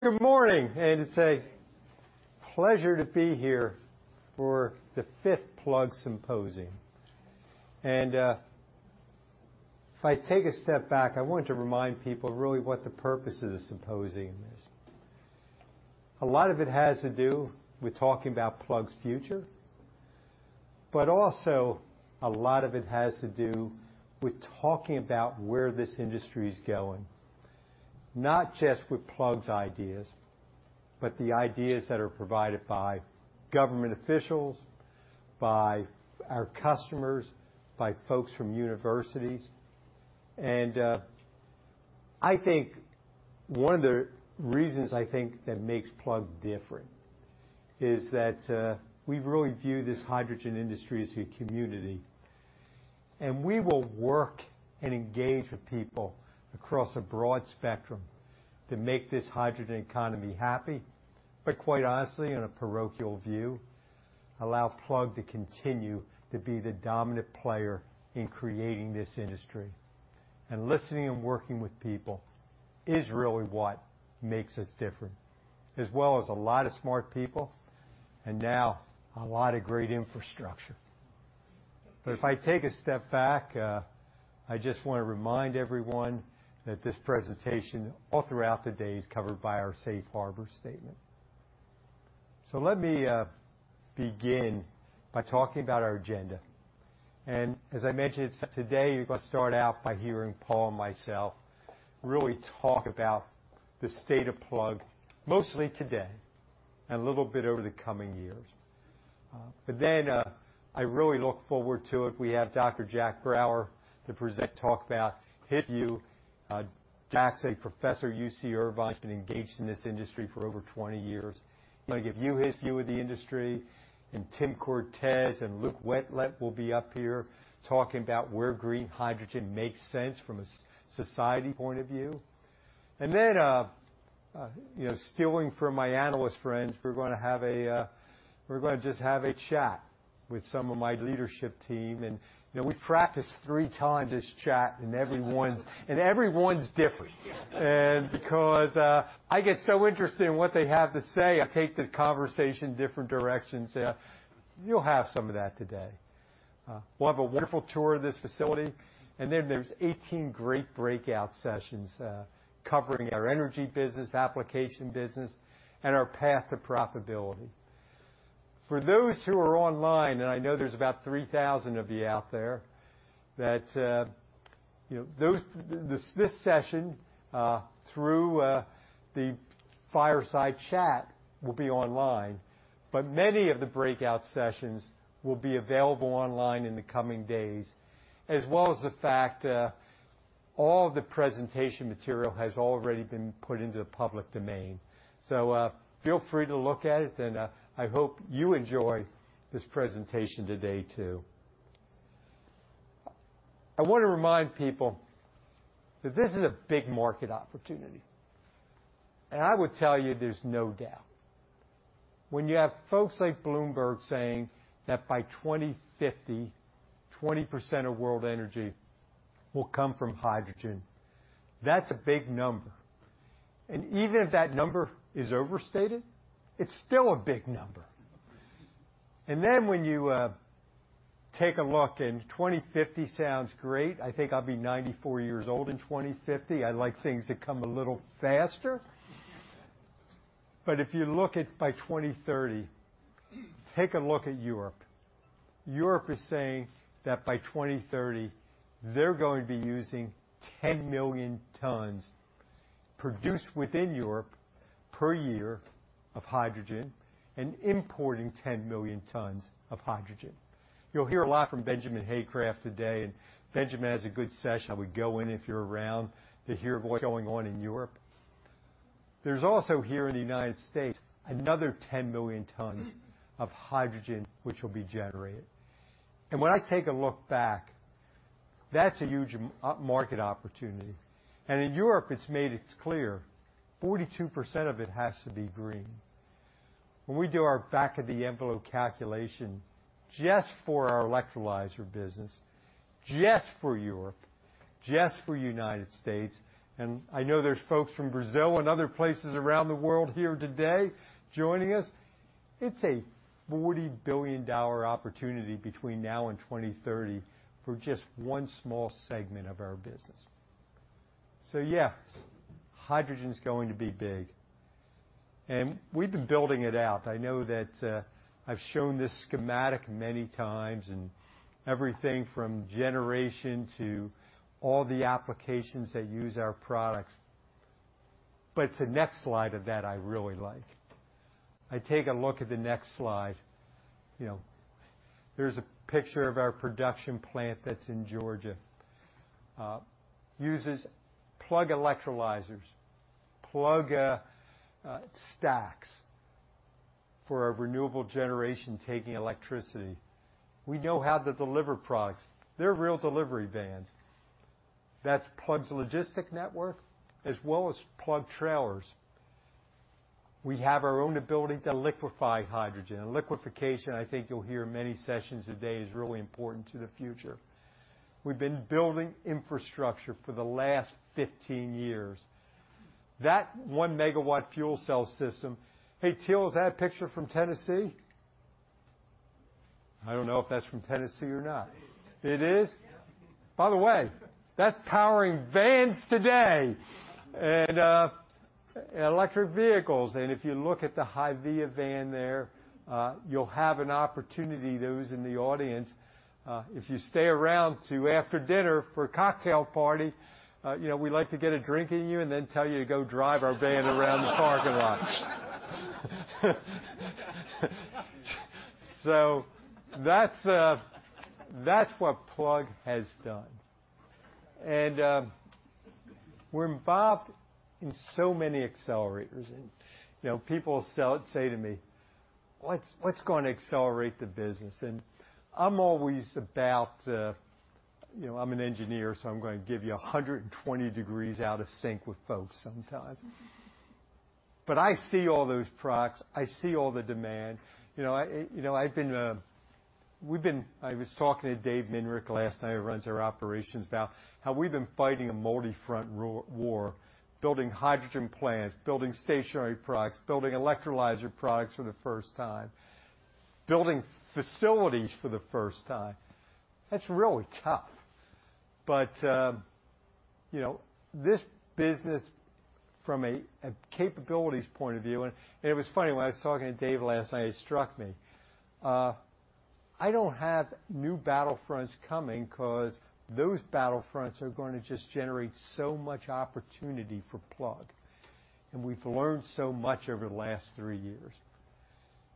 Good morning, and it's a pleasure to be here for the fifth Plug Symposium. If I take a step back, I want to remind people really what the purpose of the symposium is. A lot of it has to do with talking about Plug's future, but also a lot of it has to do with talking about where this industry is going, not just with Plug's ideas, but the ideas that are provided by government officials, by our customers, by folks from universities. I think one of the reasons, I think, that makes Plug different is that, we really view this hydrogen industry as a community, and we will work and engage with people across a broad spectrum to make this hydrogen economy happy, but quite honestly, in a parochial view, allow Plug to continue to be the dominant player in creating this industry. Listening and working with people is really what makes us different, as well as a lot of smart people, and now a lot of great infrastructure. If I take a step back, I just wanna remind everyone that this presentation, all throughout the day, is covered by our Safe Harbor Statement. Let me begin by talking about our agenda. As I mentioned, today, you're gonna start out by hearing Paul and myself really talk about the state of Plug, mostly today, and a little bit over the coming years. Then, I really look forward to it. We have Dr. Jack Brouwer to present, talk about his view. Jack's a professor at UC Irvine, been engaged in this industry for over 20 years. He's gonna give you his view of the industry, and Tim Cortes and Luke Wentlent will be up here talking about where green hydrogen makes sense from a society point of view. Then, you know, stealing from my analyst friends, we're gonna have a, we're gonna just have a chat with some of my leadership team. And, you know, we practiced 3x this chat, and everyone's different. And because, I get so interested in what they have to say, I take the conversation different directions. You'll have some of that today. We'll have a wonderful tour of this facility, and then there's 18 great breakout sessions, covering our energy business, application business, and our path to profitability. For those who are online, and I know there's about 3,000 of you out there, that you know, this session through the fireside chat will be online, but many of the breakout sessions will be available online in the coming days, as well as the fact all the presentation material has already been put into the public domain. So, feel free to look at it, and I hope you enjoy this presentation today, too. I want to remind people that this is a big market opportunity, and I would tell you there's no doubt. When you have folks like Bloomberg saying that by 2050, 20% of world energy will come from hydrogen, that's a big number, and even if that number is overstated, it's still a big number. And then, when you take a look, and 2050 sounds great, I think I'll be 94 years old in 2050. I like things that come a little faster. But if you look at by 2030, take a look at Europe. Europe is saying that by 2030, they're going to be using 10 million tons, produced within Europe per year, of hydrogen and importing 10 million tons of hydrogen. You'll hear a lot from Benjamin Haycraft today, and Benjamin has a good session. I would go in, if you're around, to hear what's going on in Europe. There's also, here in the United States, another 10 million tons of hydrogen which will be generated. And when I take a look back, that's a huge market opportunity. And in Europe, it's made it clear, 42% of it has to be green. When we do our back of the envelope calculation, just for our electrolyzer business, just for Europe, just for United States, and I know there's folks from Brazil and other places around the world here today joining us, it's a $40 billion opportunity between now and 2030 for just one small segment of our business. So yeah, hydrogen's going to be big, and we've been building it out. I know that, I've shown this schematic many times, and everything from generation to all the applications that use our products, but it's the next slide of that I really like. I take a look at the next slide. You know, there's a picture of our production plant that's in Georgia. Uses Plug electrolyzers, Plug stacks for our renewable generation taking electricity. We know how to deliver products. They're real delivery vans. That's Plug's logistic network, as well as Plug trailers. We have our own ability to liquefy hydrogen, and liquefaction, I think you'll hear in many sessions today, is really important to the future... We've been building infrastructure for the last 15 years. That 1-MW fuel cell system—Hey, Teal, is that picture from Tennessee? I don't know if that's from Tennessee or not. It is. It is? Yeah. By the way, that's powering vans today and electric vehicles. And if you look at the HYVIA van there, you'll have an opportunity, those in the audience, if you stay around to after dinner for a cocktail party, you know, we like to get a drink in you and then tell you to go drive our van around the parking lot. So that's, that's what Plug has done. We're involved in so many accelerators, and, you know, people say to me, "What's going to accelerate the business?" I'm always about... You know, I'm an engineer, so I'm going to give you 120 degrees out of sync with folks sometimes. But I see all those products. I see all the demand. You know, I, you know, we've been—I was talking to Dave Mindnich last night, who runs our operations, about how we've been fighting a multi-front war, building hydrogen plants, building stationary products, building electrolyzer products for the first time, building facilities for the first time. That's really tough. But, you know, this business from a capabilities point of view, and it was funny, when I was talking to Dave last night, it struck me, I don't have new battlefronts coming, 'cause those battlefronts are going to just generate so much opportunity for Plug, and we've learned so much over the last three years.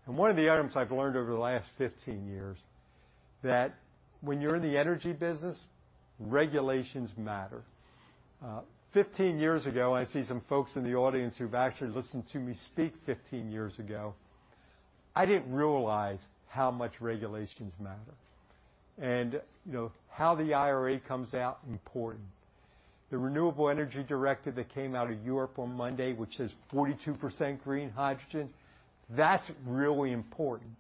And one of the items I've learned over the last fifteen years, that when you're in the energy business, regulations matter. Fifteen years ago, I see some folks in the audience who've actually listened to me speak fifteen years ago, I didn't realize how much regulations matter. And, you know, how the IRA comes out, important. The Renewable Energy Directive that came out of Europe on Monday, which says 42% green hydrogen, that's really important,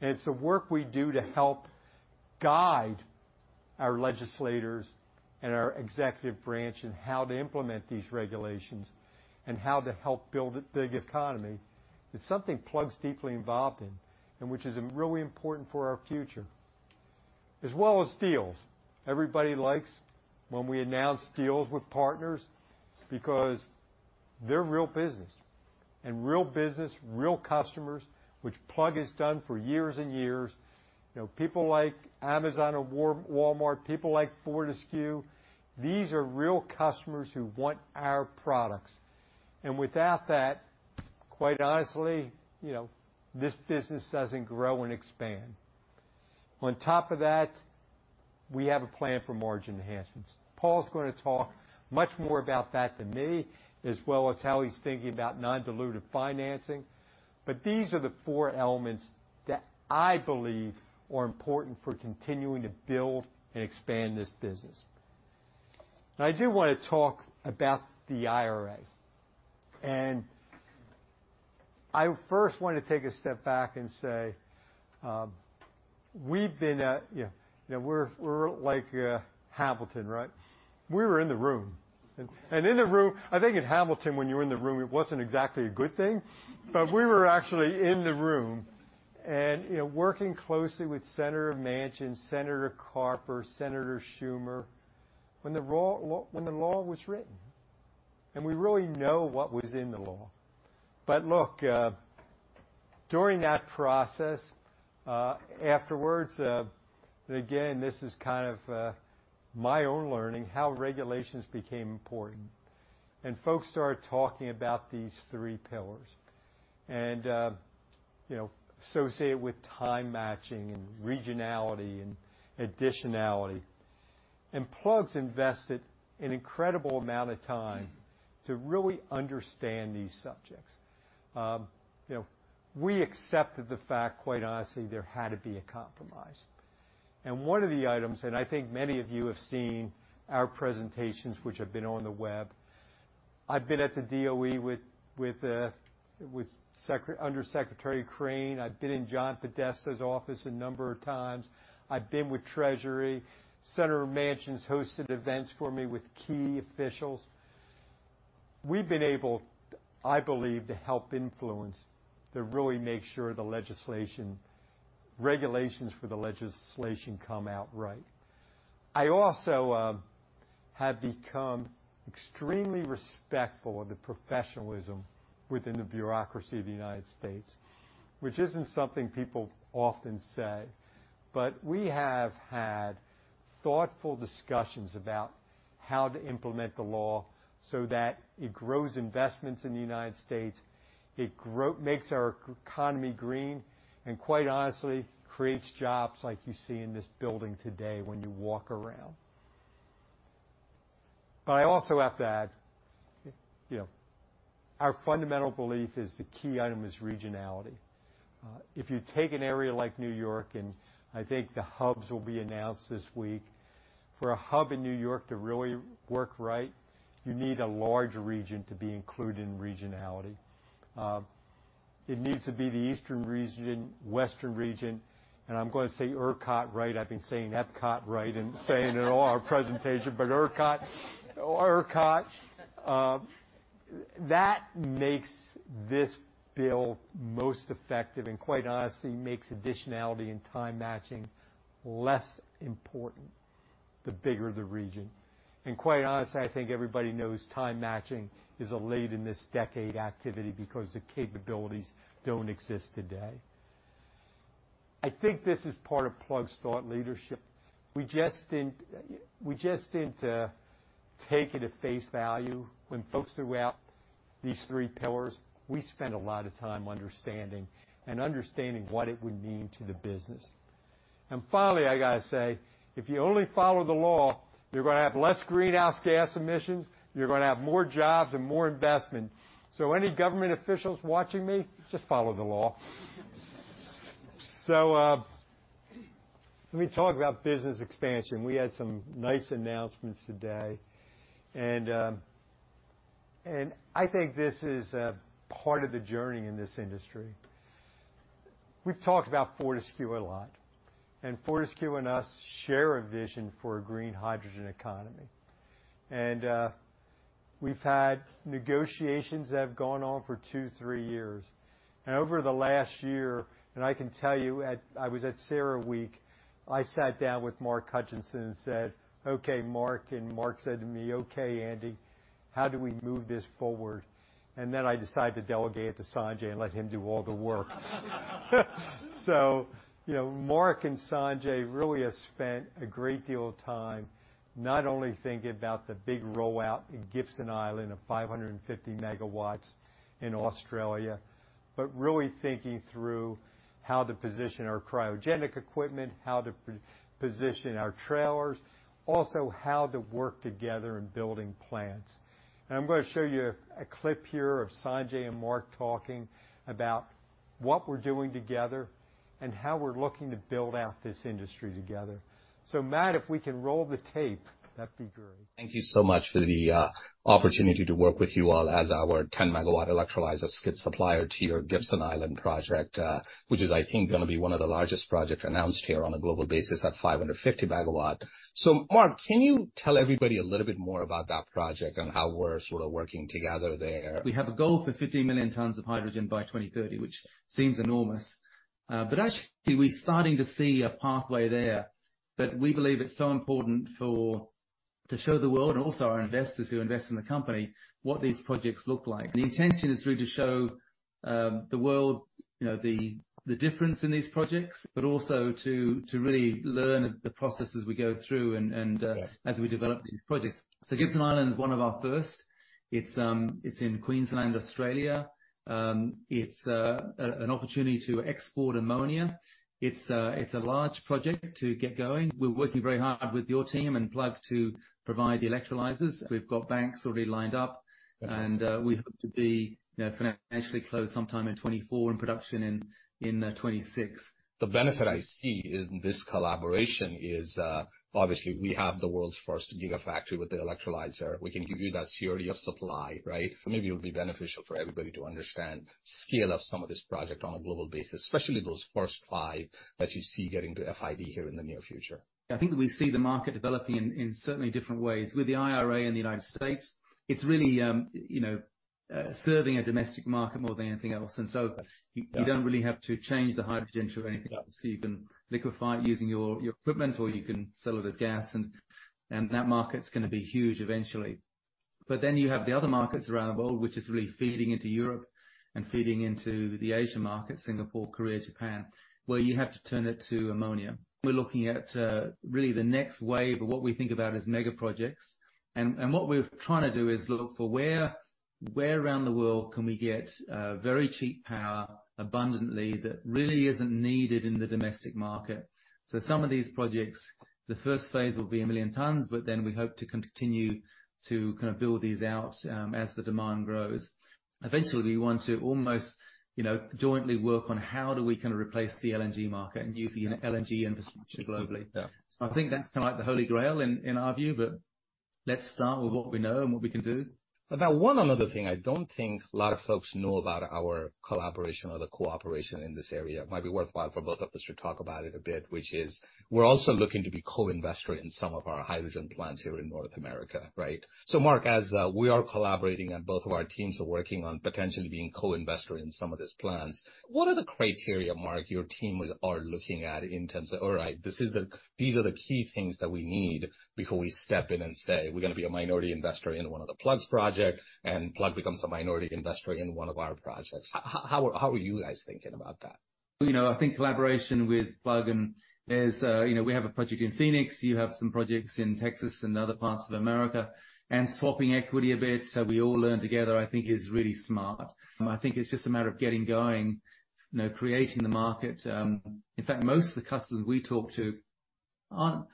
and it's the work we do to help guide our legislators and our executive branch in how to implement these regulations and how to help build a big economy. It's something Plug's deeply involved in and which is, really important for our future, as well as deals. Everybody likes when we announce deals with partners because they're real business, and real business, real customers, which Plug has done for years and years. You know, people like Amazon or Walmart, people like Ford and SK, these are real customers who want our products, and without that, quite honestly, you know, this business doesn't grow and expand. On top of that, we have a plan for margin enhancements. Paul's going to talk much more about that than me, as well as how he's thinking about non-dilutive financing. But these are the four elements that I believe are important for continuing to build and expand this business. Now, I do want to talk about the IRA, and I first want to take a step back and say, we've been at... Yeah, you know, we're like Hamilton, right? We were in the room, and in the room. I think in Hamilton, when you were in the room, it wasn't exactly a good thing. But we were actually in the room and, you know, working closely with Senator Manchin, Senator Carper, Senator Schumer, when the raw law, when the law was written, and we really know what was in the law. But look, during that process, afterwards, and again, this is kind of my own learning, how regulations became important, and folks started talking about these three pillars and, you know, associate it with time matching and regionality and additionality. And Plug's invested an incredible amount of time to really understand these subjects. You know, we accepted the fact, quite honestly, there had to be a compromise. And one of the items, and I think many of you have seen our presentations, which have been on the web. I've been at the DOE with Secretary Under Secretary Crane. I've been in John Podesta's office a number of times. I've been with Treasury. Senator Manchin's hosted events for me with key officials. We've been able, I believe, to help influence, to really make sure the legislation, regulations for the legislation come out right. I also have become extremely respectful of the professionalism within the bureaucracy of the United States, which isn't something people often say. But we have had thoughtful discussions about how to implement the law so that it makes our economy green, and quite honestly, creates jobs like you see in this building today when you walk around. But I also have to add, you know, our fundamental belief is the key item is regionality. If you take an area like New York, and I think the hubs will be announced this week, for a hub in New York to really work right, you need a large region to be included in regionality. It needs to be the eastern region, western region, and I'm gonna say ERCOT, right? I've been saying ERCOT, right, and saying it all our presentation, but ERCOT. That makes this bill most effective and quite honestly, makes additionality and time matching less important, the bigger the region. Quite honestly, I think everybody knows time matching is a late in this decade activity because the capabilities don't exist today. I think this is part of Plug's thought leadership. We just didn't, we just didn't, take it at face value when folks threw out these three pillars. We spent a lot of time understanding and understanding what it would mean to the business. Finally, I gotta say, if you only follow the law, you're gonna have less greenhouse gas emissions, you're gonna have more jobs and more investment. So any government officials watching me, just follow the law. Let me talk about business expansion. We had some nice announcements today, and, and I think this is a part of the journey in this industry. We've talked about Fortescue a lot, and Fortescue and us share a vision for a green hydrogen economy. And we've had negotiations that have gone on for two, three years. And over the last year, and I can tell you, I was at CERAWeek, I sat down with Mark Hutchinson and said, "Okay, Mark," and Mark said to me, "Okay, Andy, how do we move this forward?" And then I decided to delegate to Sanjay and let him do all the work. So, you know, Mark and Sanjay really have spent a great deal of time not only thinking about the big rollout in Gibson Island of 550 MW in Australia, but really thinking through how to position our cryogenic equipment, how to position our trailers, also, how to work together in building plants. And I'm gonna show you a, a clip here of Sanjay and Mark talking about what we're doing together and how we're looking to build out this industry together. So Matt, if we can roll the tape, that'd be great. Thank you so much for the opportunity to work with you all as our 10-MW electrolyzer skid supplier to your Gibson Island project, which is, I think, gonna be one of the largest projects announced here on a global basis at 550 MW. So, Mark, can you tell everybody a little bit more about that project and how we're sort of working together there? We have a goal for 50 million tons of hydrogen by 2030, which seems enormous. But actually, we're starting to see a pathway there, that we believe it's so important for... To show the world and also our investors who invest in the company, what these projects look like. The intention is really to show the world, you know, the difference in these projects, but also to really learn the processes we go through and as we develop these projects. So Gibson Island is one of our first. It's in Queensland, Australia. It's an opportunity to export ammonia. It's a large project to get going. We're working very hard with your team and Plug to provide the electrolyzers. We've got banks already lined up, and we hope to be, you know, financially closed sometime in 2024 and production in 2026. The benefit I see in this collaboration is, obviously, we have the world's first gigafactory with the electrolyzer. We can give you that security of supply, right? So maybe it would be beneficial for everybody to understand scale of some of this project on a global basis, especially those first five that you see getting to FID here in the near future. I think we see the market developing in certainly different ways. With the IRA in the United States, it's really, you know, serving a domestic market more than anything else, and so. Yes. You don't really have to change the hydrogen to anything. Yeah. So you can liquefy it using your, your equipment, or you can sell it as gas, and that market's gonna be huge eventually. But then you have the other markets around the world, which is really feeding into Europe and feeding into the Asian market, Singapore, Korea, Japan, where you have to turn it to ammonia. We're looking at really the next wave of what we think about as mega projects. And what we're trying to do is look for where, where around the world can we get very cheap power abundantly that really isn't needed in the domestic market? So some of these projects, the first phase will be 1 million tons, but then we hope to continue to kind of build these out as the demand grows. Eventually, we want to almost, you know, jointly work on how do we kind of replace the LNG market and use the LNG infrastructure globally? Yeah. I think that's kind of like the Holy Grail in our view, but let's start with what we know and what we can do. Now, one another thing I don't think a lot of folks know about our collaboration or the cooperation in this area, it might be worthwhile for both of us to talk about it a bit, which is we're also looking to be co-investor in some of our hydrogen plants here in North America, right? So Mark, as we are collaborating and both of our teams are working on potentially being co-investor in some of these plants, what are the criteria, Mark, your team are looking at in terms of, all right, this is the—these are the key things that we need before we step in and say, "We're gonna be a minority investor in one of the Plug's project, and Plug becomes a minority investor in one of our projects." How, how are you guys thinking about that? You know, I think collaboration with Plug, and there's, you know, we have a project in Phoenix, you have some projects in Texas and other parts of America, and swapping equity a bit, so we all learn together, I think is really smart. I think it's just a matter of getting going, you know, creating the market. In fact, most of the customers we talk to aren't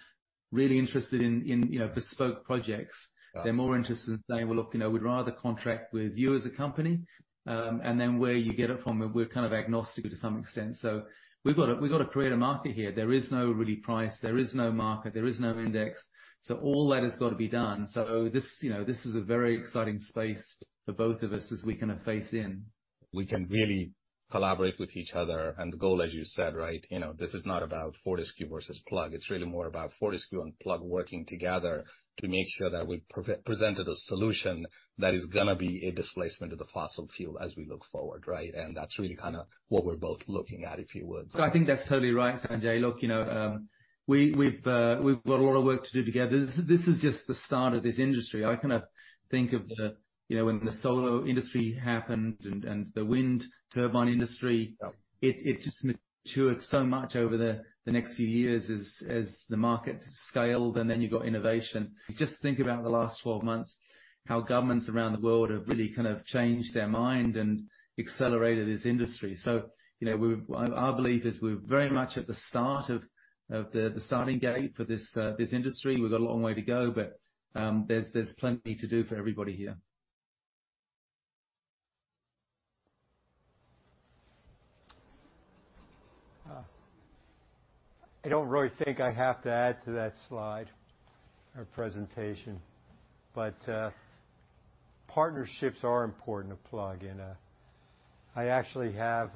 really interested in you know, bespoke projects. Yeah. They're more interested in saying: "Well, look, you know, we'd rather contract with you as a company, and then where you get it from, we're kind of agnostic to some extent." So we've got to, we've got to create a market here. There is no real price, there is no market, there is no index, so all that has got to be done. So this, you know, this is a very exciting space for both of us as we kind of face in. We can really collaborate with each other, and the goal, as you said, right, you know, this is not about Fortescue versus Plug. It's really more about Fortescue and Plug working together to make sure that we presented a solution that is gonna be a displacement of the fossil fuel as we look forward, right? And that's really kind of what we're both looking at, if you would. So I think that's totally right, Sanjay. Look, you know, we've got a lot of work to do together. This is just the start of this industry. I kind of think of the, you know, when the solar industry happened and the wind turbine industry. Yep. It just matured so much over the next few years as the market scaled, and then you got innovation. Just think about the last 12 months, how governments around the world have really kind of changed their mind and accelerated this industry. So, you know, we're—I, our belief is we're very much at the start of the starting gate for this industry. We've got a long way to go, but there's plenty to do for everybody here. I don't really think I have to add to that slide or presentation, but partnerships are important to Plug, and I actually have.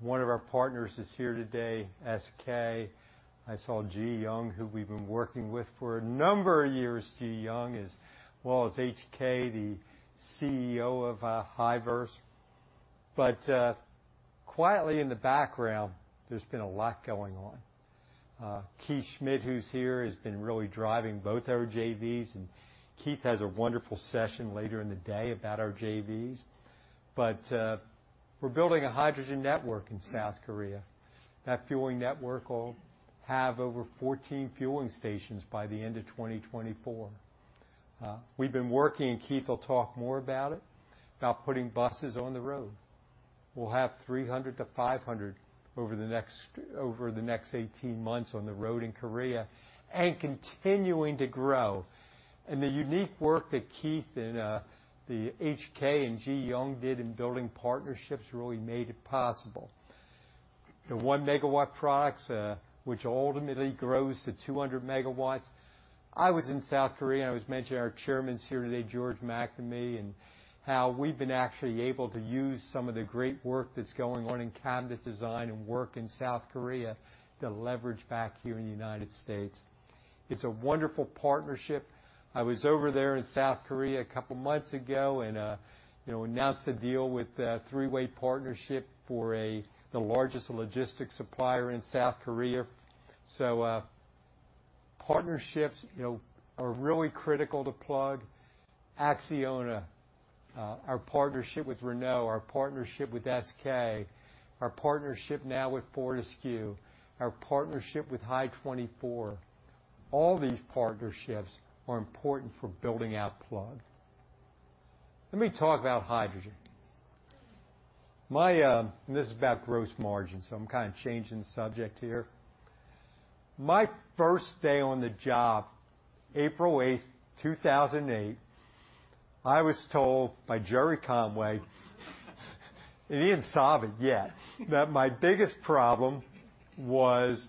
One of our partners is here today, SK. I saw Ji Young, who we've been working with for a number of years. Ji Young, as well as HK, the CEO of Hyverse. But quietly in the background, there's been a lot going on. Keith Schmid, who's here, has been really driving both our JVs, and Keith has a wonderful session later in the day about our JVs. But we're building a hydrogen network in South Korea. That fueling network will have over 14 fueling stations by the end of 2024. We've been working, and Keith will talk more about it, about putting buses on the road. We'll have 300-500 over the next, over the next 18 months on the road in Korea, and continuing to grow. And the unique work that Keith and the HK and Ji Young did in building partnerships really made it possible. The 1-MW products, which ultimately grows to 200 MW. I was in South Korea, and I was mentioning our chairman's here today, George McNamee, and how we've been actually able to use some of the great work that's going on in cabinet design and work in South Korea to leverage back here in the United States. It's a wonderful partnership. I was over there in South Korea a couple months ago and, you know, announced a deal with a three-way partnership for a, the largest logistics supplier in South Korea. So, partnerships, you know, are really critical to Plug. Acciona, our partnership with Renault, our partnership with SK, our partnership now with Fortescue, our partnership with Hy24, all these partnerships are important for building out Plug. Let me talk about hydrogen. My, this is about gross margin, so I'm kind of changing the subject here. My first day on the job, April 8th, 2008, I was told by Gerry Conway, and he didn't solve it yet, that my biggest problem was,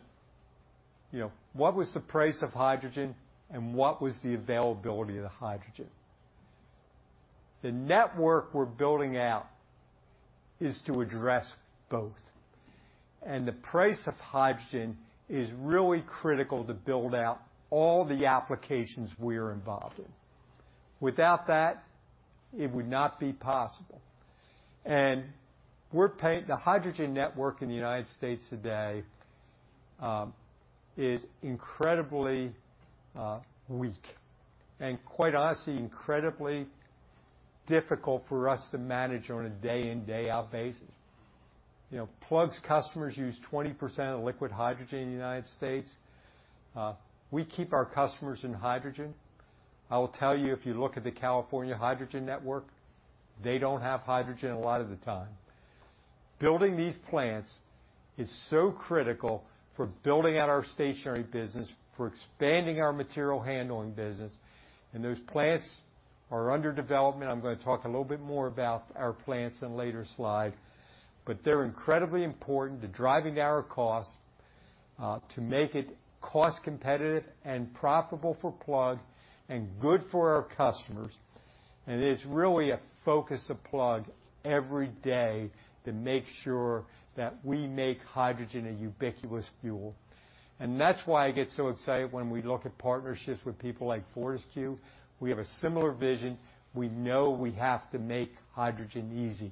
you know, what was the price of hydrogen and what was the availability of the hydrogen? The network we're building out is to address both, and the price of hydrogen is really critical to build out all the applications we are involved in. Without that, it would not be possible. The hydrogen network in the United States today is incredibly weak, and quite honestly, incredibly difficult for us to manage on a day in, day out basis. You know, Plug's customers use 20% of the liquid hydrogen in the United States. We keep our customers in hydrogen. I will tell you, if you look at the California Hydrogen Network, they don't have hydrogen a lot of the time. Building these plants is so critical for building out our stationary business, for expanding our material handling business, and those plants are under development. I'm gonna talk a little bit more about our plants in a later slide, but they're incredibly important to driving down our costs to make it cost competitive and profitable for Plug and good for our customers. And it is really a focus of Plug every day to make sure that we make hydrogen a ubiquitous fuel. And that's why I get so excited when we look at partnerships with people like Fortescue. We have a similar vision. We know we have to make hydrogen easy,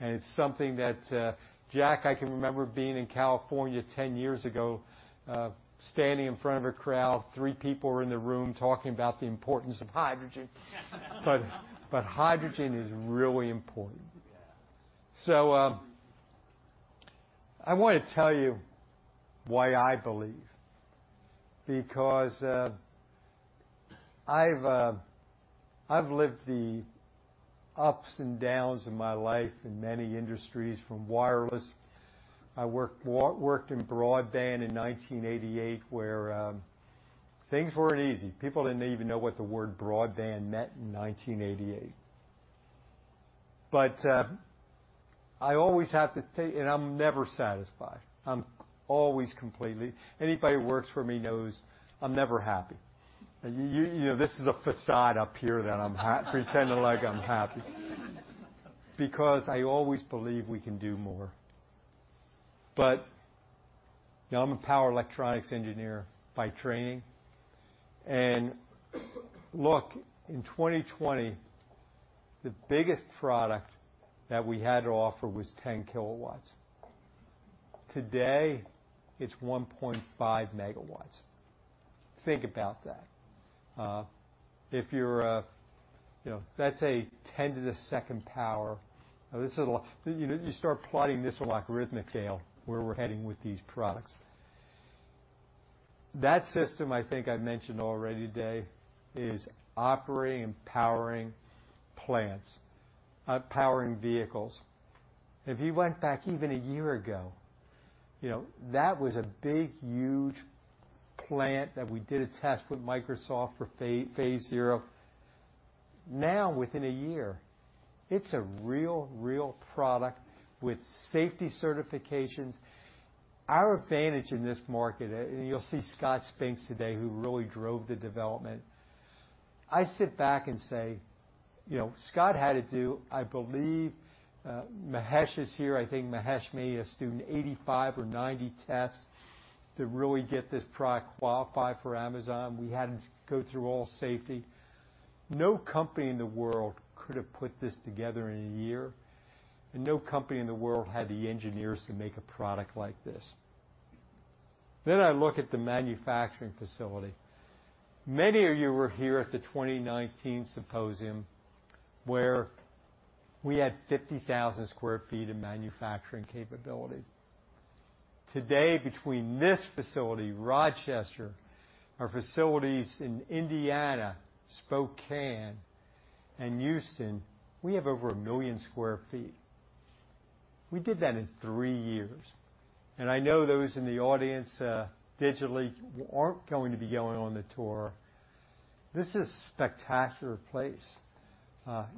and it's something that, Jack, I can remember being in California 10 years ago, standing in front of a crowd, three people were in the room talking about the importance of hydrogen. But hydrogen is really important. So, I wanna tell you why I believe, because, I've lived the ups and downs of my life in many industries, from wireless. I worked in broadband in 1988, where things weren't easy. People didn't even know what the word broadband meant in 1988. But... I always have to take, and I'm never satisfied. I'm always—Anybody who works for me knows I'm never happy. And you know, this is a facade up here that I'm pretending like I'm happy. Because I always believe we can do more. But you know, I'm a power electronics engineer by training. And look, in 2020, the biggest product that we had to offer was 10 kW. Today, it's 1.5 MW. Think about that. If you're a, you know, that's a 10 to the second power. Now, this is a lot. You know, you start plotting this logarithmic tail, where we're heading with these products. That system, I think I mentioned already today, is operating and powering plants, powering vehicles. If you went back even a year ago, you know, that was a big, huge plant that we did a test with Microsoft for phase zero. Now, within a year, it's a real, real product with safety certifications. Our advantage in this market, and you'll see Scott Spink today, who really drove the development. I sit back and say, you know, Scott had to do, I believe, Mahesh is here. I think Mahesh may have done 85 or 90 tests to really get this product qualified for Amazon. We had to go through all safety. No company in the world could have put this together in a year, and no company in the world had the engineers to make a product like this. Then I look at the manufacturing facility. Many of you were here at the 2019 symposium, where we had 50,000 sq ft of manufacturing capability. Today, between this facility, Rochester, our facilities in Indiana, Spokane, and Houston, we have over 1 million sq ft. We did that in three years, and I know those in the audience, digitally, who aren't going to be going on the tour. This is a spectacular place.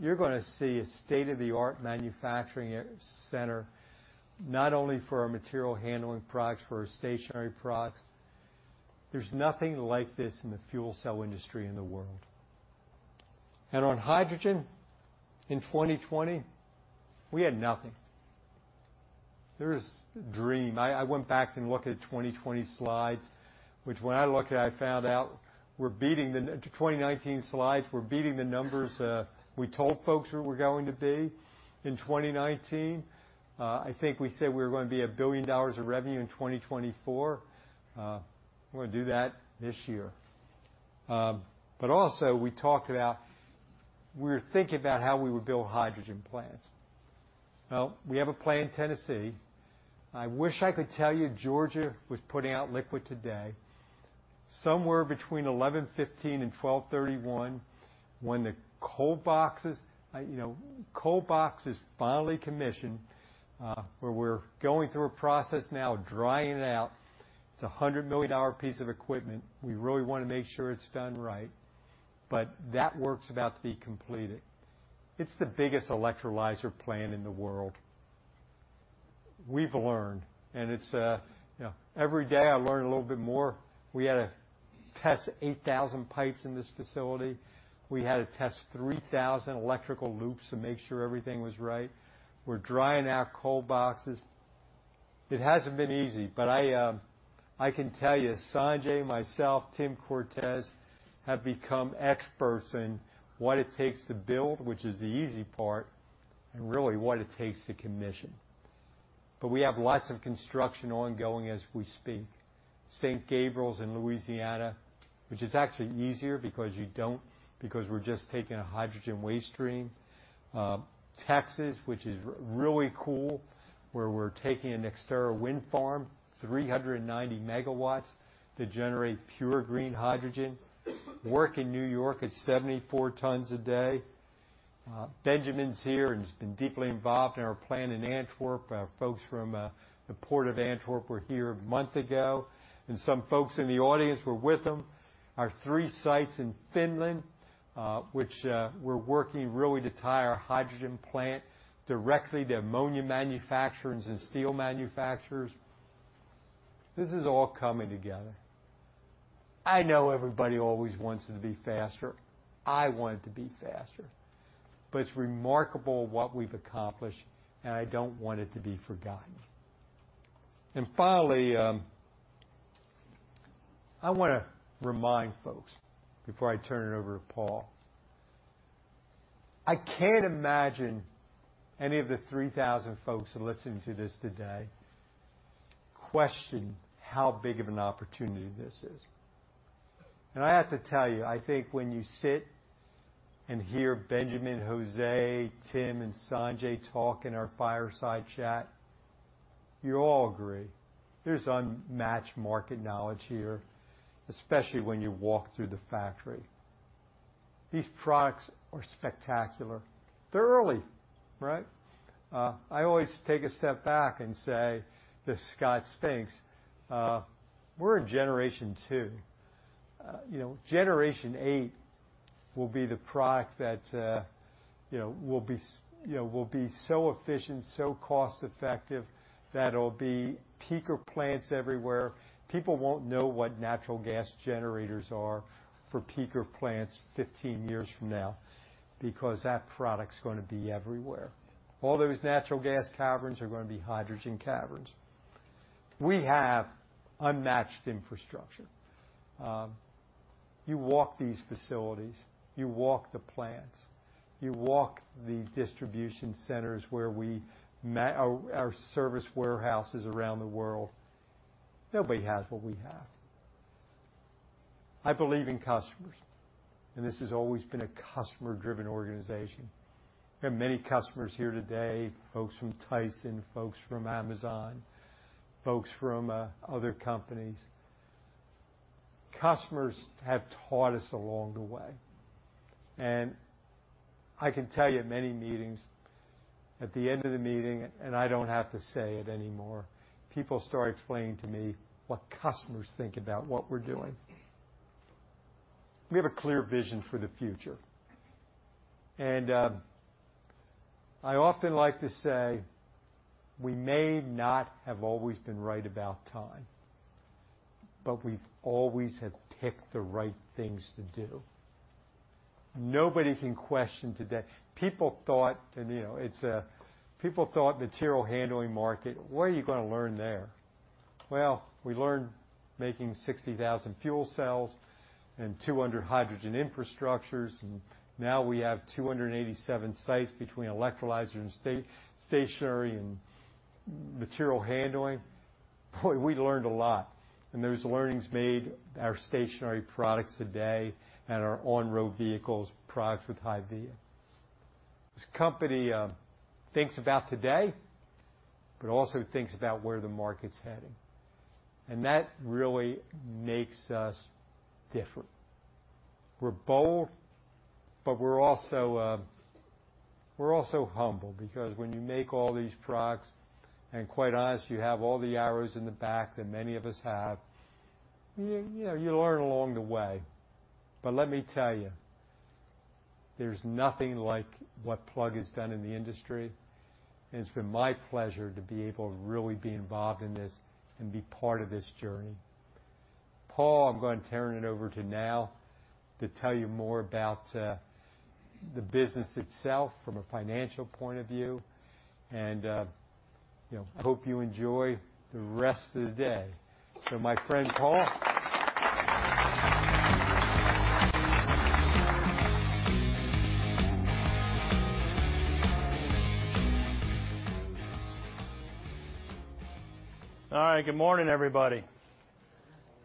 You're gonna see a state-of-the-art manufacturing center, not only for our material handling products, for our stationary products. There's nothing like this in the fuel cell industry in the world. And on hydrogen, in 2020, we had nothing. There is dream. I went back and looked at 2020 slides, which when I looked at, I found out we're beating the 2019 slides, we're beating the numbers, we told folks we were going to be in 2019. I think we said we were gonna be $1 billion of revenue in 2024. We're gonna do that this year. But also, we talked about we were thinking about how we would build hydrogen plants. Well, we have a plant in Tennessee. I wish I could tell you Georgia was putting out liquid today. Somewhere between 11/15 and 12/31, when the cold boxes, you know, cold box is finally commissioned, where we're going through a process now, drying it out. It's a $100 million piece of equipment. We really want to make sure it's done right, but that work's about to be completed. It's the biggest electrolyzer plant in the world. We've learned, and it's, you know, every day I learn a little bit more. We had to test 8,000 pipes in this facility. We had to test 3,000 electrical loops to make sure everything was right. We're drying out cold boxes. It hasn't been easy, but I, I can tell you, Sanjay, myself, Tim Cortes, have become experts in what it takes to build, which is the easy part, and really what it takes to commission. But we have lots of construction ongoing as we speak. St. Gabriel's in Louisiana, which is actually easier because you don't, because we're just taking a hydrogen waste stream. Texas, which is really cool, where we're taking a NextEra wind farm, 390 MW, to generate pure green hydrogen. Work in New York is 74 tons a day. Benjamin's here, and he's been deeply involved in our plant in Antwerp. Our folks from the port of Antwerp were here a month ago, and some folks in the audience were with them. Our three sites in Finland, which we're working really to tie our hydrogen plant directly to ammonia manufacturers and steel manufacturers. This is all coming together. I know everybody always wants it to be faster. I want it to be faster, but it's remarkable what we've accomplished, and I don't want it to be forgotten. Finally, I wanna remind folks before I turn it over to Paul. I can't imagine any of the 3,000 folks listening to this today question how big of an opportunity this is. And I have to tell you, I think when you sit and hear Benjamin, Jose, Tim, and Sanjay talk in our fireside chat, you all agree there's unmatched market knowledge here, especially when you walk through the factory. These products are spectacular. They're early, right? I always take a step back and say to Scott Spink, "We're in generation two." You know, generation eight will be the product that you know will be so efficient, so cost-effective, that it'll be peaker plants everywhere. People won't know what natural gas generators are for peaker plants 15 years from now, because that product's gonna be everywhere. All those natural gas caverns are gonna be hydrogen caverns. We have unmatched infrastructure. You walk these facilities, you walk the plants, you walk the distribution centers where we man our service warehouses around the world. Nobody has what we have. I believe in customers, and this has always been a customer-driven organization. There are many customers here today, folks from Tyson, folks from Amazon, folks from other companies. Customers have taught us along the way, and I can tell you at many meetings, at the end of the meeting, and I don't have to say it anymore, people start explaining to me what customers think about what we're doing. We have a clear vision for the future, and I often like to say, we may not have always been right about time, but we've always have picked the right things to do. Nobody can question today. People thought, and you know, it's people thought material handling market, what are you gonna learn there? Well, we learned making 60,000 fuel cells and 200 hydrogen infrastructures, and now we have 287 sites between electrolyzers and stationary and material handling. Boy, we learned a lot, and those learnings made our stationary products today and our on-road vehicles products with HYVIA. This company thinks about today, but also thinks about where the market's heading, and that really makes us different. We're bold, but we're also humble because when you make all these products, and quite honest, you have all the arrows in the back that many of us have, you know, you learn along the way. But let me tell you, there's nothing like what Plug has done in the industry, and it's been my pleasure to be able to really be involved in this and be part of this journey. Paul, I'm going to turn it over to now to tell you more about the business itself from a financial point of view, and you know, hope you enjoy the rest of the day. So my friend, Paul. All right, good morning, everybody.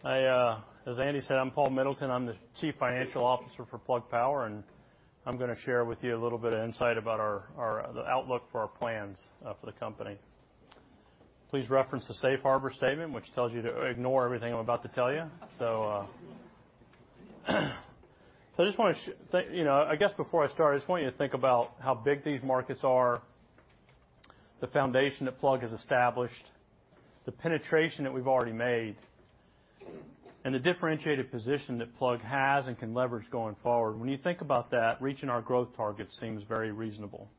I, as Andy said, I'm Paul Middleton, I'm the Chief Financial Officer for Plug Power, and I'm gonna share with you a little bit of insight about our the outlook for our plans for the company. Please reference the Safe Harbor Statement, which tells you to ignore everything I'm about to tell you. So I just want to think, you know... I guess before I start, I just want you to think about how big these markets are, the foundation that Plug has established, the penetration that we've already made, and the differentiated position that Plug has and can leverage going forward. When you think about that, reaching our growth target seems very reasonable.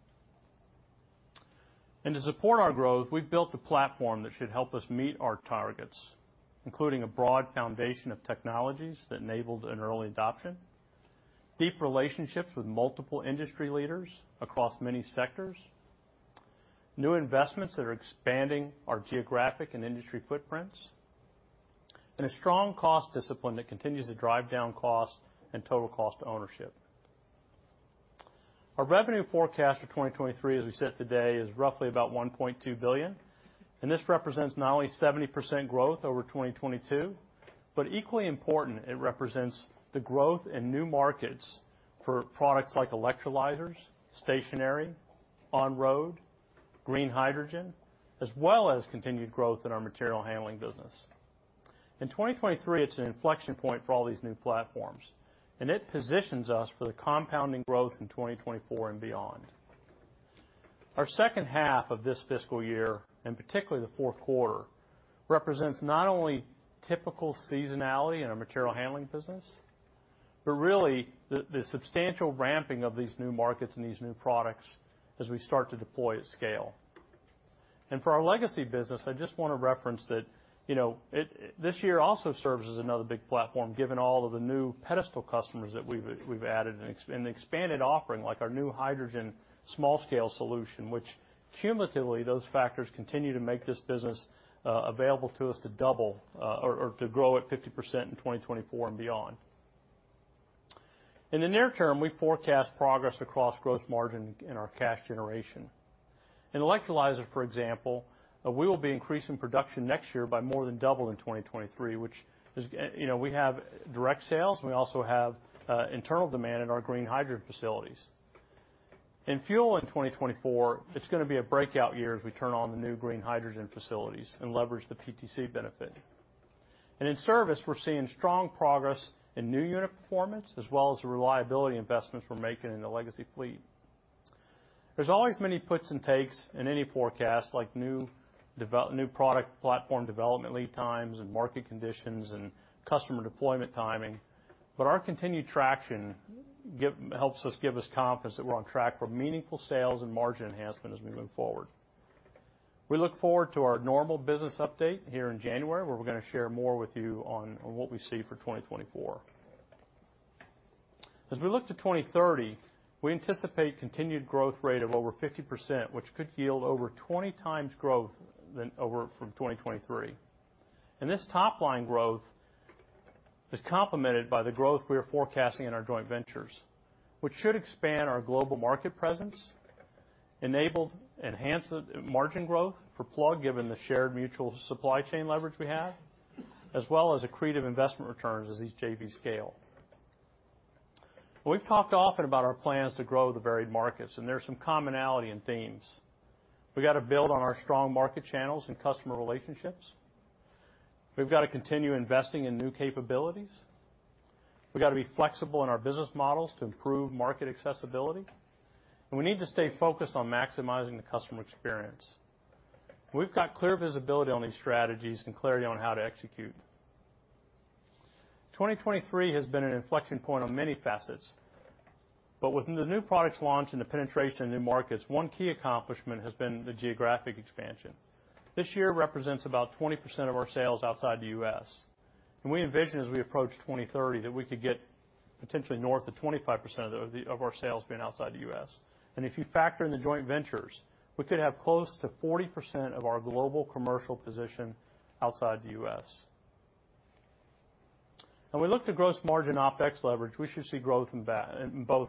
To support our growth, we've built a platform that should help us meet our targets, including a broad foundation of technologies that enabled an early adoption, deep relationships with multiple industry leaders across many sectors, new investments that are expanding our geographic and industry footprints, and a strong cost discipline that continues to drive down cost and total cost to ownership. Our revenue forecast for 2023, as we sit today, is roughly about $1.2 billion, and this represents not only 70% growth over 2022, but equally important, it represents the growth in new markets for products like electrolyzers, stationary, on-road, green hydrogen, as well as continued growth in our material handling business. In 2023, it's an inflection point for all these new platforms, and it positions us for the compounding growth in 2024 and beyond. Our second half of this fiscal year, and particularly the fourth quarter, represents not only typical seasonality in our material handling business, but really, the substantial ramping of these new markets and these new products as we start to deploy at scale. For our legacy business, I just want to reference that, you know, it, this year also serves as another big platform, given all of the new pedestal customers that we've added and expanded offering, like our new hydrogen small scale solution, which cumulatively, those factors continue to make this business available to us to double or to grow at 50% in 2024 and beyond. In the near term, we forecast progress across gross margin in our cash generation. In electrolyzer, for example, we will be increasing production next year by more than double in 2023, which is, you know, we have direct sales, and we also have internal demand in our green hydrogen facilities. In fuel in 2024, it's gonna be a breakout year as we turn on the new green hydrogen facilities and leverage the PTC benefit. And in service, we're seeing strong progress in new unit performance, as well as the reliability investments we're making in the legacy fleet. There's always many puts and takes in any forecast, like new develop, new product platform development, lead times, and market conditions, and customer deployment timing. But our continued traction helps give us confidence that we're on track for meaningful sales and margin enhancement as we move forward. We look forward to our normal business update here in January, where we're gonna share more with you on what we see for 2024. As we look to 2030, we anticipate continued growth rate of over 50%, which could yield over 20 times growth than over from 2023. And this top line growth is complemented by the growth we are forecasting in our joint ventures, which should expand our global market presence, enable enhanced margin growth for Plug, given the shared mutual supply chain leverage we have, as well as accretive investment returns as these JVs scale. We've talked often about our plans to grow the varied markets, and there are some commonality in themes. We've got to build on our strong market channels and customer relationships. We've got to continue investing in new capabilities. We've got to be flexible in our business models to improve market accessibility, and we need to stay focused on maximizing the customer experience. We've got clear visibility on these strategies and clarity on how to execute. 2023 has been an inflection point on many facets, but with the new products launch and the penetration in new markets, one key accomplishment has been the geographic expansion. This year represents about 20% of our sales outside the U.S. We envision, as we approach 2030, that we could get potentially north of 25% of our sales being outside the U.S. And if you factor in the joint ventures, we could have close to 40% of our global commercial position outside the U.S. When we look to gross margin OpEx leverage, we should see growth in that, in both.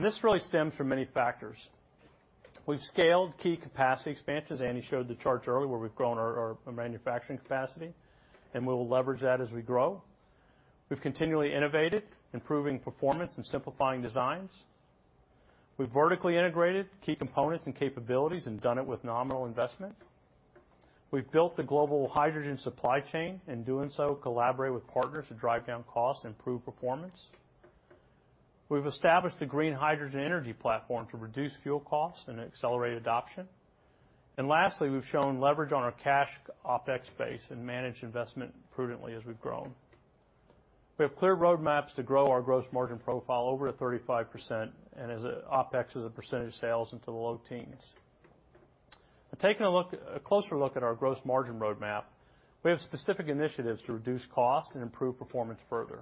This really stems from many factors. We've scaled key capacity expansions. Andy showed the chart earlier, where we've grown our manufacturing capacity, and we will leverage that as we grow. We've continually innovated, improving performance and simplifying designs. We've vertically integrated key components and capabilities and done it with nominal investment. We've built the global hydrogen supply chain, in doing so, collaborate with partners to drive down costs and improve performance. We've established a green hydrogen energy platform to reduce fuel costs and accelerate adoption. And lastly, we've shown leverage on our cash OpEx base and managed investment prudently as we've grown. We have clear roadmaps to grow our gross margin profile over to 35%, and as OpEx as a percentage of sales into the low teens. But taking a look, a closer look at our gross margin roadmap, we have specific initiatives to reduce cost and improve performance further.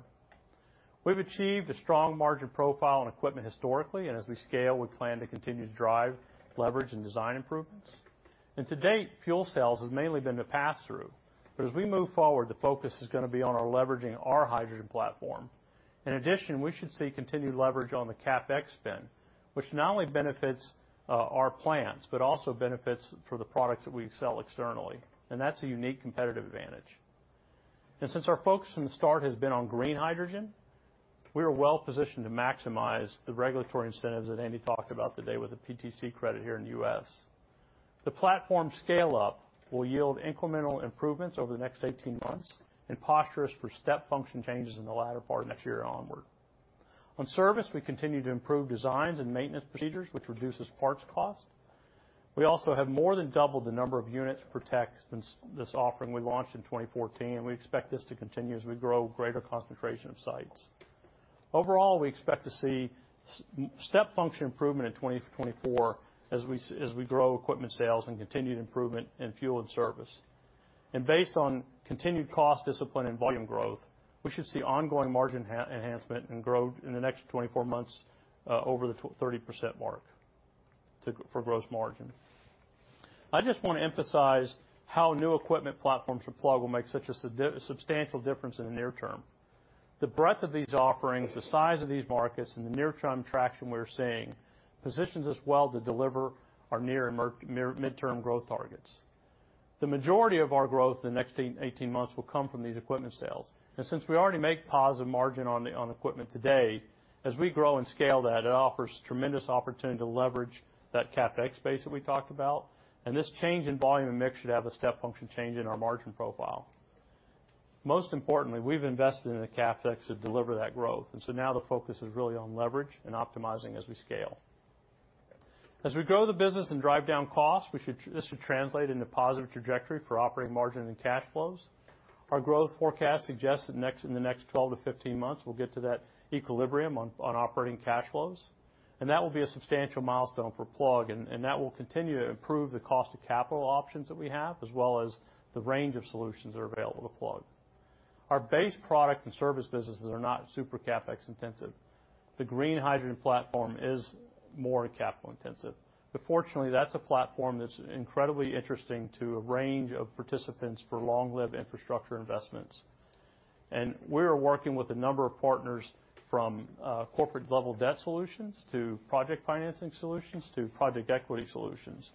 We've achieved a strong margin profile on equipment historically, and as we scale, we plan to continue to drive leverage and design improvements. To date, fuel cells has mainly been the pass-through. But as we move forward, the focus is gonna be on our leveraging our hydrogen platform. In addition, we should see continued leverage on the CapEx spend, which not only benefits our plants, but also benefits for the products that we sell externally, and that's a unique competitive advantage. Since our focus from the start has been on green hydrogen, we are well positioned to maximize the regulatory incentives that Andy talked about today with the PTC credit here in the U.S. The platform scale-up will yield incremental improvements over the next 18 months and posture us for step function changes in the latter part of next year onward. On service, we continue to improve designs and maintenance procedures, which reduces parts cost. We also have more than doubled the number of units per tech since this offering we launched in 2014, and we expect this to continue as we grow greater concentration of sites. Overall, we expect to see step function improvement in 2024 as we grow equipment sales and continued improvement in fuel and service. Based on continued cost discipline and volume growth, we should see ongoing margin enhancement and growth in the next 24 months over the 30% mark for gross margin. I just want to emphasize how new equipment platforms from Plug will make such a substantial difference in the near term. The breadth of these offerings, the size of these markets, and the near-term traction we're seeing, positions us well to deliver our near- and midterm growth targets. The majority of our growth in the next 18 months will come from these equipment sales. Since we already make positive margin on equipment today, as we grow and scale that, it offers tremendous opportunity to leverage that CapEx base that we talked about. This change in volume and mix should have a step function change in our margin profile. Most importantly, we've invested in the CapEx to deliver that growth, and so now the focus is really on leverage and optimizing as we scale. As we grow the business and drive down costs, this should translate into positive trajectory for operating margin and cash flows. Our growth forecast suggests that next, in the next 12-15 months, we'll get to that equilibrium on operating cash flows, and that will be a substantial milestone for Plug, and that will continue to improve the cost of capital options that we have, as well as the range of solutions that are available to Plug. Our base product and service businesses are not super CapEx intensive. The green hydrogen platform is more capital intensive. But fortunately, that's a platform that's incredibly interesting to a range of participants for long-life infrastructure investments. We are working with a number of partners, from corporate-level debt solutions to project financing solutions to project equity solutions.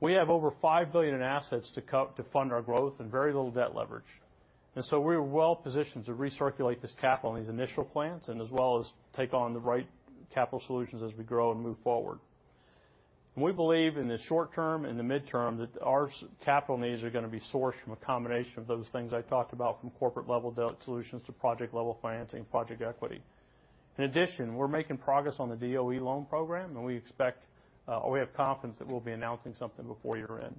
We have over $5 billion in assets to fund our growth and very little debt leverage. So we are well positioned to recirculate this capital in these initial plants, as well as take on the right capital solutions as we grow and move forward. We believe in the short term and the midterm, that our capital needs are going to be sourced from a combination of those things I talked about, from corporate-level debt solutions to project-level financing, project equity. In addition, we're making progress on the DOE loan program, and we expect, or we have confidence that we'll be announcing something before year-end.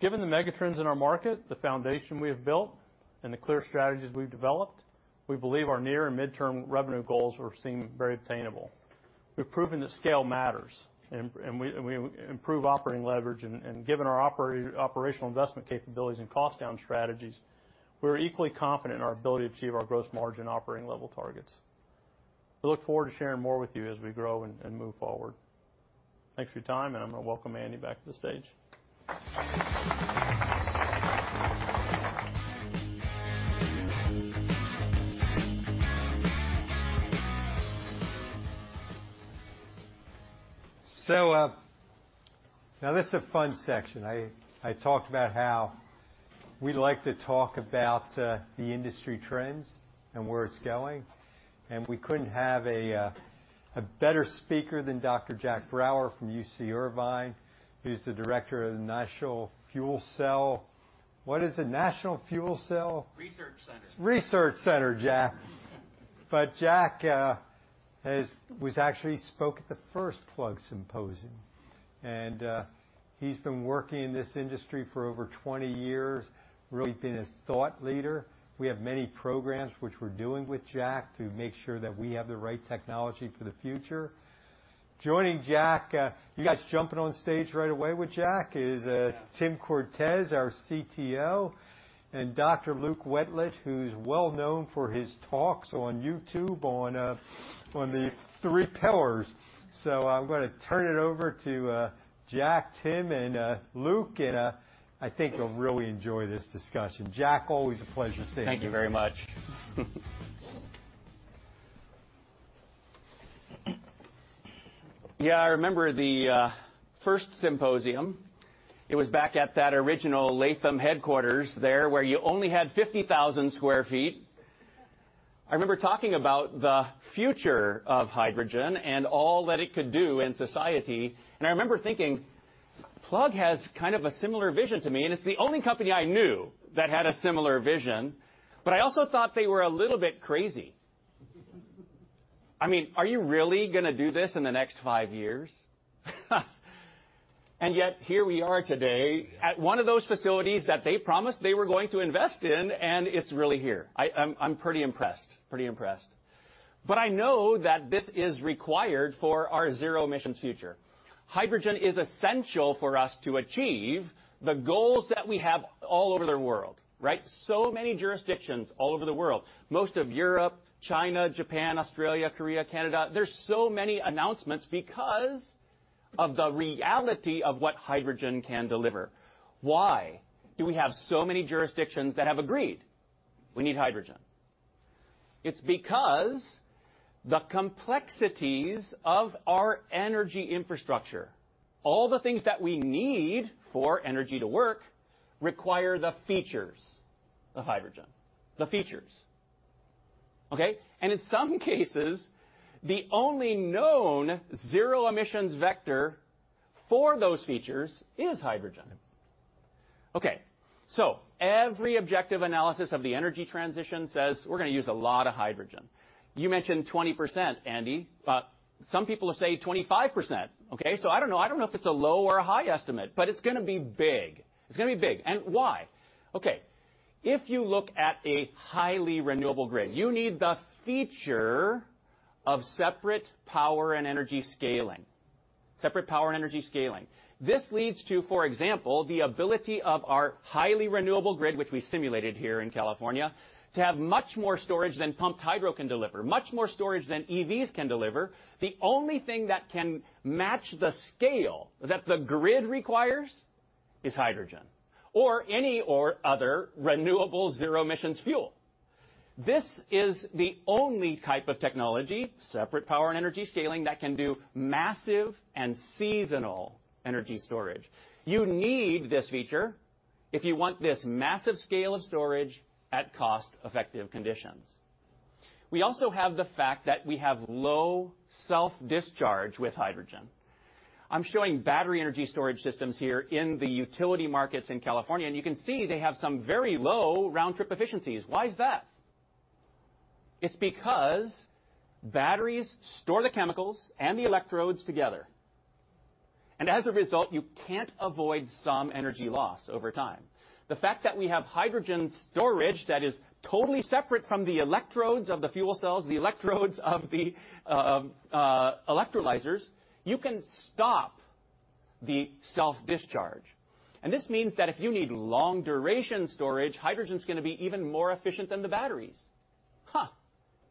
Given the megatrends in our market, the foundation we have built, and the clear strategies we've developed, we believe our near and midterm revenue goals seem very attainable. We've proven that scale matters, and we improve operating leverage, and given our operational investment capabilities and cost down strategies, we're equally confident in our ability to achieve our gross margin operating level targets. We look forward to sharing more with you as we grow and move forward. Thanks for your time, and I'm going to welcome Andy back to the stage. So, now this is a fun section. I talked about how we like to talk about the industry trends and where it's going, and we couldn't have a better speaker than Dr. Jack Brouwer from UC Irvine, who's the director of the National Fuel Cell Research Center. What is it? National Fuel Cell Research Center? Research Center. Research Center, Jack. But Jack has actually spoke at the first Plug Symposium, and he's been working in this industry for over 20 years, really been a thought leader. We have many programs which we're doing with Jack to make sure that we have the right technology for the future. Joining Jack, you guys jumping on stage right away with Jack is Tim Cortes, our CTO, and Dr. Luke Wentlent, who's well known for his talks on YouTube on the three pillars. So I'm gonna turn it over to Jack, Tim, and Luke, and I think you'll really enjoy this discussion. Jack, always a pleasure to see you. Thank you very much. Yeah, I remember the first symposium. It was back at that original Latham headquarters there, where you only had 50,000 sq ft. I remember talking about the future of hydrogen and all that it could do in society, and I remember thinking, Plug has kind of a similar vision to me, and it's the only company I knew that had a similar vision, but I also thought they were a little bit crazy. I mean, are you really gonna do this in the next five years? And yet, here we are today at one of those facilities that they promised they were going to invest in, and it's really here. I'm pretty impressed, pretty impressed. But I know that this is required for our zero emissions future. Hydrogen is essential for us to achieve the goals that we have all over the world, right? So many jurisdictions all over the world, most of Europe, China, Japan, Australia, Korea, Canada. There's so many announcements because of the reality of what hydrogen can deliver. Why do we have so many jurisdictions that have agreed we need hydrogen? It's because the complexities of our energy infrastructure, all the things that we need for energy to work, require the features of hydrogen, the features, okay? And in some cases, the only known zero emissions vector for those features is hydrogen. Okay, so every objective analysis of the energy transition says we're gonna use a lot of hydrogen. You mentioned 20%, Andy, but some people say 25%. Okay, so I don't know. I don't know if it's a low or a high estimate, but it's gonna be big. It's gonna be big, and why? Okay, if you look at a highly renewable grid, you need the feature of separate power and energy scaling. Separate power and energy scaling. This leads to, for example, the ability of our highly renewable grid, which we simulated here in California, to have much more storage than pumped hydro can deliver, much more storage than EVs can deliver. The only thing that can match the scale that the grid requires is hydrogen or any or other renewable zero emissions fuel. This is the only type of technology, separate power and energy scaling, that can do massive and seasonal energy storage. You need this feature if you want this massive scale of storage at cost-effective conditions. We also have the fact that we have low self-discharge with hydrogen. I'm showing battery energy storage systems here in the utility markets in California, and you can see they have some very low round-trip efficiencies. Why is that? It's because batteries store the chemicals and the electrodes together, and as a result, you can't avoid some energy loss over time. The fact that we have hydrogen storage that is totally separate from the electrodes of the fuel cells, the electrodes of the electrolyzers, you can stop the self-discharge. And this means that if you need long-duration storage, hydrogen's gonna be even more efficient than the batteries.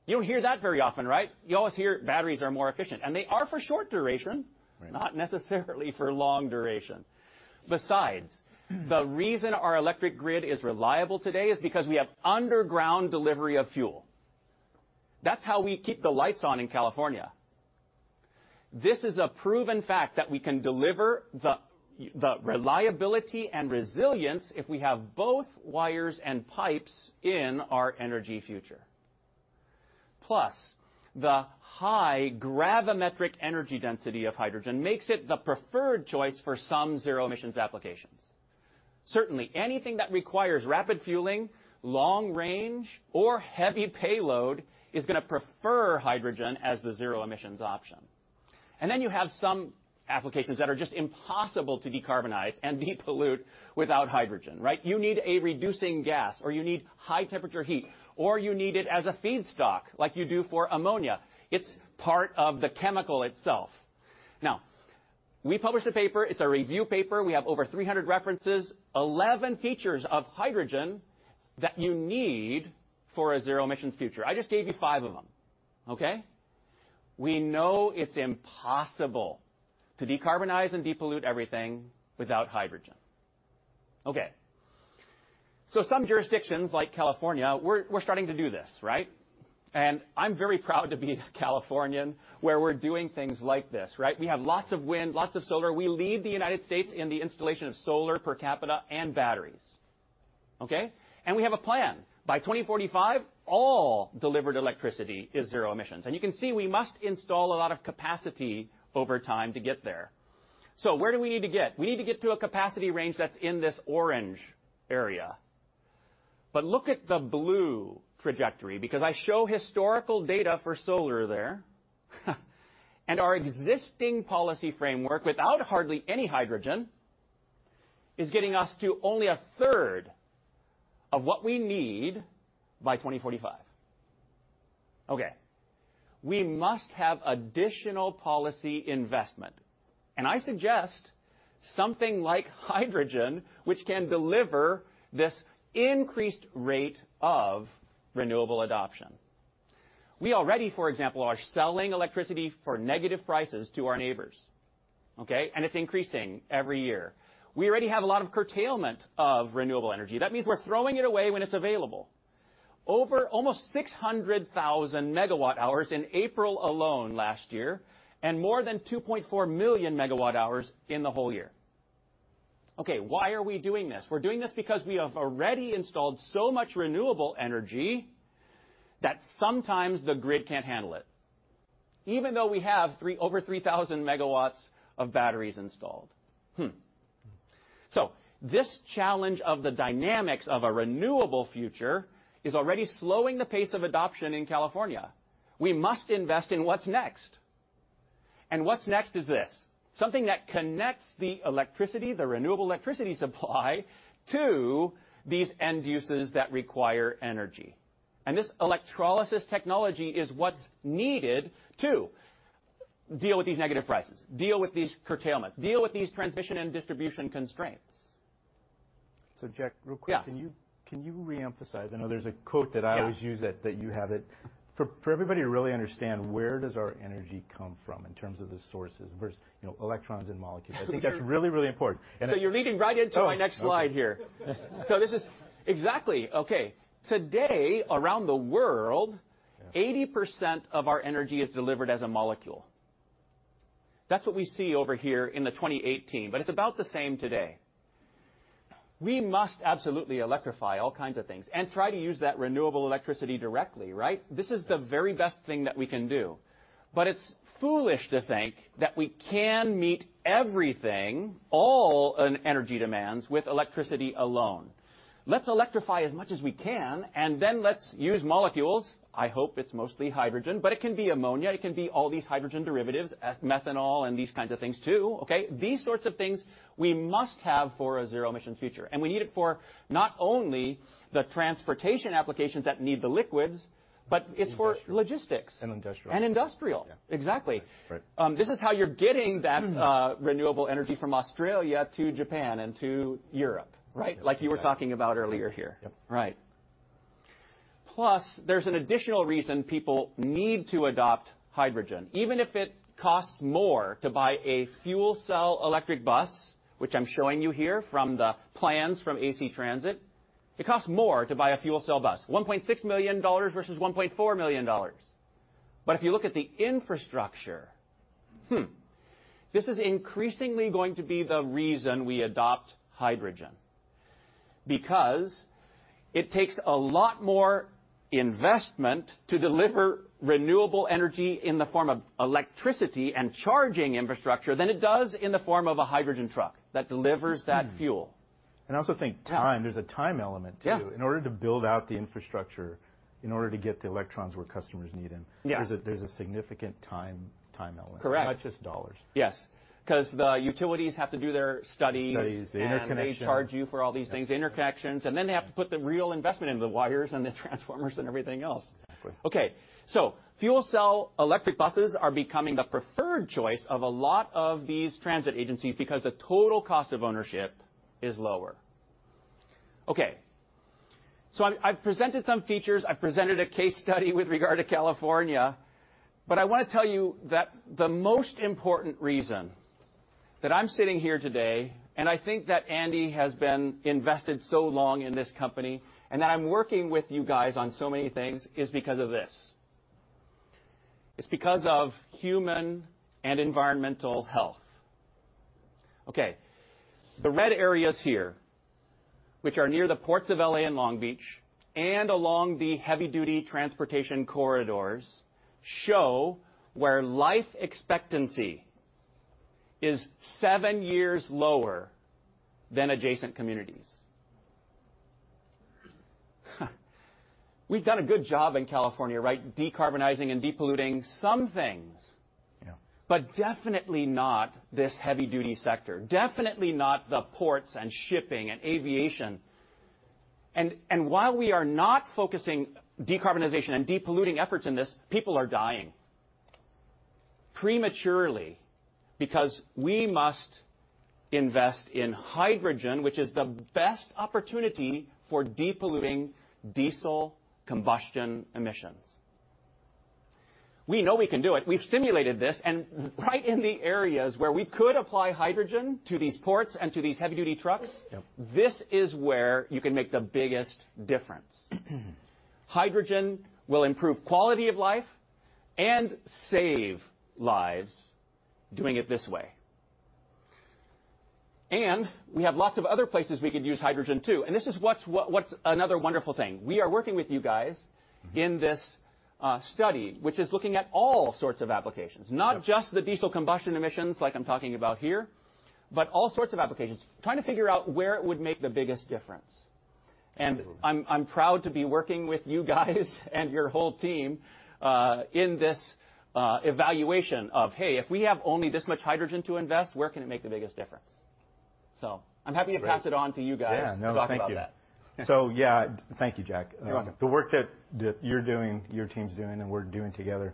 Huh! You don't hear that very often, right? You always hear batteries are more efficient, and they are for short duration. Right. Not necessarily for long duration. Besides, the reason our electric grid is reliable today is because we have underground delivery of fuel. That's how we keep the lights on in California. This is a proven fact that we can deliver the reliability and resilience if we have both wires and pipes in our energy future. Plus, the high gravimetric energy density of hydrogen makes it the preferred choice for some zero emissions applications. Certainly, anything that requires rapid fueling, long range, or heavy payload is gonna prefer hydrogen as the zero emissions option. And then you have some applications that are just impossible to decarbonize and depollute without hydrogen, right? You need a reducing gas, or you need high temperature heat, or you need it as a feedstock, like you do for ammonia. It's part of the chemical itself. Now, we published a paper, it's a review paper. We have over 300 references, 11 features of hydrogen that you need for a zero emissions future. I just gave you five of them, okay? We know it's impossible to decarbonize and depollute everything without hydrogen. Okay, so some jurisdictions like California, we're starting to do this, right? I'm very proud to be a Californian, where we're doing things like this, right? We have lots of wind, lots of solar. We lead the United States in the installation of solar per capita and batteries, okay? We have a plan. By 2045, all delivered electricity is zero emissions. You can see, we must install a lot of capacity over time to get there. So where do we need to get? We need to get to a capacity range that's in this orange area. But look at the blue trajectory, because I show historical data for solar there. And our existing policy framework, without hardly any hydrogen, is getting us to only a third of what we need by 2045. Okay, we must have additional policy investment, and I suggest something like hydrogen, which can deliver this increased rate of renewable adoption. We already, for example, are selling electricity for negative prices to our neighbors, okay? And it's increasing every year. We already have a lot of curtailment of renewable energy. That means we're throwing it away when it's available. Over almost 600,000 MWh in April alone last year, and more than 2.4 million MWh in the whole year. Okay, why are we doing this? We're doing this because we have already installed so much renewable energy that sometimes the grid can't handle it, even though we have over 3,000 MW of batteries installed. So this challenge of the dynamics of a renewable future is already slowing the pace of adoption in California. We must invest in what's next. What's next is this, something that connects the electricity, the renewable electricity supply, to these end uses that require energy. This electrolysis technology is what's needed to deal with these negative prices, deal with these curtailments, deal with these transmission and distribution constraints. So, Jack, real quick. Yeah. Can you reemphasize? I know there's a quote that I always use that you have it. For everybody to really understand, where does our energy come from in terms of the sources versus, you know, electrons and molecules? Sure. I think that's really, really important. And- So you're leading right into my next slide here. So this is exactly, okay. Today, around the world, 80% of our energy is delivered as a molecule. That's what we see over here in the 2018, but it's about the same today. We must absolutely electrify all kinds of things and try to use that renewable electricity directly, right? This is the very best thing that we can do, but it's foolish to think that we can meet everything, all, energy demands with electricity alone. Let's electrify as much as we can, and then let's use molecules, I hope it's mostly hydrogen, but it can be ammonia, it can be all these hydrogen derivatives, methanol, and these kinds of things, too, okay? These sorts of things we must have for a zero-emissions future, and we need it for not only the transportation applications that need the liquids, but it's for. Industrial. Logistics. And industrial. And industrial. Yeah. Exactly. Right. This is how you're getting that renewable energy from Australia to Japan and to Europe, right? Like you were talking about earlier here. Yes. Right. Plus, there's an additional reason people need to adopt hydrogen. Even if it costs more to buy a fuel cell electric bus, which I'm showing you here from the plans from AC Transit, it costs more to buy a fuel cell bus, $1.6 million versus $1.4 million. But if you look at the infrastructure, this is increasingly going to be the reason we adopt hydrogen, because it takes a lot more investment to deliver renewable energy in the form of electricity and charging infrastructure than it does in the form of a hydrogen truck that delivers that fuel. Hmm. And I also think time. Yeah. There's a time element, too. Yeah. In order to build out the infrastructure, in order to get the electrons where customers need them, there's a significant time element. Correct. Not just dollars. Yes, because the utilities have to do their studies. Studies, the interconnection. They charge you for all these things, the interconnections, and then they have to put the real investment in, the wires and the transformers and everything else. Exactly. Okay, so fuel cell electric buses are becoming the preferred choice of a lot of these transit agencies because the total cost of ownership is lower. Okay, so I've presented some features, I've presented a case study with regard to California, but I wanna tell you that the most important reason that I'm sitting here today, and I think that Andy has been invested so long in this company, and that I'm working with you guys on so many things, is because of this.... it's because of human and environmental health. Okay, the red areas here, which are near the ports of L.A. and Long Beach, and along the heavy-duty transportation corridors, show where life expectancy is seven years lower than adjacent communities. We've done a good job in California, right, decarbonizing and depolluting some things. Yeah. But definitely not this heavy-duty sector, definitely not the ports and shipping and aviation. And, and while we are not focusing decarbonization and depolluting efforts in this, people are dying prematurely because we must invest in hydrogen, which is the best opportunity for depolluting diesel combustion emissions. We know we can do it. We've simulated this, and right in the areas where we could apply hydrogen to these ports and to these heavy-duty trucks. Yes. This is where you can make the biggest difference. Hydrogen will improve quality of life and save lives doing it this way. And we have lots of other places we could use hydrogen, too, and this is what's another wonderful thing. We are working with you guys in this study, which is looking at all sorts of applications, not just the diesel combustion emissions, like I'm talking about here, but all sorts of applications, trying to figure out where it would make the biggest difference. Absolutely. I'm proud to be working with you guys and your whole team in this evaluation of hey, if we have only this much hydrogen to invest, where can it make the biggest difference? So I'm happy to pass it on to you guys. Yeah. No, thank you. To talk about that. So, yeah. Thank you, Jack. You're welcome. The work that you're doing, your team's doing, and we're doing together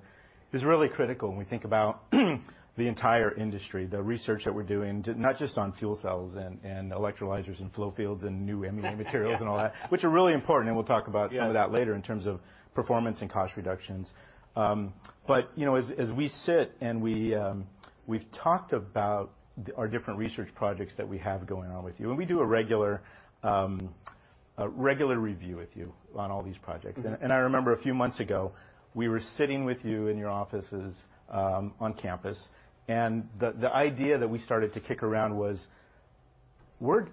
is really critical when we think about the entire industry, the research that we're doing, not just on fuel cells and electrolyzers and flow fields and new MEA materials and all that, which are really important, and we'll talk about some of that later in terms of performance and cost reductions. But, you know, as we sit and we've talked about our different research projects that we have going on with you, and we do a regular review with you on all these projects. Mm-hmm. I remember a few months ago, we were sitting with you in your offices on campus, and the idea that we started to kick around was we're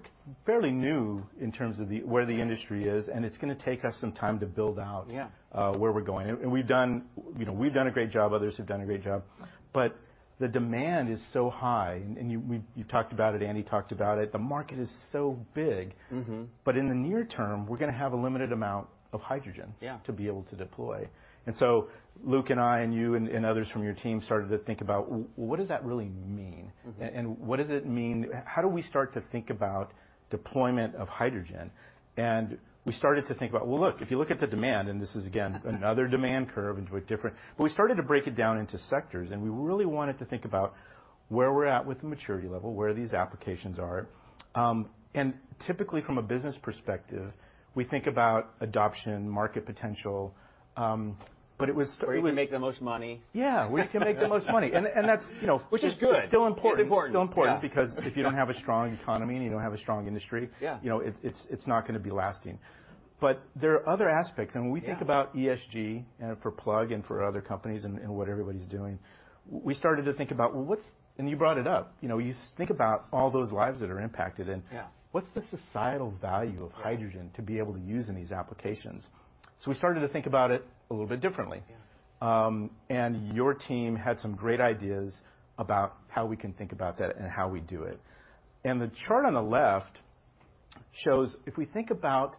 fairly new in terms of where the industry is, and it's gonna take us some time to build out where we're going. And we've done, you know, we've done a great job, others have done a great job, but the demand is so high, and you, you've talked about it, Andy talked about it. The market is so big. Mm-hmm. But in the near term, we're gonna have a limited amount of hydrogen to be able to deploy. And so Luke and I, and you and others from your team started to think about what does that really mean? Mm-hmm. And what does it mean... How do we start to think about deployment of hydrogen? And we started to think about, well, look, if you look at the demand, and this is, again... another demand curve and with different... But we started to break it down into sectors, and we really wanted to think about where we're at with the maturity level, where these applications are. And typically, from a business perspective, we think about adoption, market potential, but it was. Where you can make the most money. Yeah, where you can make the most money. And, and that's, you know. Which is good. Still important. And important. Still important because if you don't have a strong economy and you don't have a strong industry you know, it's not gonna be lasting. But there are other aspects, and when we think about ESG for Plug and for other companies and, and what everybody's doing, we started to think about, well, what's... And you brought it up. You know, you think about all those lives that are impacted and what's the societal value of hydrogen? Yeah. To be able to use in these applications? So we started to think about it a little bit differently. Yeah. And your team had some great ideas about how we can think about that and how we do it. The chart on the left shows if we think about the,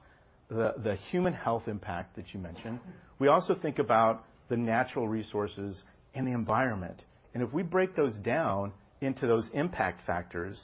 the human health impact that you mentioned, we also think about the natural resources and the environment. If we break those down into those impact factors,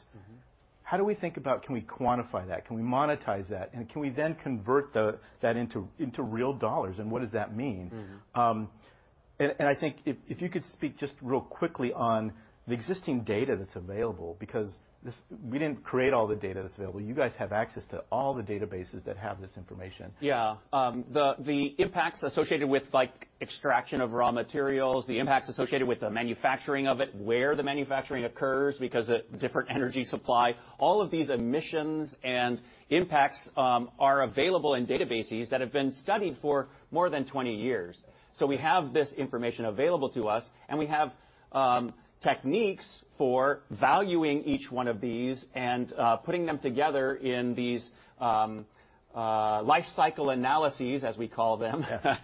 how do we think about, can we quantify that? Can we monetize that, and can we then convert that into real dollars, and what does that mean? Mm-hmm. I think if you could speak just real quickly on the existing data that's available, because this, we didn't create all the data that's available. You guys have access to all the databases that have this information. Yeah. The impacts associated with, like, extraction of raw materials, the impacts associated with the manufacturing of it, where the manufacturing occurs because of different energy supply, all of these emissions and impacts are available in databases that have been studied for more than 20 years. So we have this information available to us, and we have techniques for valuing each one of these and putting them together in these life cycle analyses, as we call them. Yeah.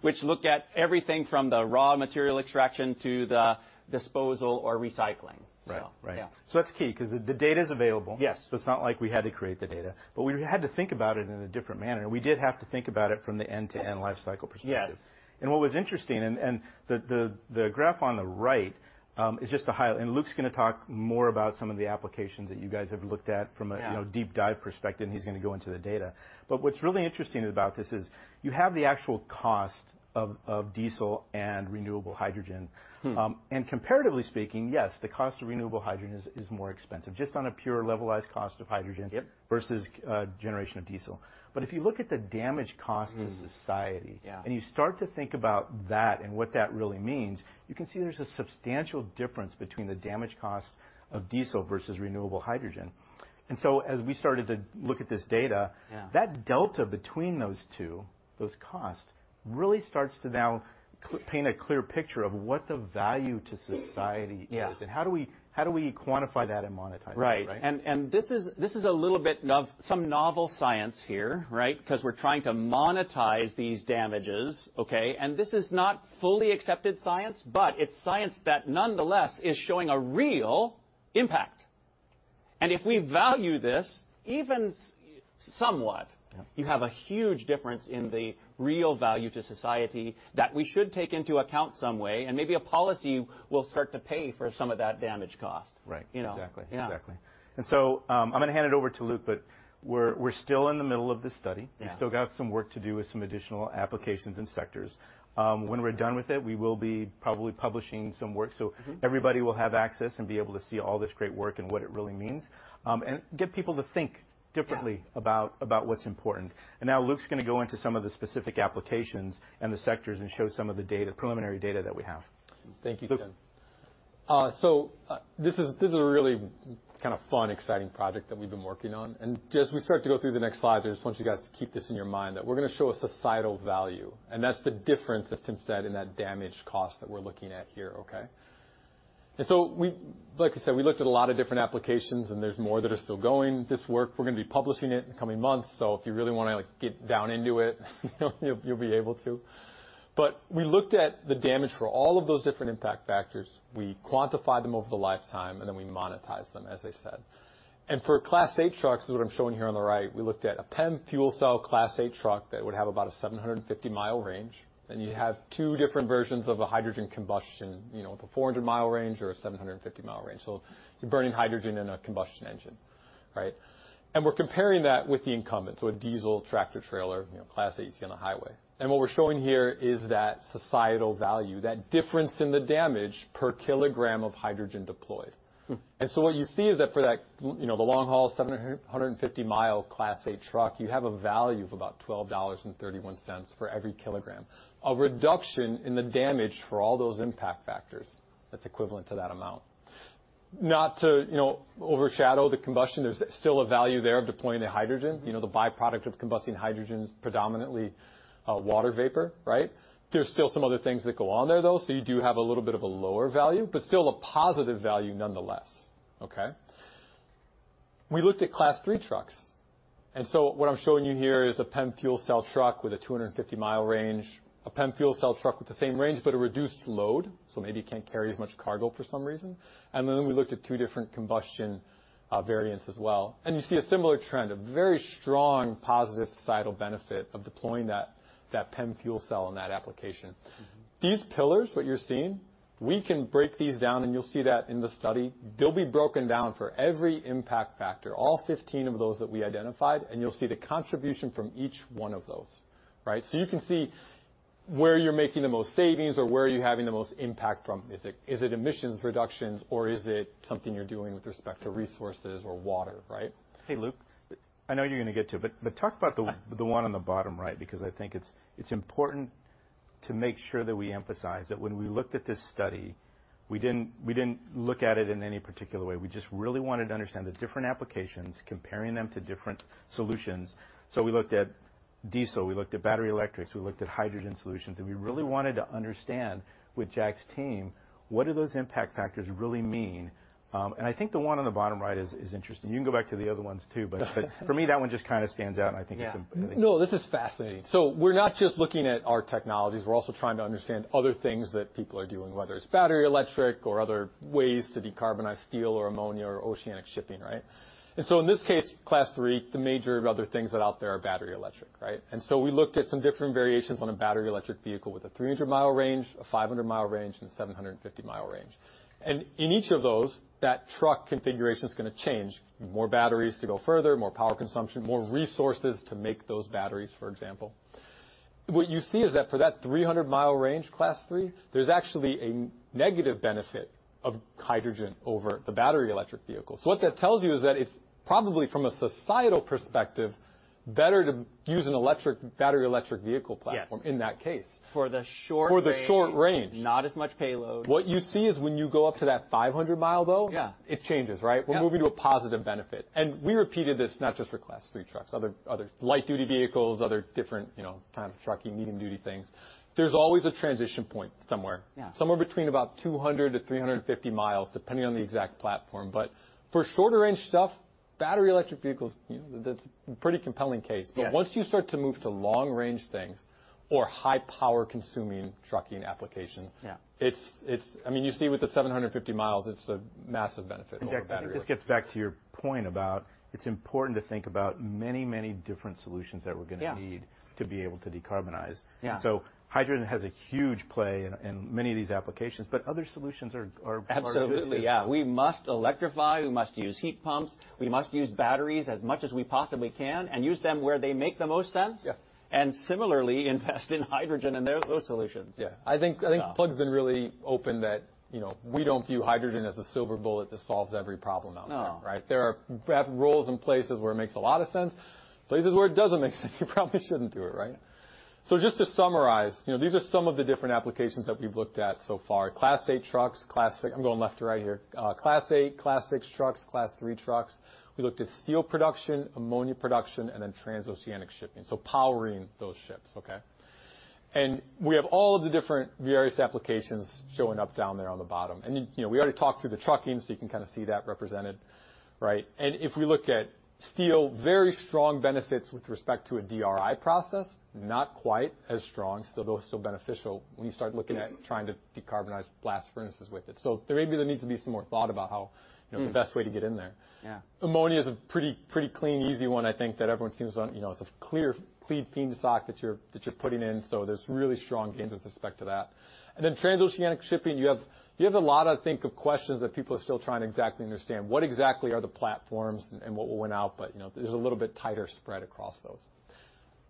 Which look at everything from the raw material extraction to the disposal or recycling. Right. So, yeah. Right. So that's key, 'cause the data is available. Yes. It's not like we had to create the data, but we had to think about it in a different manner, and we did have to think about it from the end-to-end life cycle perspective. Yes. What was interesting, and the graph on the right is just to highlight, and Luke's gonna talk more about some of the applications that you guys have looked at from a, you know, deep dive perspective, and he's gonna go into the data. But what's really interesting about this is you have the actual cost of diesel and renewable hydrogen. Hmm. Comparatively speaking, yes, the cost of renewable hydrogen is more expensive, just on a pure levelized cost of hydrogen versus generation of diesel. But if you look at the damage cost to society and you start to think about that and what that really means... you can see there's a substantial difference between the damage cost of diesel versus renewable hydrogen. And so as we started to look at this data that delta between those two, those costs, really starts to now paint a clear picture of what the value to society is. Yeah. How do we quantify that and monetize it, right? Right. And this is a little bit of some novel science here, right? Because we're trying to monetize these damages, okay, and this is not fully accepted science, but it's science that nonetheless is showing a real impact. And if we value this, even somewhat you have a huge difference in the real value to society that we should take into account some way, and maybe a policy will start to pay for some of that damage cost. Right. You know? Exactly. Yeah. Exactly. And so, I'm gonna hand it over to Luke, but we're still in the middle of this study. Yeah. We still got some work to do with some additional applications and sectors. When we're done with it, we will be probably publishing some work so everybody will have access and be able to see all this great work and what it really means, and get people to think differently about what's important. Now Luke's gonna go into some of the specific applications and the sectors and show some of the data, preliminary data that we have. Thank you, Tim. Luke. So, this is a really kind of fun, exciting project that we've been working on, and just we start to go through the next slide, I just want you guys to keep this in your mind, that we're gonna show a societal value, and that's the difference that's instead in that damage cost that we're looking at here, okay? And so we, like I said, we looked at a lot of different applications, and there's more that are still going. This work, we're gonna be publishing it in the coming months, so if you really wanna, like, get down into it, you'll be able to. But we looked at the damage for all of those different impact factors. We quantified them over the lifetime, and then we monetized them, as I said. For Class 8 trucks, which is what I'm showing here on the right, we looked at a PEM fuel cell Class 8 truck that would have about a 750-mi range, and you have two different versions of a hydrogen combustion, you know, with a 400-mi range or a 750-mi range. So you're burning hydrogen in a combustion engine, right? And we're comparing that with the incumbent, so a diesel tractor-trailer, you know, Class 8 on a highway. And what we're showing here is that societal value, that difference in the damage per kilogram of hydrogen deployed. Hmm. So what you see is that for that, you know, the long-haul 750-mi Class 8 truck, you have a value of about $12.31 for every kilogram, a reduction in the damage for all those impact factors that's equivalent to that amount. Not to, you know, overshadow the combustion, there's still a value there of deploying the hydrogen. Mm-hmm. You know, the byproduct of combusting hydrogen is predominantly water vapor, right? There's still some other things that go on there, though, so you do have a little bit of a lower value, but still a positive value nonetheless, okay? We looked at Class 3 trucks, and so what I'm showing you here is a PEM fuel cell truck with a 250-mi range, a PEM fuel cell truck with the same range, but a reduced load, so maybe it can't carry as much cargo for some reason. And then we looked at two different combustion variants as well. And you see a similar trend, a very strong positive societal benefit of deploying that PEM fuel cell in that application. Mm-hmm. These pillars, what you're seeing, we can break these down, and you'll see that in the study. They'll be broken down for every impact factor, all 15 of those that we identified, and you'll see the contribution from each one of those, right? So you can see where you're making the most savings or where you're having the most impact from. Is it, is it emissions reductions, or is it something you're doing with respect to resources or water, right? Hey, Luke, I know you're gonna get to it, but talk about the one on the bottom right, because I think it's important to make sure that we emphasize that when we looked at this study, we didn't look at it in any particular way. We just really wanted to understand the different applications, comparing them to different solutions. So we looked at diesel, we looked at battery electric, we looked at hydrogen solutions, and we really wanted to understand, with Jack's team, what do those impact factors really mean? And I think the one on the bottom right is interesting. You can go back to the other ones too, but for me, that one just kinda stands out, and I think it's. Yeah. No, this is fascinating. So we're not just looking at our technologies. We're also trying to understand other things that people are doing, whether it's battery electric or other ways to decarbonize steel or ammonia or oceanic shipping, right? And so in this case, Class 3, the major other things that are out there are battery electric, right? And so we looked at some different variations on a battery electric vehicle with a 300-mi range, a 500-mi range, and a 750-mi range. And in each of those, that truck configuration is gonna change: more batteries to go further, more power consumption, more resources to make those batteries, for example. What you see is that for that 300-mi range, Class 3, there's actually a negative benefit of hydrogen over the battery electric vehicle. What that tells you is that it's probably, from a societal perspective, better to use an electric, battery electric vehicle platform in that case. For the short range. For the short range. Not as much payload. What you see is when you go up to that 500-mi, though. Yeah. It changes, right? Yeah. We're moving to a positive benefit. We repeated this not just for Class 3 trucks, other light-duty vehicles, different, you know, kind of trucking, medium-duty things. There's always a transition point somewhere. Yeah. Somewhere between about 200-350 mi, depending on the exact platform. But for shorter-range stuff, battery electric vehicles, you know, that's a pretty compelling case. Yes. But once you start to move to long-range things or high-power-consuming trucking applications. It's I mean, you see with the 750 mi, it's a massive benefit over battery. Jack, this gets back to your point about it's important to think about many, many different solutions that we're gonna need to be able to decarbonize. Yeah. So hydrogen has a huge play in many of these applications, but other solutions are Absolutely, yeah. Part of it. We must electrify, we must use heat pumps, we must use batteries as much as we possibly can and use them where they make the most sense. Yeah. Similarly, invest in hydrogen, and there's those solutions. Yeah. I think, I think Plug's been really open that, you know, we don't view hydrogen as a silver bullet that solves every problem out there. No. Right? There are, we have roles in places where it makes a lot of sense, places where it doesn't make sense. You probably shouldn't do it, right? So just to summarize, you know, these are some of the different applications that we've looked at so far. Class 8 trucks, Class 6... I'm going left to right here. Class 8, Class 6 trucks, Class 3 trucks. We looked at steel production, ammonia production, and then transoceanic shipping, so powering those ships, okay? And we have all of the different various applications showing up down there on the bottom. And you know, we already talked through the trucking, so you can kind of see that represented, right? If we look at steel, very strong benefits with respect to a DRI process, not quite as strong, still though, still beneficial when you start looking at trying to decarbonize blast furnaces with it. So, there may be, there needs to be some more thought about how, you know, the best way to get in there. Ammonia is a pretty, pretty clean, easy one, I think, that everyone seems on, you know, it's a clear, clean feedstock that you're, that you're putting in, so there's really strong gains with respect to that. And then transoceanic shipping, you have, you have a lot of, I think, of questions that people are still trying to exactly understand. What exactly are the platforms and what will win out, but, you know, there's a little bit tighter spread across those.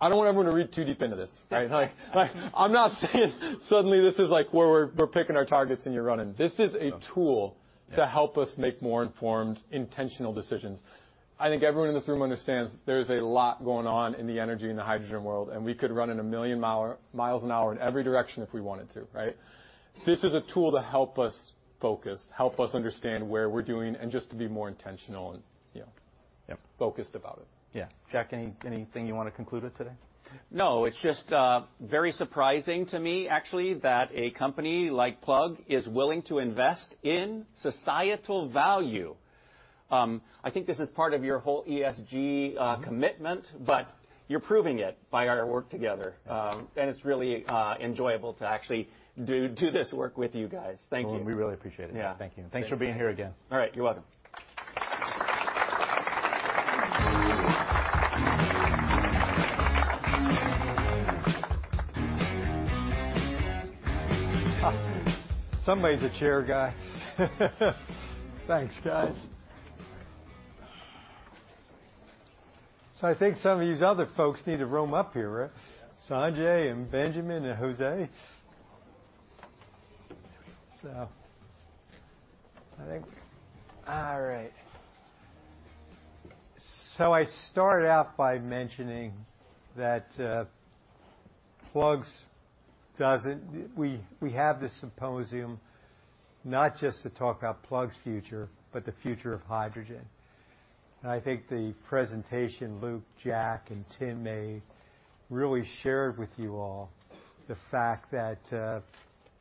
I don't want everyone to read too deep into this, right? Like, like, I'm not saying suddenly this is, like, where we're, we're picking our targets and you're running. This is a tool. Yeah. To help us make more informed, intentional decisions. I think everyone in this room understands there's a lot going on in the energy and the hydrogen world, and we could run a million miles an hour in every direction if we wanted to, right? This is a tool to help us focus, help us understand where we're doing, and just to be more intentional and, you know focused about it. Yeah. Jack, anything you want to conclude with today? No, it's just very surprising to me, actually, that a company like Plug is willing to invest in societal value. I think this is part of your whole ESG commitment. Mm-hmm. But you're proving it by our work together. Yeah. It's really enjoyable to actually do this work with you guys. Thank you. Well, we really appreciate it. Yeah. Thank you. Thanks for being here again. All right. You're welcome. Somebody's a chair guy. Thanks, guys. So I think some of these other folks need to roam up here, right? Sanjay and Benjamin and Jose. So I think... All right. So I started out by mentioning that Plug's doesn't— We, we have this symposium not just to talk about Plug's future, but the future of hydrogen. And I think the presentation Luke, Jack, and Tim made really shared with you all the fact that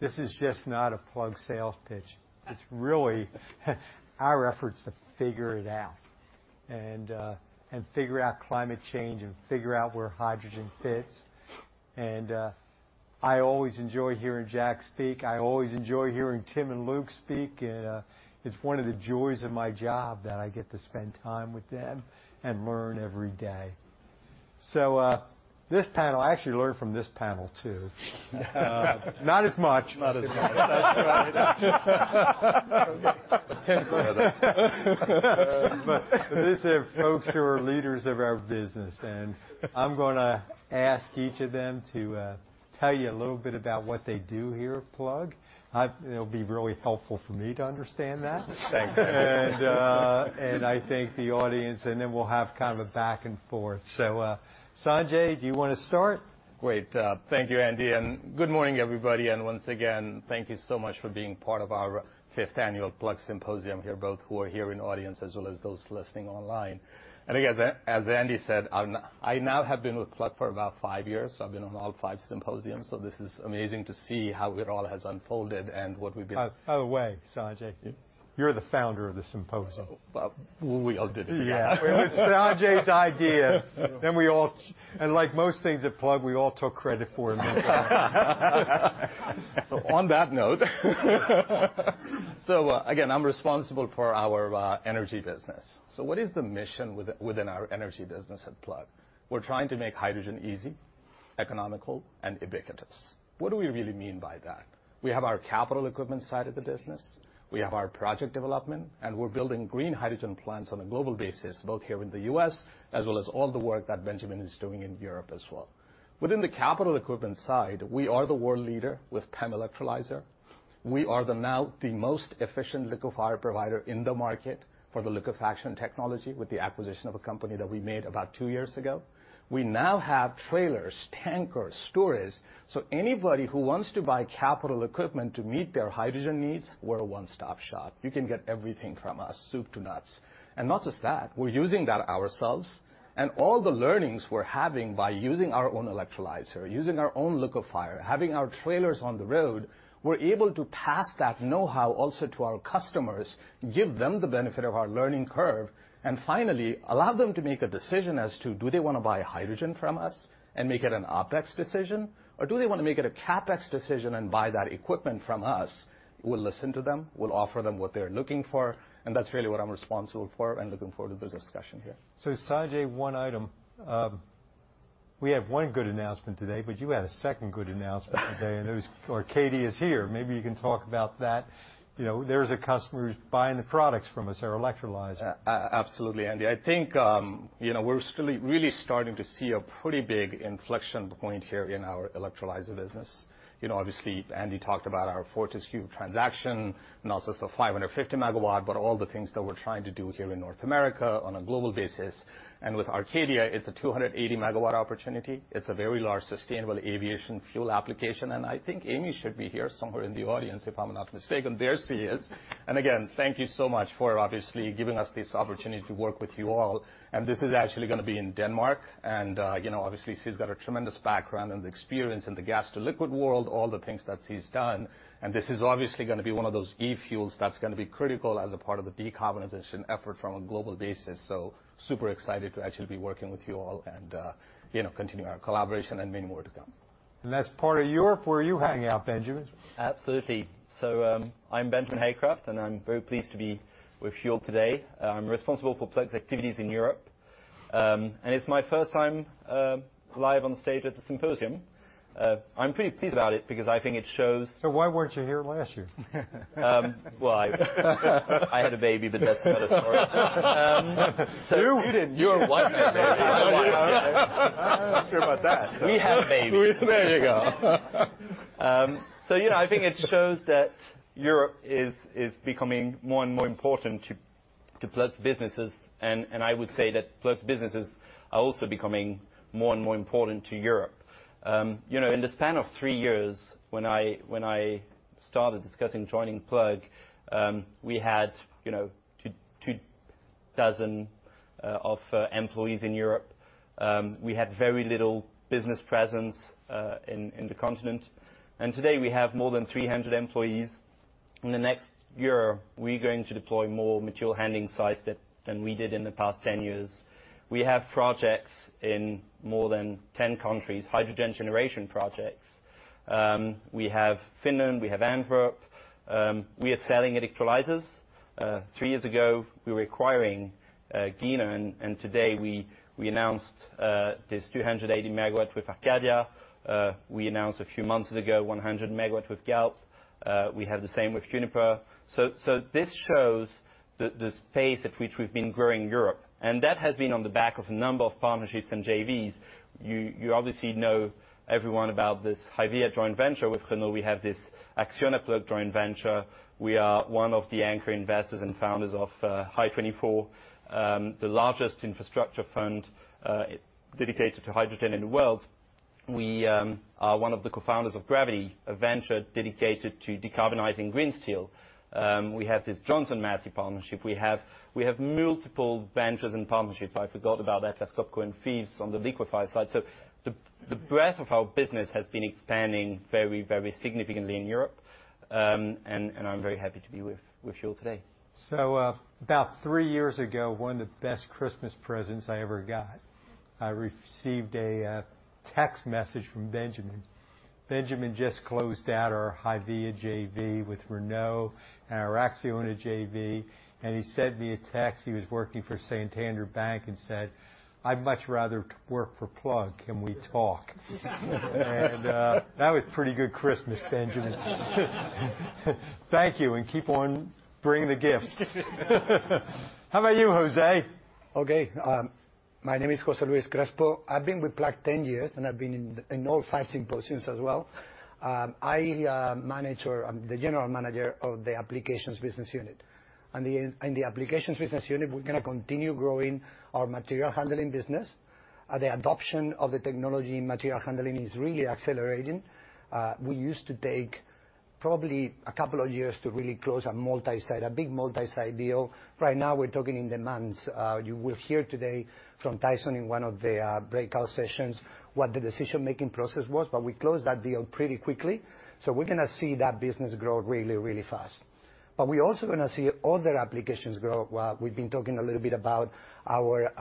this is just not a Plug sales pitch. It's really our efforts to figure it out, and figure out climate change, and figure out where hydrogen fits. I always enjoy hearing Jack speak. I always enjoy hearing Tim and Luke speak, and it's one of the joys of my job that I get to spend time with them and learn every day. So, this panel, I actually learned from this panel, too. Not as much. Not as much. But these are folks who are leaders of our business, and I'm gonna ask each of them to tell you a little bit about what they do here at Plug. It'll be really helpful for me to understand that. Thanks, Andy. I think the audience, and then we'll have kind of a back and forth. So, Sanjay, do you want to start? Great. Thank you, Andy, and good morning, everybody, and once again, thank you so much for being part of our fifth annual Plug Symposium here, both who are here in audience as well as those listening online. And again, as Andy said, I now have been with Plug for about five years, so I've been on all five symposiums, so this is amazing to see how it all has unfolded and what we've been- By the way, Sanjay, you're the founder of the symposium. Well, we all did it. Yeah. It was Sanjay's ideas, then we all... And like most things at Plug, we all took credit for it. So on that note, again, I'm responsible for our energy business. So what is the mission within our energy business at Plug? We're trying to make hydrogen easy, economical, and ubiquitous. What do we really mean by that? We have our capital equipment side of the business, we have our project development, and we're building green hydrogen plants on a global basis, both here in the U.S., as well as all the work that Benjamin is doing in Europe as well. Within the capital equipment side, we are the world leader with PEM electrolyzer. We are now the most efficient liquefier provider in the market for the liquefaction technology, with the acquisition of a company that we made about two years ago. We now have trailers, tankers, storage, so anybody who wants to buy capital equipment to meet their hydrogen needs, we're a one-stop shop. You can get everything from us, soup to nuts. And not just that, we're using that ourselves, and all the learnings we're having by using our own electrolyzer, using our own liquefier, having our trailers on the road, we're able to pass that know-how also to our customers, give them the benefit of our learning curve, and finally, allow them to make a decision as to do they want to buy hydrogen from us and make it an OpEx decision, or do they want to make it a CapEx decision and buy that equipment from us? We'll listen to them, we'll offer them what they're looking for, and that's really what I'm responsible for and looking forward to this discussion here. So, Sanjay, one item. We have one good announcement today, but you had a second good announcement today, and it was—Arcadia is here. Maybe you can talk about that. You know, there's a customer who's buying the products from us, our electrolyzer. Absolutely, Andy. I think, you know, we're still really starting to see a pretty big inflection point here in our electrolyzer business. You know, obviously, Andy talked about our Fortescue transaction and also the 550-MW, but all the things that we're trying to do here in North America on a global basis, and with Arcadia, it's a 280-MW opportunity. It's a very large sustainable aviation fuel application, and I think Amy should be here somewhere in the audience, if I'm not mistaken. There she is. And again, thank you so much for obviously giving us this opportunity to work with you all. And this is actually gonna be in Denmark, and, you know, obviously, she's got a tremendous background and experience in the gas to liquid world, all the things that she's done. This is obviously gonna be one of those e-fuels that's gonna be critical as a part of the decarbonization effort from a global basis. Super excited to actually be working with you all and, you know, continue our collaboration and many more to come. That's part of Europe, where are you hanging out, Benjamin? Absolutely. So, I'm Benjamin Haycraft, and I'm very pleased to be with you all today. I'm responsible for Plug's activities in Europe. It's my first time live on stage at the symposium. I'm pretty pleased about it because I think it shows- Why weren't you here last year? Well, I had a baby, but that's another story. You? We didn't. Your wife had a baby. I'm not sure about that. We have babies. There you go. So, you know, I think it shows that Europe is becoming more and more important to Plug's businesses, and I would say that Plug's businesses are also becoming more and more important to Europe. You know, in the span of three years, when I started discussing joining Plug, we had, you know, 24 employees in Europe. We had very little business presence in the continent, and today, we have more than 300 employees. In the next year, we're going to deploy more material handling sites than we did in the past 10 years. We have projects in more than 10 countries, hydrogen generation projects. We have Finland, we have Antwerp. We are selling electrolyzers. Three years ago, we were acquiring green hydrogen and today, we announced this 280-MW with Arcadia. We announced a few months ago, 100-MW with Galp. We have the same with Uniper. So this shows the pace at which we've been growing Europe, and that has been on the back of a number of partnerships and JVs. You obviously know everyone about this HYVIA joint venture with Renault. We have this Acciona Plug joint venture. We are one of the anchor investors and founders of Hy24, the largest infrastructure fund dedicated to hydrogen in the world. We are one of the cofounders of GravitHy, a venture dedicated to decarbonizing green steel. We have this Johnson Matthey partnership. We have multiple ventures and partnerships. I forgot about that, Technip and Fives on the liquefy side. So the breadth of our business has been expanding very, very significantly in Europe. And I'm very happy to be with you all today. So, about three years ago, one of the best Christmas presents I ever got, I received a text message from Benjamin. Benjamin just closed out our HYVIA JV with Renault and our Acciona JV, and he said via text, he was working for Santander Bank and said, "I'd much rather work for Plug. Can we talk?" That was pretty good Christmas, Benjamin. Thank you, and keep on bringing the gifts. How about you, Jose? Okay, my name is Jose Luis Crespo. I've been with Plug 10 years, and I've been in all five symposiums as well. I manage or I'm the general manager of the Applications business unit. The Applications business unit, we're gonna continue growing our material handling business. The adoption of the technology in material handling is really accelerating. We used to take probably a couple of years to really close a multi-site, a big multi-site deal. Right now, we're talking in demands. You will hear today from Tyson in one of the breakout sessions, what the decision-making process was, but we closed that deal pretty quickly. So we're gonna see that business grow really, really fast. But we're also gonna see other applications grow. Well, we've been talking a little bit about our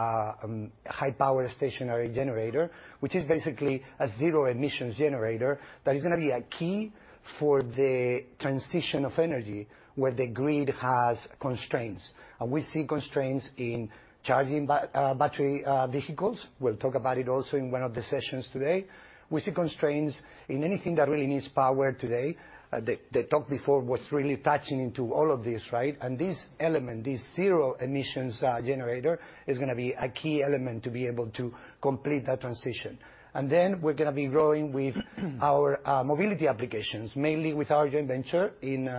high power stationary generator, which is basically a zero emissions generator that is gonna be a key for the transition of energy, where the grid has constraints. And we see constraints in charging battery vehicles. We'll talk about it also in one of the sessions today. We see constraints in anything that really needs power today. The talk before was really touching into all of this, right? And this element, this zero emissions generator, is gonna be a key element to be able to complete that transition. And then we're gonna be growing with our mobility applications, mainly with our joint venture in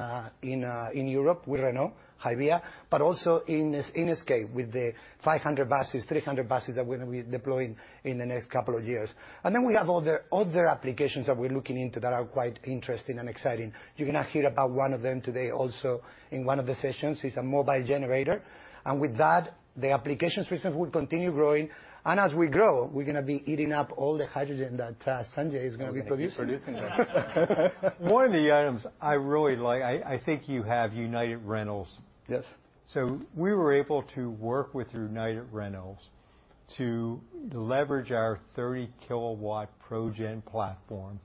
Europe with Renault, HYVIA, but also in this landscape with the 500 buses, 300 buses that we're gonna be deploying in the next couple of years. And then we have other applications that we're looking into that are quite interesting and exciting. You're gonna hear about one of them today also in one of the sessions. It's a mobile generator. And with that, the applications business will continue growing. And as we grow, we're gonna be eating up all the hydrogen that Sanjay is gonna be producing. Producing. One of the items I really like, I think you have United Rentals. Yes. So we were able to work with United Rentals to leverage our 30 kW ProGen platform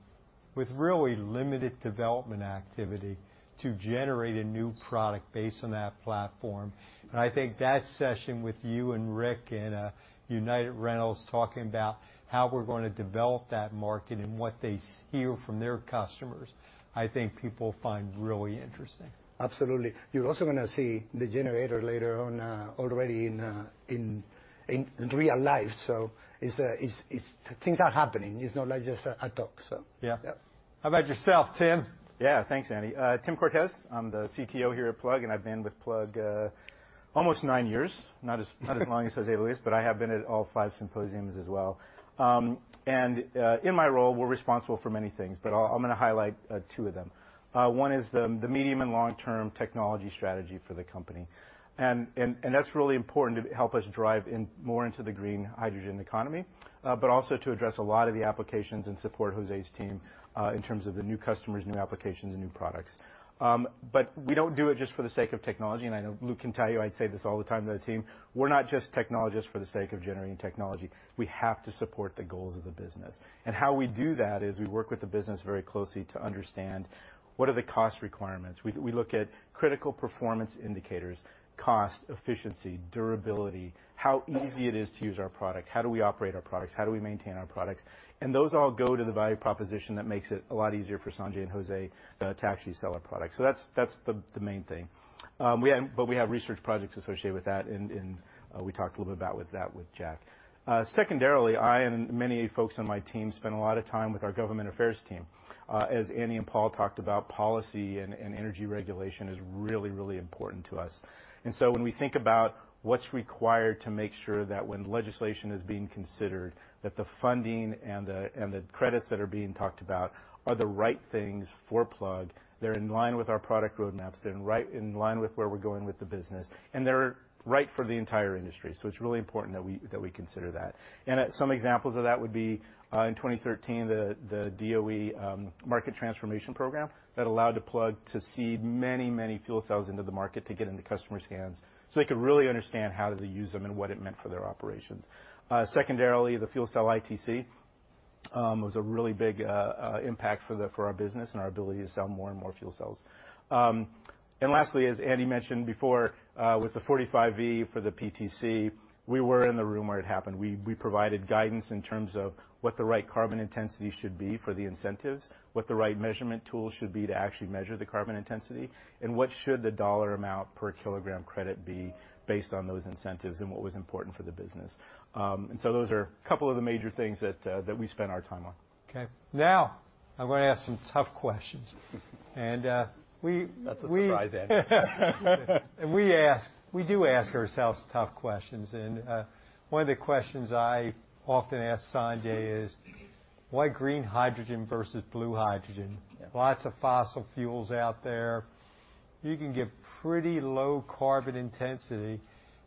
with really limited development activity to generate a new product based on that platform. And I think that session with you and Rick and United Rentals, talking about how we're gonna develop that market and what they hear from their customers, I think people find really interesting. Absolutely. You're also gonna see the generator later on, already in real life. So it's... Things are happening. It's not like just a talk, so. Yeah. Yeah. How about yourself, Tim? Yeah. Thanks, Andy. Tim Cortes, I'm the CTO here at Plug, and I've been with Plug almost nine years, not as long as Jose Luis, but I have been at all five symposiums as well. In my role, we're responsible for many things, but I'm gonna highlight two of them. One is the medium and long-term technology strategy for the company. And that's really important to help us drive in more into the green hydrogen economy, but also to address a lot of the applications and support Jose's team in terms of the new customers, new applications, and new products. But we don't do it just for the sake of technology, and I know Luke can tell you, I'd say this all the time to the team: We're not just technologists for the sake of generating technology. We have to support the goals of the business. And how we do that is we work with the business very closely to understand what are the cost requirements. We look at critical performance indicators, cost, efficiency, durability, how easy it is to use our product, how do we operate our products, how do we maintain our products? And those all go to the value proposition that makes it a lot easier for Sanjay and Jose to actually sell our products. So that's the main thing. But we have research projects associated with that, and we talked a little bit about that with Jack. Secondarily, I and many folks on my team spend a lot of time with our government affairs team. As Andy and Paul talked about, policy and energy regulation is really, really important to us. And so when we think about what's required to make sure that when legislation is being considered, that the funding and the credits that are being talked about are the right things for Plug, they're in line with our product roadmaps, they're in line with where we're going with the business, and they're right for the entire industry, so it's really important that we consider that. And some examples of that would be, in 2013, the DOE Market Transformation program that allowed the Plug to seed many, many fuel cells into the market to get into customers' hands, so they could really understand how to use them and what it meant for their operations. Secondarily, the fuel cell ITC was a really big impact for our business and our ability to sell more and more fuel cells. And lastly, as Andy mentioned before, with the 45V for the PTC, we were in the room where it happened. We provided guidance in terms of what the right carbon intensity should be for the incentives, what the right measurement tool should be to actually measure the carbon intensity, and what should the dollar amount per kilogram credit be based on those incentives and what was important for the business. And so those are a couple of the major things that we spend our time on. Okay. Now, I'm gonna ask some tough questions. And, we- That's a surprise, Andy. We ask, we do ask ourselves tough questions, and one of the questions I often ask Sanjay is: Why green hydrogen versus blue hydrogen? Yeah. Lots of fossil fuels out there. You can get pretty low carbon intensity,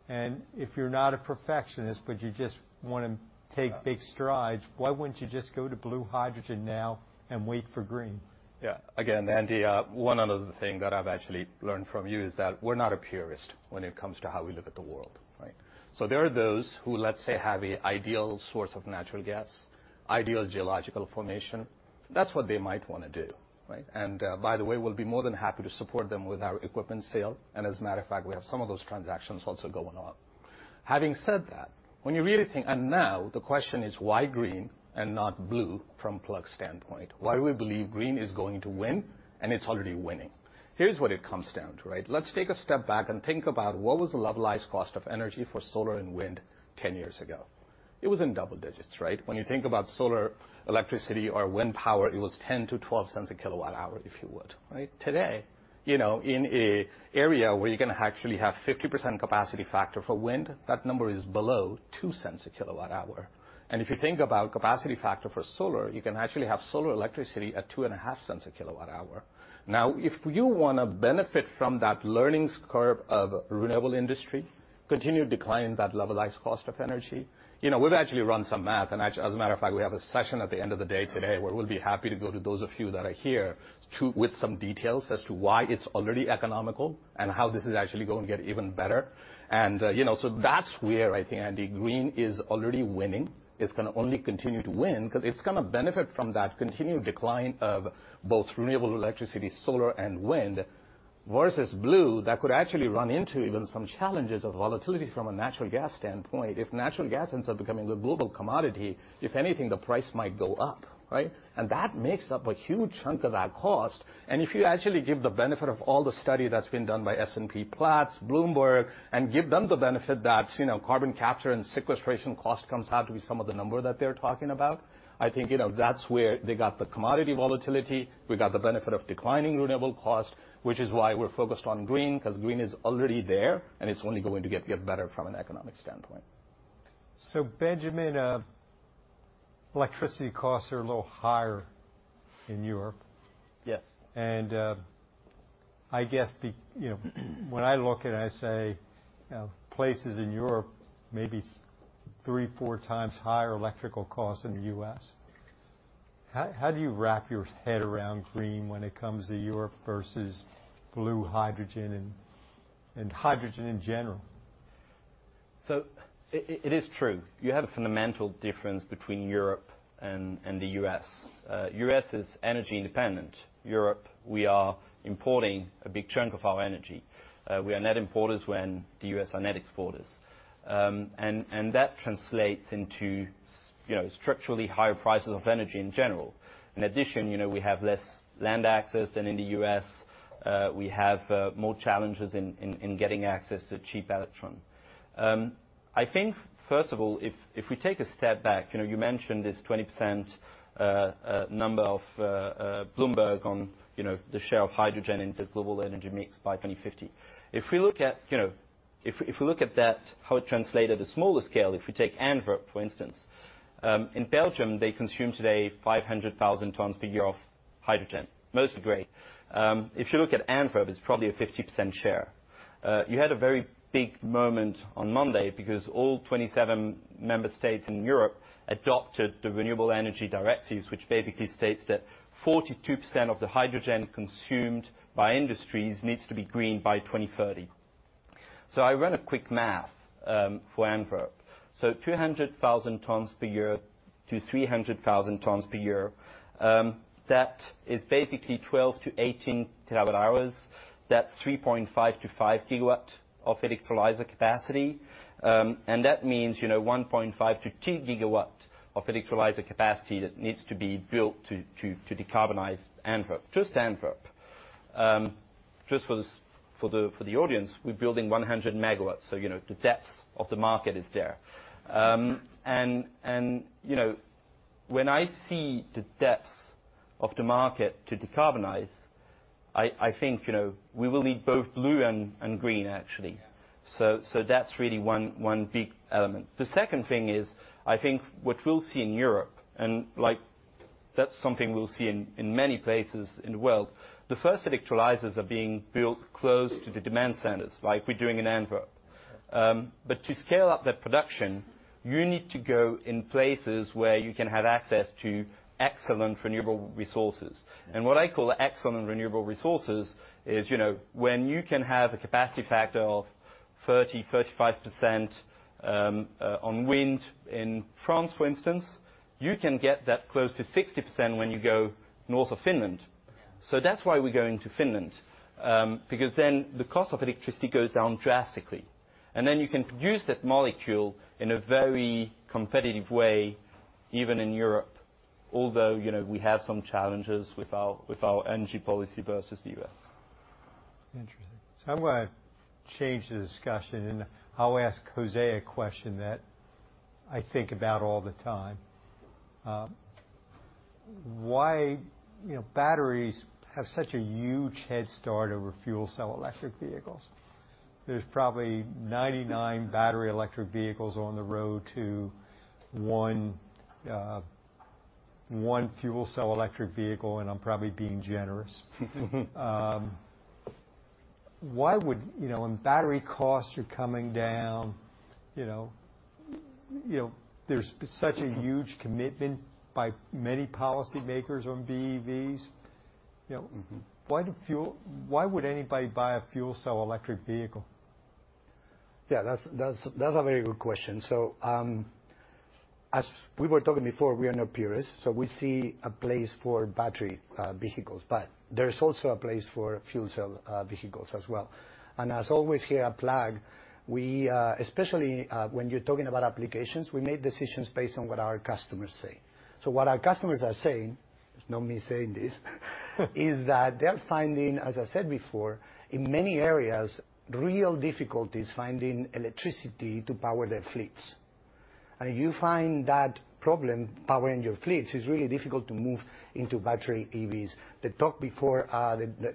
and if you're not a perfectionist, but you just wanna take big strides, why wouldn't you just go to blue hydrogen now and wait for green? Yeah. Again, Andy, one other thing that I've actually learned from you is that we're not a purist when it comes to how we look at the world, right? So there are those who, let's say, have an ideal source of natural gas, ideal geological formation. That's what they might wanna do, right? And, by the way, we'll be more than happy to support them with our equipment sale, and as a matter of fact, we have some of those transactions also going on. Having said that, when you really think... And now, the question is why green and not blue from Plug's standpoint? Why we believe green is going to win, and it's already winning. Here's what it comes down to, right? Let's take a step back and think about what was the levelized cost of energy for solar and wind 10 years ago. It was in double digits, right? When you think about solar electricity or wind power, it was $0.10-$0.12/kWh, if you would, right? Today, you know, in an area where you're gonna actually have 50% capacity factor for wind, that number is below $0.02/kWh. And if you think about capacity factor for solar, you can actually have solar electricity at $0.025/kWh. Now, if you wanna benefit from that learnings curve of renewable industry, continue to decline that levelized cost of energy... You know, we've actually run some math, and actually, as a matter of fact, we have a session at the end of the day today, where we'll be happy to go to those of you that are here, to with some details as to why it's already economical and how this is actually going to get even better. And, you know, so that's where I think, Andy, green is already winning. It's gonna only continue to win because it's gonna benefit from that continued decline of both renewable electricity, solar and wind, versus blue, that could actually run into even some challenges of volatility from a natural gas standpoint. If natural gas ends up becoming a global commodity, if anything, the price might go up, right? And that makes up a huge chunk of that cost. If you actually give the benefit of all the study that's been done by S&P Platts, Bloomberg, and give them the benefit that, you know, carbon capture and sequestration cost comes out to be some of the number that they're talking about, I think, you know, that's where they got the commodity volatility. We got the benefit of declining renewable cost, which is why we're focused on green, because green is already there, and it's only going to get better from an economic standpoint. Benjamin, electricity costs are a little higher in Europe. Yes. I guess, you know, when I look at it, I say, you know, places in Europe, maybe 3x-4x higher electrical costs than the U.S. How do you wrap your head around green when it comes to Europe versus blue hydrogen and hydrogen in general? So it is true, you have a fundamental difference between Europe and the U.S. U.S. is energy independent. Europe, we are importing a big chunk of our energy. We are net importers, when the U.S. are net exporters. And that translates into, you know, structurally higher prices of energy in general. In addition, you know, we have less land access than in the U.S. We have more challenges in getting access to cheap electron. I think, first of all, if we take a step back, you know, you mentioned this 20% number of Bloomberg on, you know, the share of hydrogen in the global energy mix by 2050. If we look at, you know, if we look at that, how it translated a smaller scale, if we take Antwerp, for instance. In Belgium, they consume today 500,000 tons per year of hydrogen, mostly gray. If you look at Antwerp, it's probably a 50% share. You had a very big moment on Monday because all 27 member states in Europe adopted the Renewable Energy Directives, which basically states that 42% of the hydrogen consumed by industries needs to be green by 2030. So I ran a quick math for Antwerp. So 200,000 tons per year to 300,000 tons per year, that is basically 12-18 TWh. That's 3.5-5 GW of electrolyzer capacity. And that means, you know, 1.5-2 GW of electrolyzer capacity that needs to be built to decarbonize Antwerp, just Antwerp. Just for the audience, we're building 100 MW, so you know, the depth of the market is there. And you know, when I see the depths of the market to decarbonize, I think, you know, we will need both blue and green, actually. So that's really one big element. The second thing is, I think what we'll see in Europe, and like, that's something we'll see in many places in the world, the first electrolyzers are being built close to the demand centers, like we're doing in Antwerp. But to scale up that production, you need to go in places where you can have access to excellent renewable resources. What I call excellent renewable resources is, you know, when you can have a capacity factor of 30%-35% on wind in France, for instance, you can get that close to 60% when you go north of Finland. So that's why we're going to Finland, because then the cost of electricity goes down drastically, and then you can use that molecule in a very competitive way, even in Europe, although, you know, we have some challenges with our, with our energy policy versus the U.S.. Interesting. So I'm gonna change the discussion, and I'll ask Jose a question that I think about all the time. Why, you know, batteries have such a huge head start over fuel cell electric vehicles? There's probably 99 battery electric vehicles on the road to one fuel cell electric vehicle, and I'm probably being generous. Why would... You know, and battery costs are coming down, you know, you know, there's such a huge commitment by many policymakers on BEVs. You know. Why would anybody buy a fuel cell electric vehicle? Yeah, that's a very good question. So, as we were talking before, we are not purists, so we see a place for battery vehicles, but there is also a place for fuel cell vehicles as well. And as always, here at Plug, we especially, when you're talking about applications, we make decisions based on what our customers say. So what our customers are saying, it's not me saying this, is that they're finding, as I said before, in many areas, real difficulties finding electricity to power their fleets. And you find that problem, powering your fleets, is really difficult to move into battery EVs. The talk before,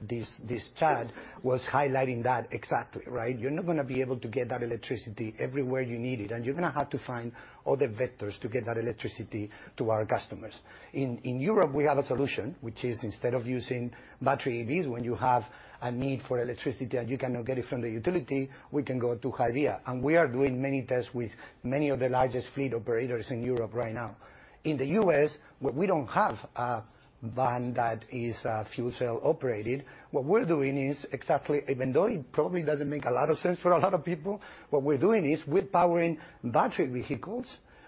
this chat was highlighting that exactly, right? You're not gonna be able to get that electricity everywhere you need it, and you're gonna have to find other vectors to get that electricity to our customers. In Europe, we have a solution, which is, instead of using battery EVs, when you have a need for electricity, and you cannot get it from the utility, we can go to HYVIA, and we are doing many tests with many of the largest fleet operators in Europe right now. In the U.S., we don't have a van that is fuel cell operated. What we're doing is exactly, even though it probably doesn't make a lot of sense for a lot of people, what we're doing is we're powering battery vehicles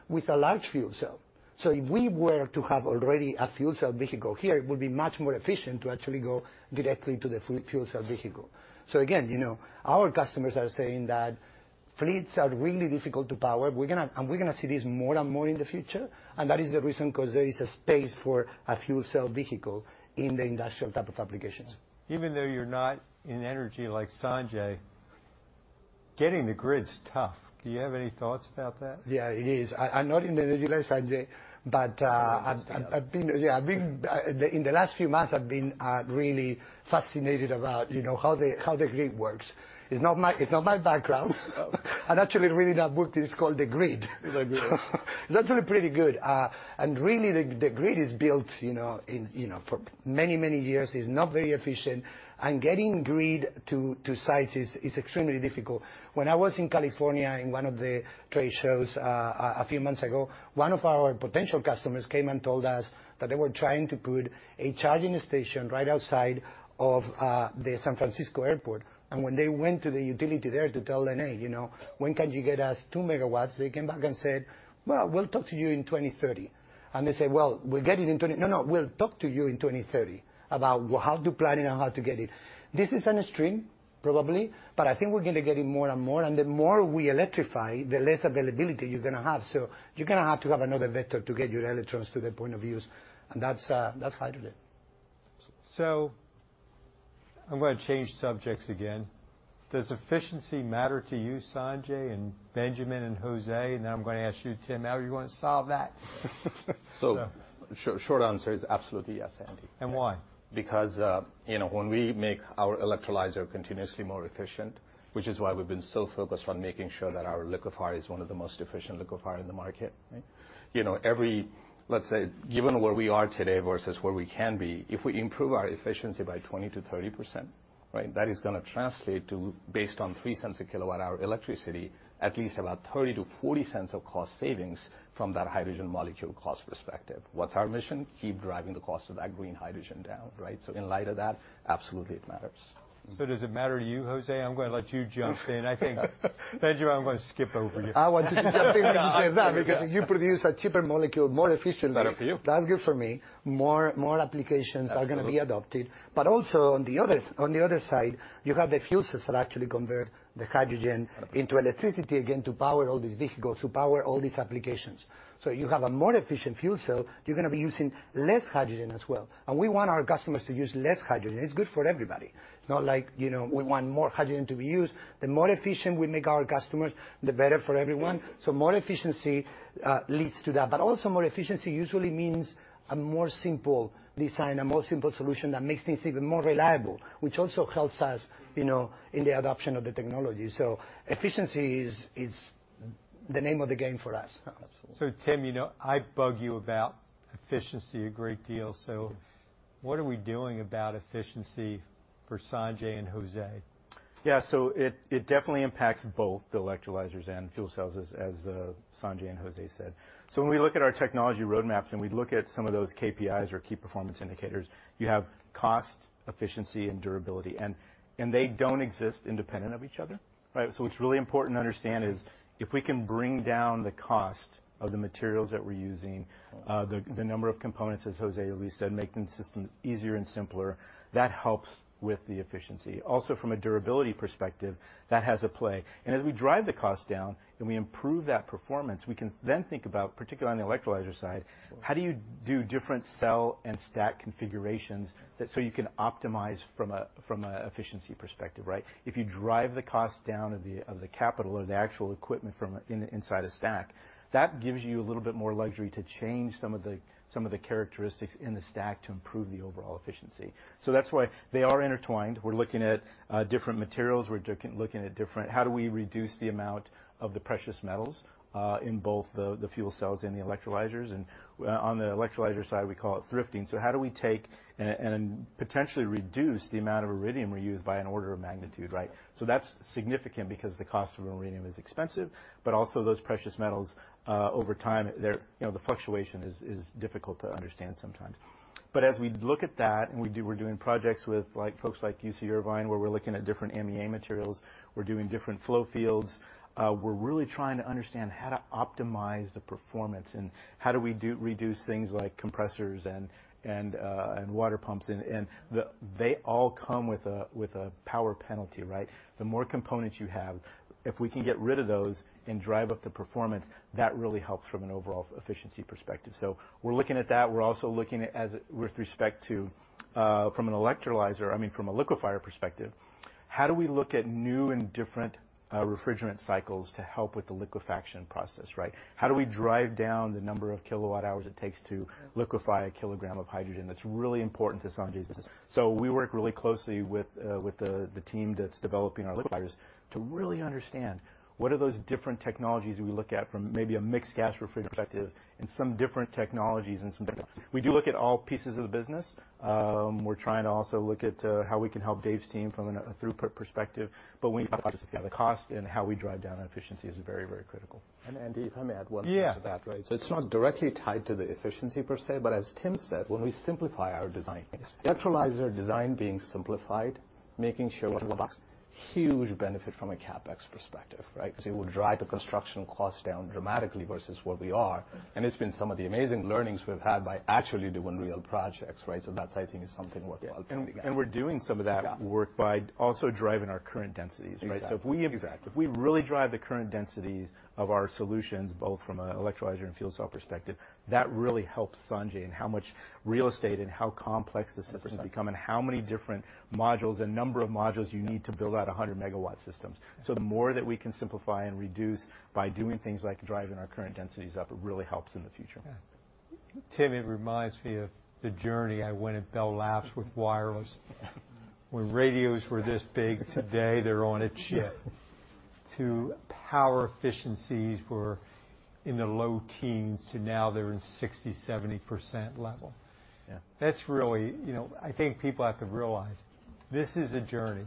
with a large fuel cell. So if we were to have already a fuel cell vehicle here, it would be much more efficient to actually go directly to the fuel cell vehicle. So again, you know, our customers are saying that fleets are really difficult to power. We're gonna, and we're gonna see this more and more in the future, and that is the reason, 'cause there is a space for a fuel cell vehicle in the industrial type of applications. Even though you're not in energy like Sanjay, getting the grid is tough. Do you have any thoughts about that? Yeah, it is. I'm not in the energy like Sanjay, but. I understand. .I've been, yeah, I've been really fascinated about, you know, how the grid works. It's not my background. I've actually read a book that is called The Grid. The Grid. It's actually pretty good. And really, the grid is built, you know, in, you know, for many, many years. It's not very efficient, and getting grid to sites is extremely difficult. When I was in California, in one of the trade shows, a few months ago, one of our potential customers came and told us that they were trying to put a charging station right outside of the San Francisco Airport. When they went to the utility there to tell them, "Hey, you know, when can you get us 2 MW?" They came back and said, "Well, we'll talk to you in 2030." And they said, "Well, we'll get it in twenty-- " "No, no, we'll talk to you in 2030 about how to plan it and how to get it." This is an extreme, probably, but I think we're gonna get it more and more, and the more we electrify, the less availability you're gonna have. So you're gonna have to have another vector to get your electrons to the point of use, and that's hydrogen. I'm gonna change subjects again. Does efficiency matter to you, Sanjay, and Benjamin, and Jose? And then I'm gonna ask you, Tim, how are you gonna solve that? Short, short answer is absolutely yes, Andy. And why? Because, you know, when we make our electrolyzer continuously more efficient, which is why we've been so focused on making sure that our liquefier is one of the most efficient liquefier in the market, right? You know, every, let's say, given where we are today versus where we can be, if we improve our efficiency by 20%-30%, right, that is gonna translate to, based on $0.03/kWh of electricity, at least about $0.30-$0.40 of cost savings from that hydrogen molecule cost perspective. What's our mission? Keep driving the cost of that green hydrogen down, right? So in light of that, absolutely, it matters. So does it matter to you, Jose? I'm gonna let you jump in. I think, Benjamin, I'm gonna skip over you. I want you to jump in when you say that, because you produce a cheaper molecule, more efficiently. Better for you. That's good for me. More, more applications- Absolutely... are gonna be adopted, but also on the other side, you have the fuel cells that actually convert the hydrogen into electricity, again, to power all these vehicles, to power all these applications. So you have a more efficient fuel cell, you're gonna be using less hydrogen as well. And we want our customers to use less hydrogen. It's good for everybody. It's not like, you know, we want more hydrogen to be used. The more efficient we make our customers, the better for everyone. So more efficiency leads to that. But also, more efficiency usually means a more simple design, a more simple solution that makes things even more reliable, which also helps us, you know, in the adoption of the technology. So efficiency is the name of the game for us. Absolutely. So, Tim, you know, I bug you about efficiency a great deal. So what are we doing about efficiency for Sanjay and Jose? Yeah, so it definitely impacts both the electrolyzers and fuel cells, as Sanjay and Jose said. So when we look at our technology roadmaps and we look at some of those KPIs or key performance indicators, you have cost, efficiency, and durability, and they don't exist independent of each other, right? So what's really important to understand is, if we can bring down the cost of the materials that we're using, the number of components, as Jose Luis said, making systems easier and simpler, that helps with the efficiency. Also, from a durability perspective, that has a play. And as we drive the cost down and we improve that performance, we can then think about, particularly on the electrolyzer side, how do you do different cell and stack configurations that... so you can optimize from a, from a efficiency perspective, right? If you drive the cost down of the capital or the actual equipment from inside a stack, that gives you a little bit more luxury to change some of the characteristics in the stack to improve the overall efficiency. So that's why they are intertwined. We're looking at different materials. How do we reduce the amount of the precious metals in both the fuel cells and the electrolyzers? And on the electrolyzer side, we call it thrifting. So how do we take and potentially reduce the amount of iridium we use by an order of magnitude, right? So that's significant because the cost of iridium is expensive, but also those precious metals over time, they're, you know, the fluctuation is difficult to understand sometimes. But as we look at that, and we do... we're doing projects with, like, folks like UC Irvine, where we're looking at different MEA materials. We're doing different flow fields. We're really trying to understand how to optimize the performance and how do we reduce things like compressors and water pumps and they all come with a power penalty, right? The more components you have, if we can get rid of those and drive up the performance, that really helps from an overall efficiency perspective. So we're looking at that. We're also looking at as with respect to, from an electrolyzer, I mean, from a liquefier perspective, how do we look at new and different refrigerant cycles to help with the liquefaction process, right? How do we drive down the number of kilowatt hours it takes to liquefy a kilogram of hydrogen? That's really important to Sanjay's business. So we work really closely with the team that's developing our liquefiers, to really understand what are those different technologies we look at from maybe a mixed gas refrigerant perspective and some different technologies. We do look at all pieces of the business. We're trying to also look at how we can help Dave's team from a throughput perspective, but when you look at the cost and how we drive down efficiency is very, very critical. Andy, if I may add one thing to that. Yeah. So it's not directly tied to the efficiency per se, but as Tim said, when we simplify our design, electrolyzer design being simplified, making sure huge benefit from a CapEx perspective, right? So it will drive the construction cost down dramatically versus where we are. And it's been some of the amazing learnings we've had by actually doing real projects, right? So that's, I think, is something worthwhile. And we're doing some of that- Yeah... work by also driving our current densities, right? Exactly. If we- Exactly... if we really drive the current densities of our solutions, both from an electrolyzer and fuel cell perspective, that really helps Sanjay in how much real estate and how complex the systems become, and how many different modules and number of modules you need to build out 100-MW systems. So the more that we can simplify and reduce by doing things like driving our current densities up, it really helps in the future. Yeah. Tim, it reminds me of the journey I went at Bell Labs with wireless. When radios were this big, today, they're on a chip. To power efficiencies were in the low teens, to now they're in 60%-70% level. Yeah. That's really... You know, I think people have to realize this is a journey,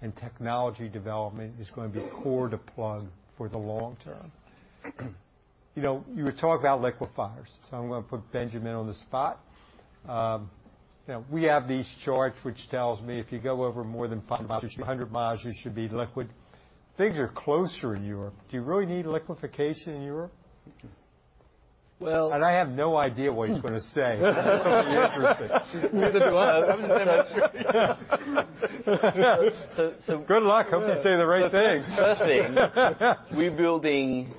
and technology development is gonna be core to Plug for the long term. You know, you were talking about liquefiers, so I'm gonna put Benjamin on the spot. You know, we have these charts, which tells me if you go over more than 500 mi, you should be liquid. Things are closer in Europe. Do you really need liquefaction in Europe?... Well, and I have no idea what he's gonna say. Neither do I. Good luck. Hope you say the right thing. Firstly,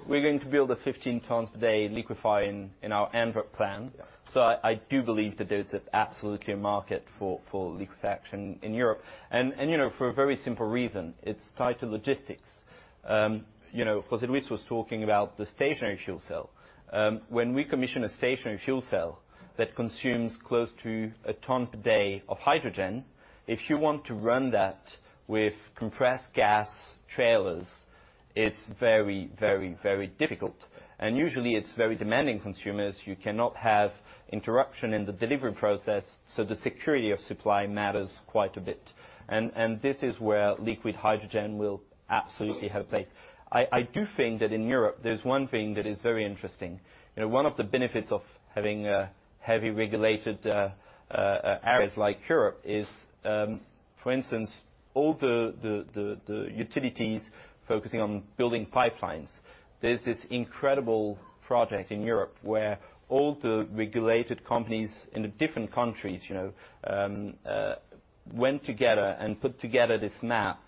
we're going to build a 15 tons a day liquefier in our Antwerp plant. Yeah. So I do believe that there's absolutely a market for liquefaction in Europe, and you know, for a very simple reason: It's tied to logistics. You know, Jose Luis was talking about the stationary fuel cell. When we commission a stationary fuel cell that consumes close to a ton per day of hydrogen, if you know, if you want to run that with compressed gas trailers, it's very, very, very difficult, and usually, it's very demanding consumers. You cannot have interruption in the delivery process, so the security of supply matters quite a bit. And this is where liquid hydrogen will absolutely have a place. I do think that in Europe, there's one thing that is very interesting. You know, one of the benefits of having a heavily regulated areas like Europe is, for instance, all the utilities focusing on building pipelines. There's this incredible project in Europe where all the regulated companies in the different countries, you know, went together and put together this map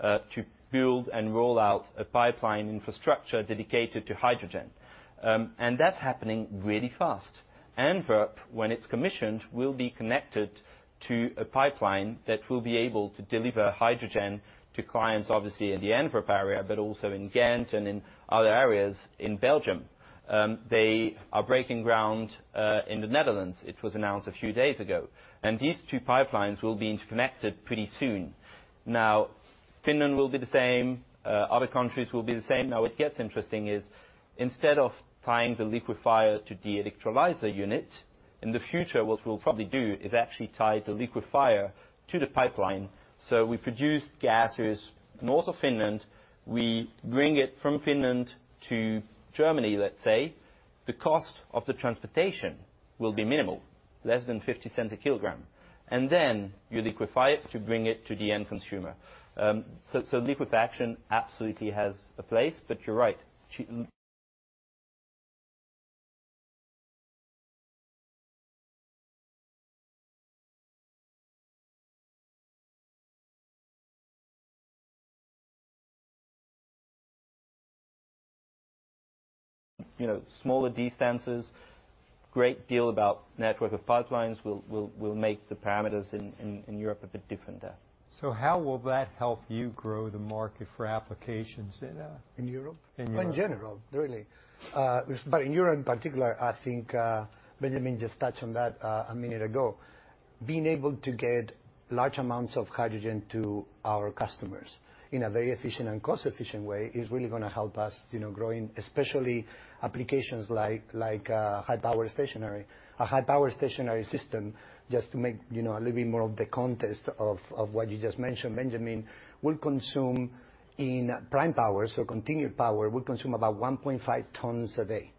to build and roll out a pipeline infrastructure dedicated to hydrogen. And that's happening really fast. Antwerp, when it's commissioned, will be connected to a pipeline that will be able to deliver hydrogen to clients, obviously, in the Antwerp area, but also in Ghent and in other areas in Belgium. They are breaking ground in the Netherlands. It was announced a few days ago, and these two pipelines will be interconnected pretty soon. Now, Finland will be the same. Other countries will be the same. Now, what gets interesting is, instead of tying the liquefier to the electrolyzer unit, in the future, what we'll probably do is actually tie the liquefier to the pipeline. So we produce gases north of Finland, we bring it from Finland to Germany, let's say. The cost of the transportation will be minimal, less than $0.50 a kilogram, and then you liquefy it to bring it to the end consumer. So liquefaction absolutely has a place, but you're right, you know, smaller distances, great deal about network of pipelines will make the parameters in Europe a bit different there. So how will that help you grow the market for applications then? In Europe? In Europe. In general, really. But in Europe, in particular, I think, Benjamin just touched on that a minute ago. Being able to get large amounts of hydrogen to our customers in a very efficient and cost-efficient way is really gonna help us, you know, growing, especially applications like, like, high-power stationary. A high-power stationary system, just to make, you know, a little bit more of the context of, of what you just mentioned, Benjamin, will consume in prime power, so continuous power, will consume about 1.5 tons a day.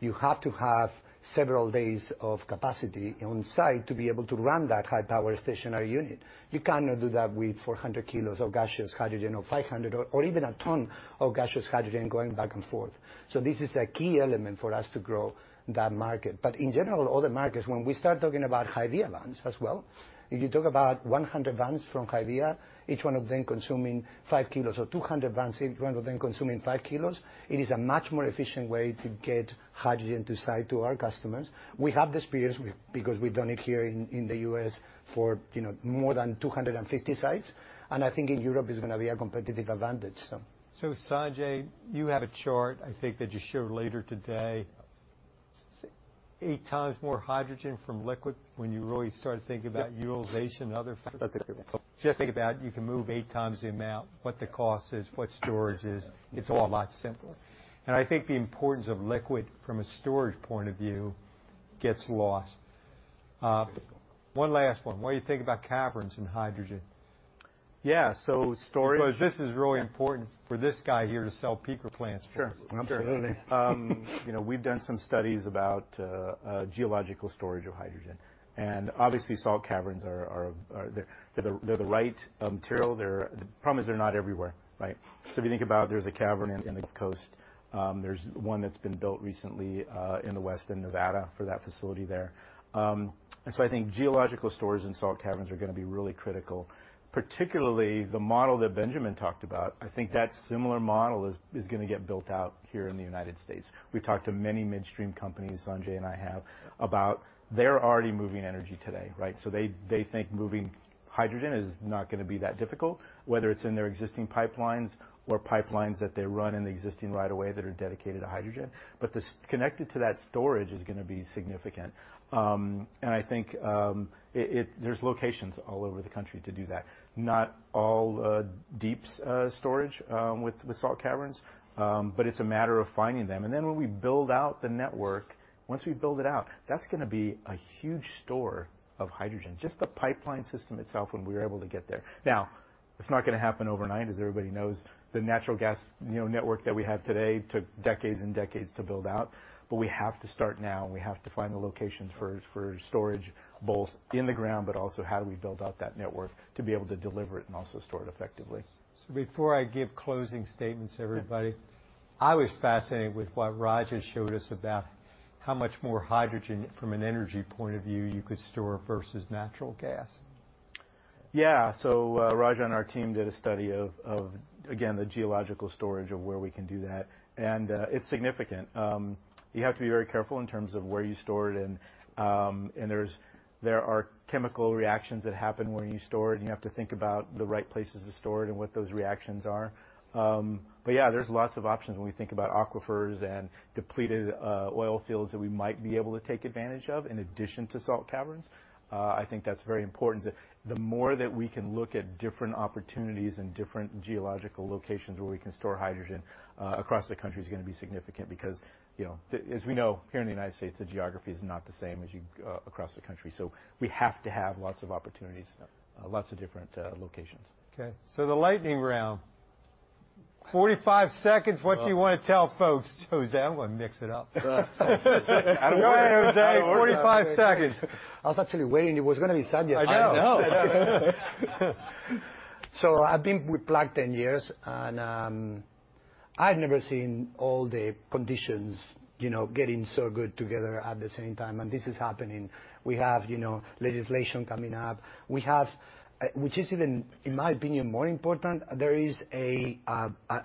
You have to have several days of capacity on site to be able to run that high-power stationary unit. You cannot do that with 400 kg of gaseous hydrogen, or 500, or even a ton of gaseous hydrogen going back and forth. So this is a key element for us to grow that market. But in general, other markets, when we start talking about HYVIA vans as well, if you talk about 100 vans from HYVIA, each one of them consuming 5 kg or 200 vans, each one of them consuming 5 kg, it is a much more efficient way to get hydrogen to site to our customers. We have the experience because we've done it here in the U.S. for, you know, more than 250 sites, and I think in Europe, it's gonna be a competitive advantage, so. So, Sanjay, you have a chart, I think, that you show later today. Eight times more hydrogen from liquid when you really start to think about utilization and other- That's it, yeah. Just think about it, you can move eight times the amount, what the cost is, what storage is. It's all a lot simpler. I think the importance of liquid from a storage point of view gets lost. One last one: What do you think about caverns and hydrogen? Yeah, so storage- Because this is really important for this guy here to sell peaker plants. Sure. Absolutely. You know, we've done some studies about geological storage of hydrogen, and obviously, salt caverns are the... They're the right material. The problem is they're not everywhere, right? So if you think about it, there's a cavern in the coast. There's one that's been built recently in the west, in Nevada, for that facility there. And so I think geological storage and salt caverns are gonna be really critical, particularly the model that Benjamin talked about. I think that similar model is gonna get built out here in the United States. We've talked to many midstream companies, Sanjay and I have, about they're already moving energy today, right? So they think moving hydrogen is not gonna be that difficult, whether it's in their existing pipelines or pipelines that they run in the existing right of way that are dedicated to hydrogen. But this, connected to that storage is gonna be significant. And I think there's locations all over the country to do that. Not all deep storage with salt caverns, but it's a matter of finding them. And then, when we build out the network, once we build it out, that's gonna be a huge store of hydrogen, just the pipeline system itself, when we're able to get there. Now, it's not gonna happen overnight. As everybody knows, the natural gas, you know, network that we have today took decades and decades to build out, but we have to start now, and we have to find the locations for storage, both in the ground, but also how do we build out that network to be able to deliver it and also store it effectively. Before I give closing statements to everybody, I was fascinated with what Raja showed us about how much more hydrogen from an energy point of view you could store versus natural gas. Yeah. So, Raja and our team did a study of, again, the geological storage of where we can do that, and it's significant. You have to be very careful in terms of where you store it, and there are chemical reactions that happen when you store it, and you have to think about the right places to store it and what those reactions are. But yeah, there's lots of options when we think about aquifers and depleted oil fields that we might be able to take advantage of in addition to salt caverns. I think that's very important. The more that we can look at different opportunities and different geological locations where we can store hydrogen across the country is gonna be significant because, you know, as we know, here in the United States, the geography is not the same as you across the country. So we have to have lots of opportunities, lots of different locations. Okay, so the lightning round. 45 seconds, what do you want to tell folks? Jose, I'm gonna mix it up. I don't know. 45 seconds. I was actually waiting. It was gonna be Sanjay. I know. I know. So I've been with Plug 10 years, and I've never seen all the conditions, you know, getting so good together at the same time, and this is happening. We have, you know, legislation coming up. We have, which is even, in my opinion, more important, there is an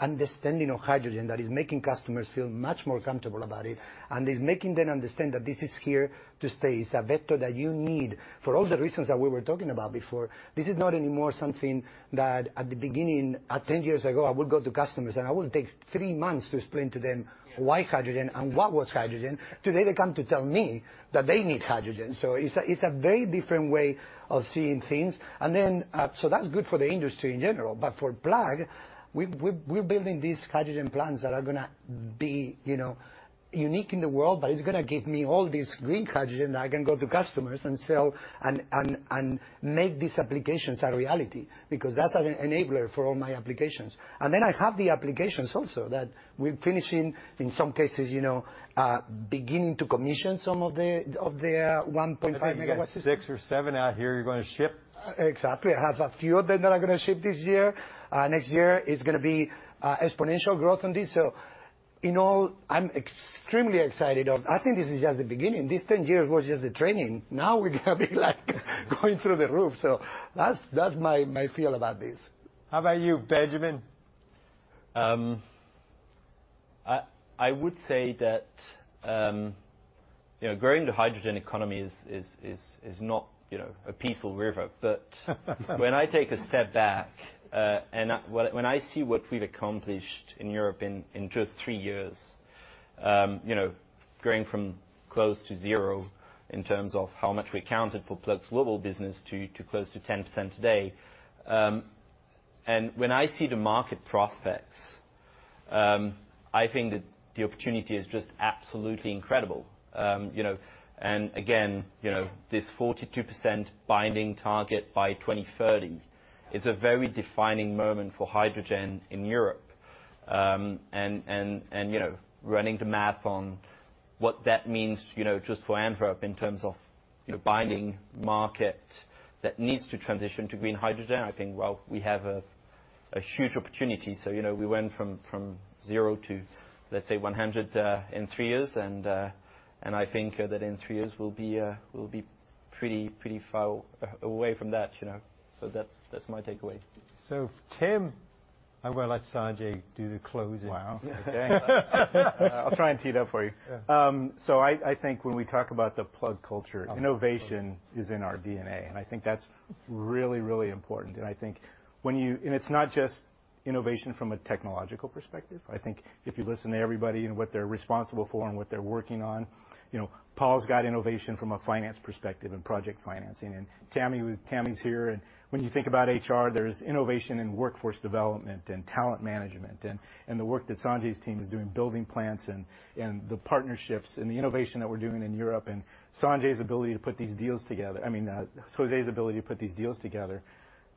understanding of hydrogen that is making customers feel much more comfortable about it and is making them understand that this is here to stay. It's a vector that you need for all the reasons that we were talking about before. This is not anymore something that, at the beginning, 10 years ago, I would go to customers, and I would take three months to explain to them why hydrogen and what was hydrogen. Today, they come to tell me that they need hydrogen, so it's a, it's a very different way of seeing things. So that's good for the industry in general, but for Plug, we're building these hydrogen plants that are gonna be, you know, unique in the world, but it's gonna give me all this green hydrogen that I can go to customers and sell and make these applications a reality because that's an enabler for all my applications. And then I have the applications also that we're finishing, in some cases, you know, beginning to commission some of the 1.5 MW. Six or seven out here you're gonna ship? Exactly. I have a few of them that are gonna ship this year. Next year is gonna be exponential growth on this, so in all, I'm extremely excited of... I think this is just the beginning. This ten years was just the training. Now we're gonna be, like, going through the roof. So that's, that's my, my feel about this. How about you, Benjamin? I would say that, you know, growing the hydrogen economy is not, you know, a peaceful river. But when I take a step back, and when I see what we've accomplished in Europe in just three years, you know, going from close to zero in terms of how much we accounted for Plug's global business to close to 10% today, and when I see the market prospects, I think that the opportunity is just absolutely incredible. You know, and again, you know, this 42% binding target by 2030 is a very defining moment for hydrogen in Europe. You know, running the math on what that means, you know, just for Antwerp in terms of, you know, binding market that needs to transition to green hydrogen, I think, well, we have a huge opportunity. So, you know, we went from zero to, let's say, 100 in three years, and I think that in three years, we'll be pretty far away from that, you know? So that's my takeaway. So, Tim, I'm gonna let Sanjay do the closing. Wow. Okay. I'll try and tee it up for you. Yeah. So I think when we talk about the Plug culture, innovation is in our DNA, and I think that's really, really important, and I think when you... It's not just innovation from a technological perspective. I think if you listen to everybody and what they're responsible for and what they're working on, you know, Paul's got innovation from a finance perspective and project financing, and Tami's here, and when you think about HR, there's innovation in workforce development and talent management and the work that Sanjay's team is doing, building plants and the partnerships and the innovation that we're doing in Europe, and Sanjay's ability to put these deals together... I mean, Jose's ability to put these deals together.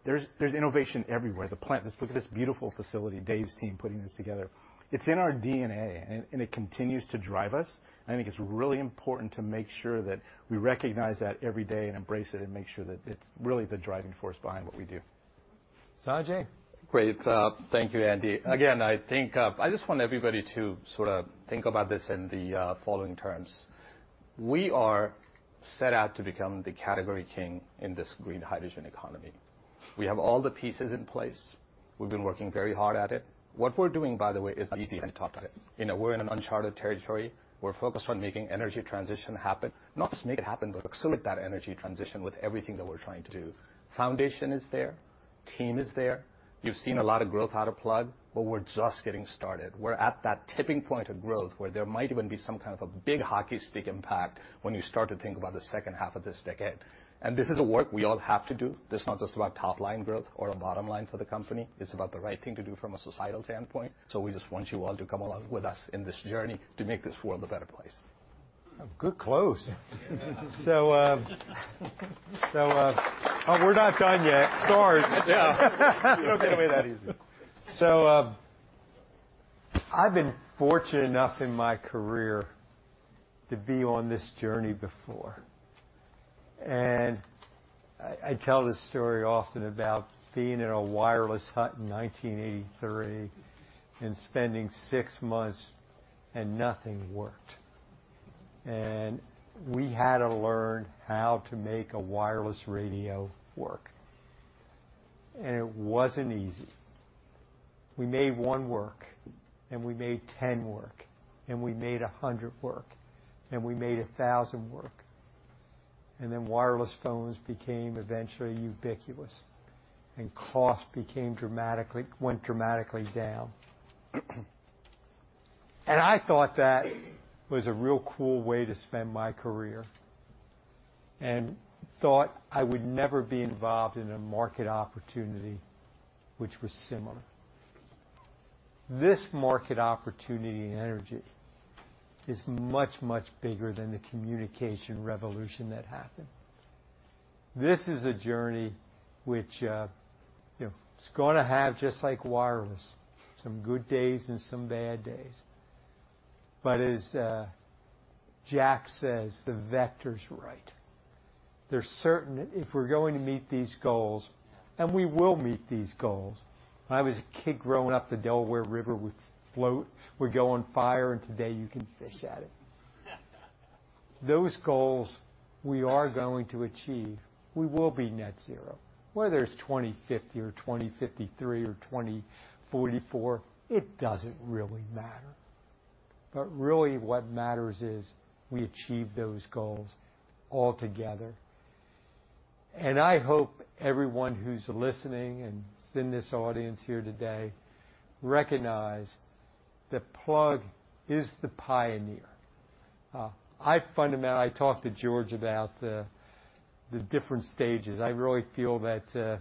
There's innovation everywhere. The plant, look at this beautiful facility, Dave's team putting this together. It's in our DNA, and it continues to drive us, and I think it's really important to make sure that we recognize that every day and embrace it and make sure that it's really the driving force behind what we do. Sanjay? Great. Thank you, Andy. Again, I think I just want everybody to sort of think about this in the following terms: We are set out to become the category king in this green hydrogen economy. We have all the pieces in place. We've been working very hard at it. What we're doing, by the way, is not easy when you talk about it. You know, we're in an uncharted territory. We're focused on making energy transition happen, not just make it happen, but accelerate that energy transition with everything that we're trying to do. Foundation is there, team is there. You've seen a lot of growth out of Plug, but we're just getting started. We're at that tipping point of growth, where there might even be some kind of a big hockey stick impact when you start to think about the second half of this decade. This is the work we all have to do. This is not just about top-line growth or a bottom line for the company. It's about the right thing to do from a societal standpoint. We just want you all to come along with us in this journey to make this world a better place. Good close. Yeah. Oh, we're not done yet. Sorry. Yeah. We don't give away that easy. So, I've been fortunate enough in my career to be on this journey before. And I tell this story often about being in a wireless hut in 1983 and spending six months, and nothing worked. And we had to learn how to make a wireless radio work, and it wasn't easy. We made one work, and we made 10 work, and we made 100 work, and we made 1,000 work, and then wireless phones became eventually ubiquitous, and cost became dramatically, went dramatically down. And I thought that was a real cool way to spend my career, and thought I would never be involved in a market opportunity which was similar. This market opportunity in energy is much, much bigger than the communication revolution that happened. This is a journey which, you know, is gonna have, just like wireless, some good days and some bad days. But as Jack says, "The vector's right." There's certain. If we're going to meet these goals, and we will meet these goals. When I was a kid growing up, the Delaware River would float, would go on fire, and today you can fish at it. Those goals we are going to achieve, we will be net zero. Whether it's 2050 or 2053 or 2044, it doesn't really matter. But really, what matters is we achieve those goals altogether. And I hope everyone who's listening and is in this audience here today recognize that Plug is the pioneer. I talked to George about the, the different stages. I really feel that,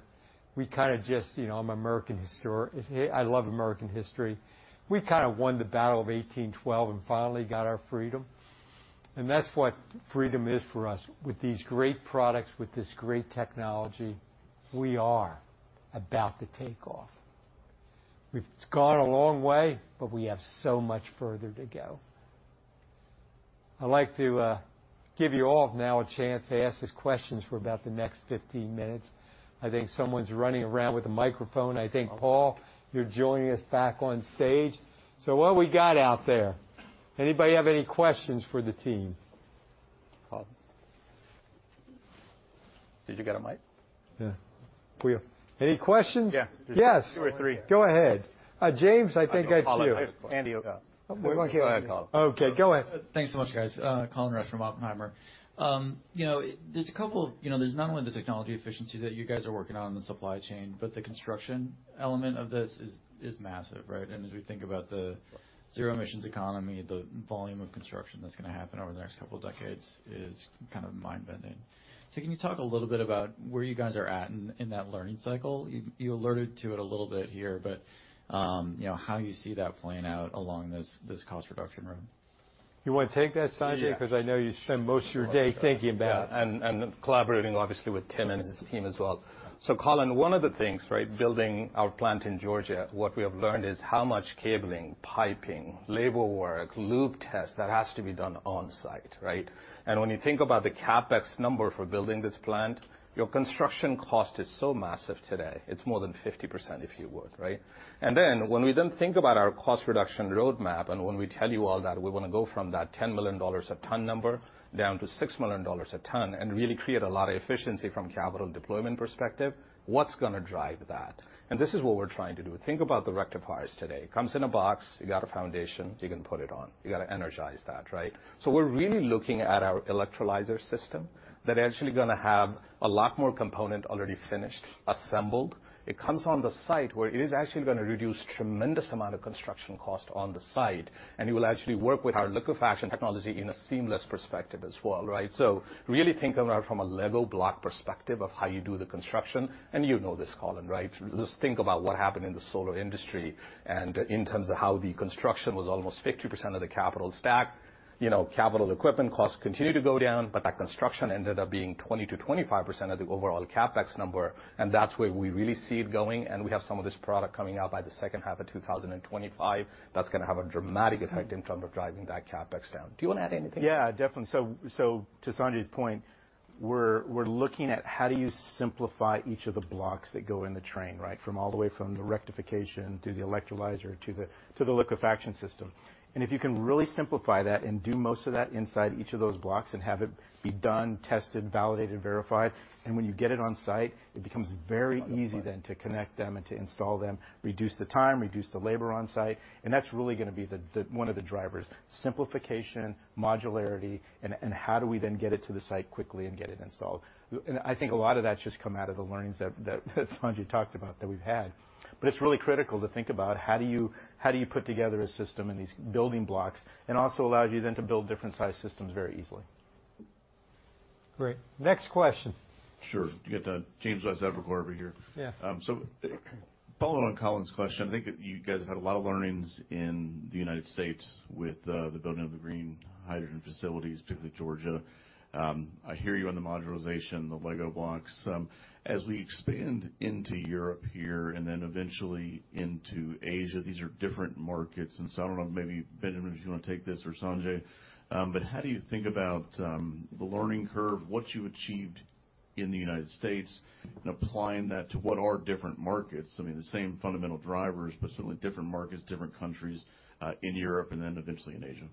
we kinda just, you know, I'm an American. I love American history. We've kinda won the Battle of 1812 and finally got our freedom, and that's what freedom is for us. With these great products, with this great technology, we are about to take off. We've gone a long way, but we have so much further to go. I'd like to give you all now a chance to ask us questions for about the next 15 minutes. I think someone's running around with a microphone. I think, Paul, you're joining us back on stage. So what we got out there? Anybody have any questions for the team? Paul. Did you get a mic? Yeah, we have. Any questions? Yeah. Yes. Two or three. Go ahead. James, I think that's you. Andy, uh. Go ahead, Colin. Okay, go ahead. Thanks so much, guys. Colin Rusch from Oppenheimer. You know, there's a couple... You know, there's not only the technology efficiency that you guys are working on in the supply chain, but the construction element of this is massive, right? And as we think about the zero emissions economy, the volume of construction that's gonna happen over the next couple of decades is kind of mind-bending. So can you talk a little bit about where you guys are at in that learning cycle? You alluded to it a little bit here, but you know, how you see that playing out along this cost reduction road. You want to take that, Sanjay? Yeah. Because I know you spend most of your day thinking about it. Yeah, and, and collaborating, obviously, with Tim and his team as well. So, Colin, one of the things, right, building our plant in Georgia, what we have learned is how much cabling, piping, label work, loop test, that has to be done on site, right? And when you think about the CapEx number for building this plant, your construction cost is so massive today, it's more than 50%, if you would, right? And then, when we then think about our cost reduction roadmap, and when we tell you all that we want to go from that $10 million a ton number down to $6 million a ton, and really create a lot of efficiency from a capital deployment perspective, what's gonna drive that? And this is what we're trying to do. Think about the rectifiers today. It comes in a box, you got a foundation, you can put it on. You got to energize that, right? So we're really looking at our electrolyzer system that actually gonna have a lot more component already finished, assembled. It comes on the site where it is actually gonna reduce tremendous amount of construction cost on the site, and it will actually work with our liquefaction technology in a seamless perspective as well, right? So really think about from a Lego block perspective of how you do the construction, and you know this, Colin, right? Just think about what happened in the solar industry, and in terms of how the construction was almost 50% of the capital stack. You know, capital equipment costs continue to go down, but that construction ended up being 20%-25% of the overall CapEx number, and that's where we really see it going, and we have some of this product coming out by the second half of 2025. That's gonna have a dramatic effect in terms of driving that CapEx down. Do you want to add anything? Yeah, definitely. So to Sanjay's point, we're looking at how do you simplify each of the blocks that go in the train, right? From all the way from the rectification to the electrolyzer to the liquefaction system. And if you can really simplify that and do most of that inside each of those blocks and have it be done, tested, validated, verified, and when you get it on site, it becomes very easy then to connect them and to install them, reduce the time, reduce the labor on site, and that's really gonna be the one of the drivers: simplification, modularity, and how do we then get it to the site quickly and get it installed? And I think a lot of that's just come out of the learnings that Sanjay talked about that we've had. But it's really critical to think about how do you put together a system and these building blocks, and also allows you then to build different-sized systems very easily. Great. Next question. Sure. You got, James West at Evercore over here. Yeah. So, follow on Colin's question, I think you guys have had a lot of learnings in the United States with the building of the green hydrogen facilities, particularly Georgia. I hear you on the modularization, the Lego blocks. As we expand into Europe here, and then eventually into Asia, these are different markets, and so I don't know, maybe, Benjamin, if you want to take this or Sanjay, but how do you think about the learning curve, what you achieved in the United States and applying that to what are different markets, I mean, the same fundamental drivers, but certainly different markets, different countries, in Europe and then eventually in Asia.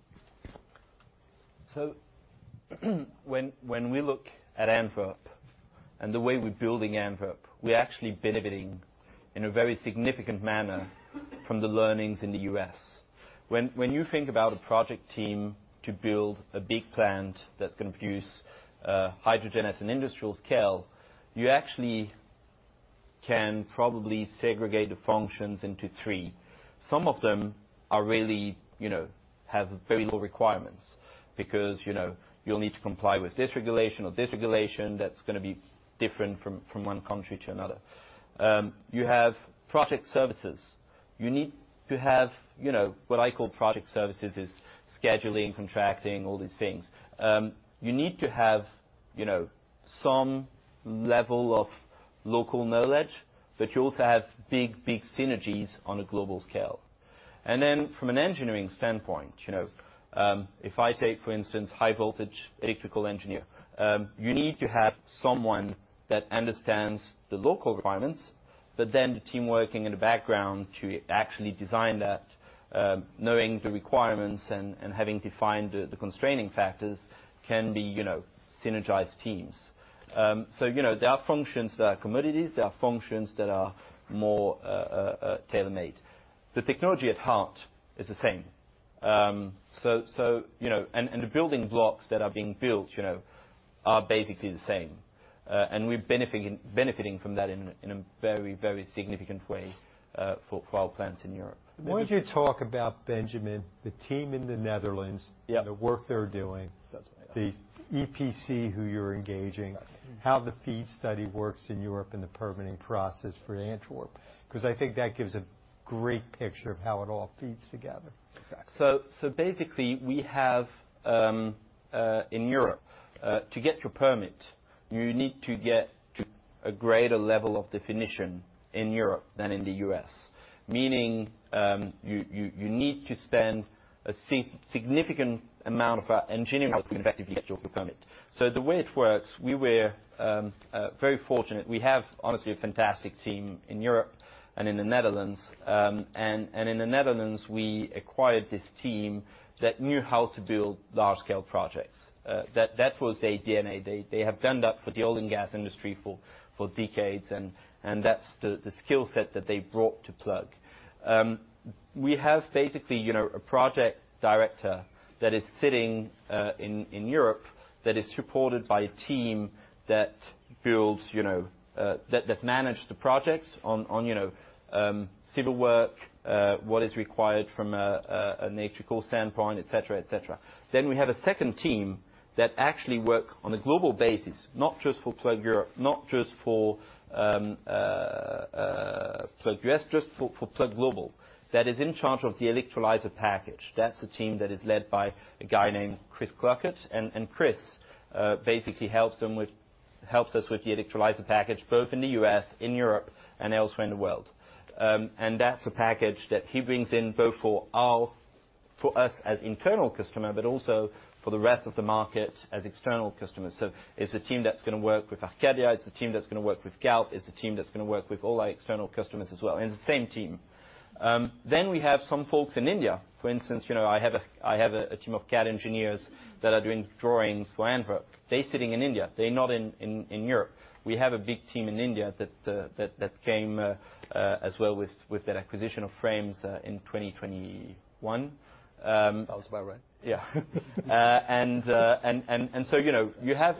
So when we look at Antwerp and the way we're building Antwerp, we're actually benefiting in a very significant manner from the learnings in the U.S. When you think about a project team to build a big plant that's gonna produce hydrogen at an industrial scale, you actually can probably segregate the functions into three. Some of them are really, you know, have very low requirements because, you know, you'll need to comply with this regulation or this regulation that's gonna be different from one country to another. You have project services. You need to have, you know, what I call project services is scheduling, contracting, all these things. You have to have, you know, some level of local knowledge, but you also have big, big synergies on a global scale. And then from an engineering standpoint, you know, if I take, for instance, high voltage electrical engineer, you need to have someone that understands the local requirements, but then the team working in the background to actually design that, knowing the requirements and having defined the constraining factors can be, you know, synergized teams. So, you know, there are functions that are commodities, there are functions that are more tailor-made. The technology at heart is the same. So, you know, and the building blocks that are being built, you know, are basically the same. And we're benefiting from that in a very significant way for our plants in Europe. Why don't you talk about Benjamin, the team in the Netherlands. Yeah. The work they're doing. That's right. The EPC, who you're engaging. Exactly. How the FEED study works in Europe and the permitting process for Antwerp, 'cause I think that gives a great picture of how it all fits together. Exactly. So basically, we have in Europe to get your permit, you need to get to a greater level of definition in Europe than in the U.S. Meaning, you need to spend a significant amount of our engineering effectively to get your permit. So the way it works, we were very fortunate. We have, honestly, a fantastic team in Europe and in the Netherlands. And in the Netherlands, we acquired this team that knew how to build large-scale projects. That was their DNA. They have done that for the oil and gas industry for decades, and that's the skill set that they brought to Plug. We have basically, you know, a project director that is sitting in Europe, that is supported by a team that builds, you know, that manage the projects on, you know, civil work, what is required from a electrical standpoint, et cetera, et cetera. Then we have a second team that actually work on a global basis, not just for Plug Europe, not just for Plug U.S., just for Plug Global, that is in charge of the electrolyzer package. That's the team that is led by a guy named Chris Crockett, and Chris basically helps us with the electrolyzer package, both in the U.S., in Europe, and elsewhere in the world. And that's a package that he brings in, both for our. For us as internal customer, but also for the rest of the market as external customers. So it's a team that's gonna work with Arcadia, it's a team that's gonna work with Galp, it's a team that's gonna work with all our external customers as well, and it's the same team. Then we have some folks in India, for instance, you know, I have a team of CAD engineers that are doing drawings for Antwerp. They're sitting in India, they're not in Europe. We have a big team in India that came as well with that acquisition of Frames in 2021. Sounds about right. Yeah. And so, you know, you have—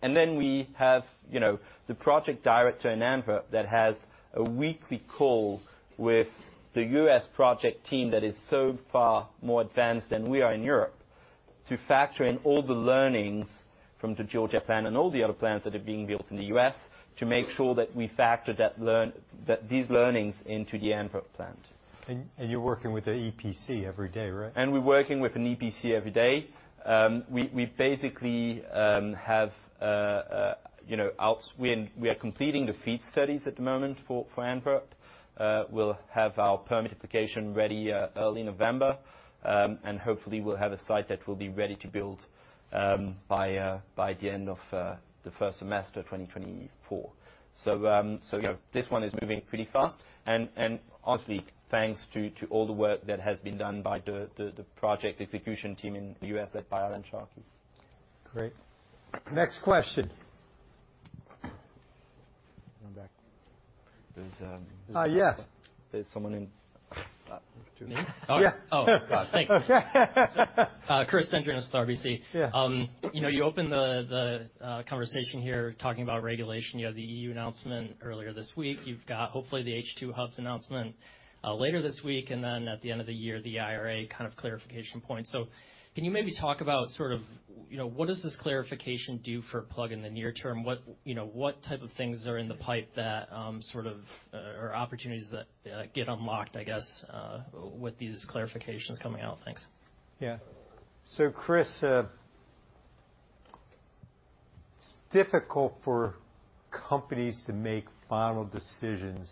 And then we have, you know, the project director in Antwerp that has a weekly call with the U.S. project team that is so far more advanced than we are in Europe, to factor in all the learnings from the Georgia plant and all the other plants that are being built in the U.S., to make sure that we factor that learn— that these learnings into the Antwerp plant. And you're working with the EPC every day, right? We're working with an EPC every day. We basically have you know we are completing the FEED studies at the moment for Antwerp. We'll have our permit application ready early November, and hopefully we'll have a site that will be ready to build by the end of the first semester of 2024. So yeah, this one is moving pretty fast, and honestly, thanks to all the work that has been done by the project execution team in the U.S. at Byron Sharkey. Great. Next question. In the back. There's, um- Uh, yes. There's someone in. Me? Yeah. Oh, God, thanks. Chris Dendrinos with RBC. Yeah. You know, you opened the conversation here talking about regulation. You had the EU announcement earlier this week. You've got, hopefully, the H2 hubs announcement later this week, and then at the end of the year, the IRA kind of clarification point. So can you maybe talk about sort of, you know, what does this clarification do for Plug in the near term? What, you know, what type of things are in the pipe that sort of or opportunities that get unlocked, I guess, with these clarifications coming out? Thanks. Yeah. So, Chris, it's difficult for companies to make final decisions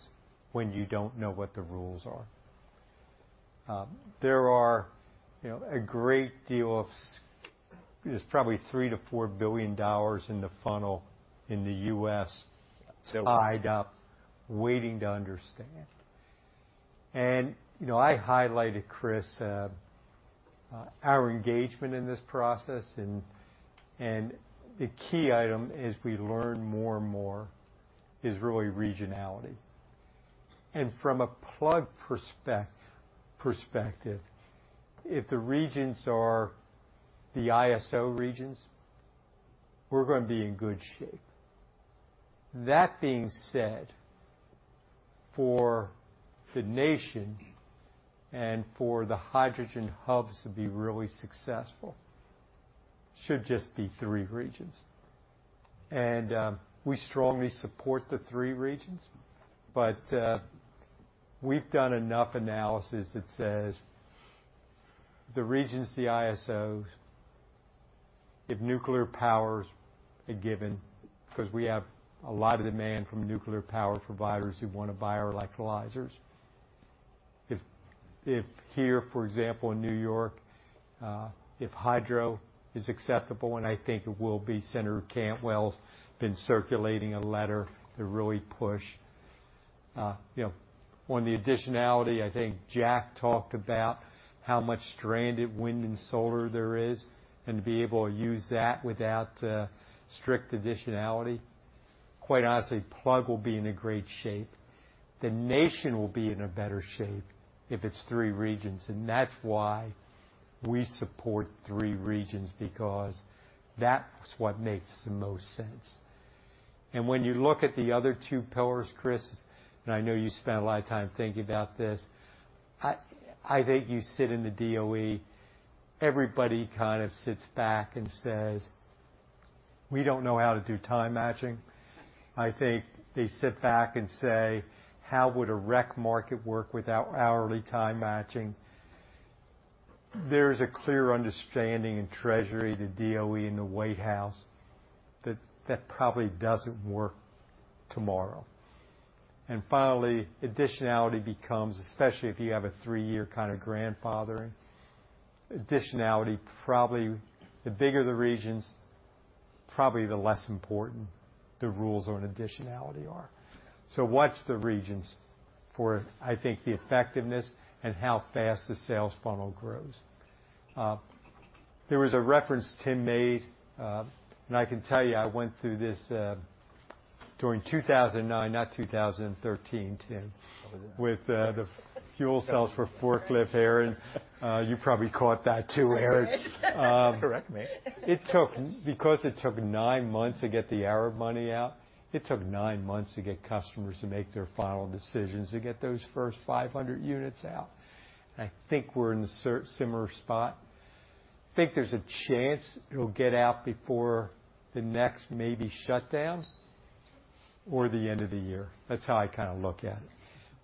when you don't know what the rules are. There are, you know, a great deal of, there's probably $3 billion-$4 billion in the funnel in the U.S., tied up, waiting to understand. And, you know, I highlighted, Chris, our engagement in this process, and the key item, as we learn more and more, is really regionality. And from a Plug perspective, if the regions are the ISO regions, we're gonna be in good shape. That being said, for the nation and for the hydrogen hubs to be really successful, should just be three regions. We strongly support the three regions, but we've done enough analysis that says the regions, the ISOs, if nuclear power is a given, 'cause we have a lot of demand from nuclear power providers who wanna buy our electrolyzers. If here, for example, in New York, if hydro is acceptable, and I think it will be, Senator Cantwell's been circulating a letter to really push, you know. On the additionality, I think Jack talked about how much stranded wind and solar there is, and to be able to use that without strict additionality, quite honestly, Plug will be in a great shape. The nation will be in a better shape if it's three regions, and that's why we support three regions, because that's what makes the most sense. When you look at the other two pillars, Chris, and I know you spent a lot of time thinking about this, I think you sit in the DOE, everybody kind of sits back and says, "We don't know how to do time matching." I think they sit back and say, "How would a REC market work without hourly time matching?" There is a clear understanding in Treasury, the DOE, and the White House that that probably doesn't work tomorrow. And finally, additionality becomes, especially if you have a three-year kind of grandfathering, additionality, probably the bigger the regions, probably the less important the rules on additionality are. So watch the regions for, I think, the effectiveness and how fast the sales funnel grows. There was a reference Tim made, and I can tell you, I went through this during 2009, not 2013, Tim—with the fuel cells for forklift, Aaron.You probably caught that, too, Aaron. Correct me. Because it took nine months to get the ARRA money out, it took nine months to get customers to make their final decisions to get those first 500 units out. I think we're in a similar spot. I think there's a chance it'll get out before the next maybe shutdown or the end of the year. That's how I kinda look at it.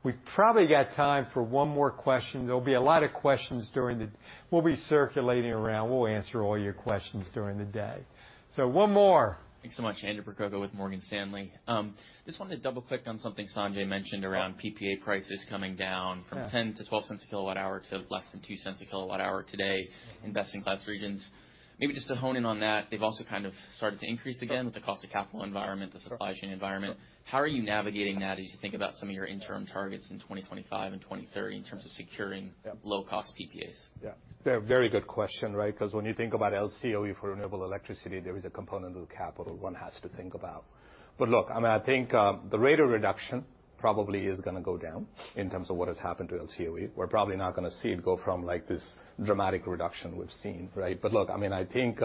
We've probably got time for one more question. There'll be a lot of questions during the... We'll be circulating around. We'll answer all your questions during the day. So one more. Thanks so much. Andrew Percoco with Morgan Stanley. Just wanted to double-click on something Sanjay mentioned around PPA prices coming down from $0.10-$0.12 a kilowatt hour to less than $0.02 a kilowatt hour today in investing class regions. Maybe just to hone in on that, they've also kind of started to increase again with the cost of capital environment, the supply chain environment. How are you navigating that as you think about some of your interim targets in 2025 and 2030, in terms of securing low-cost PPAs? Yeah. Very good question, right? Because when you think about LCOE for renewable electricity, there is a component of the capital one has to think about. But look, I mean, I think, the rate of reduction probably is gonna go down in terms of what has happened to LCOE. We're probably not gonna see it go from, like, this dramatic reduction we've seen, right? But look, I mean, I think,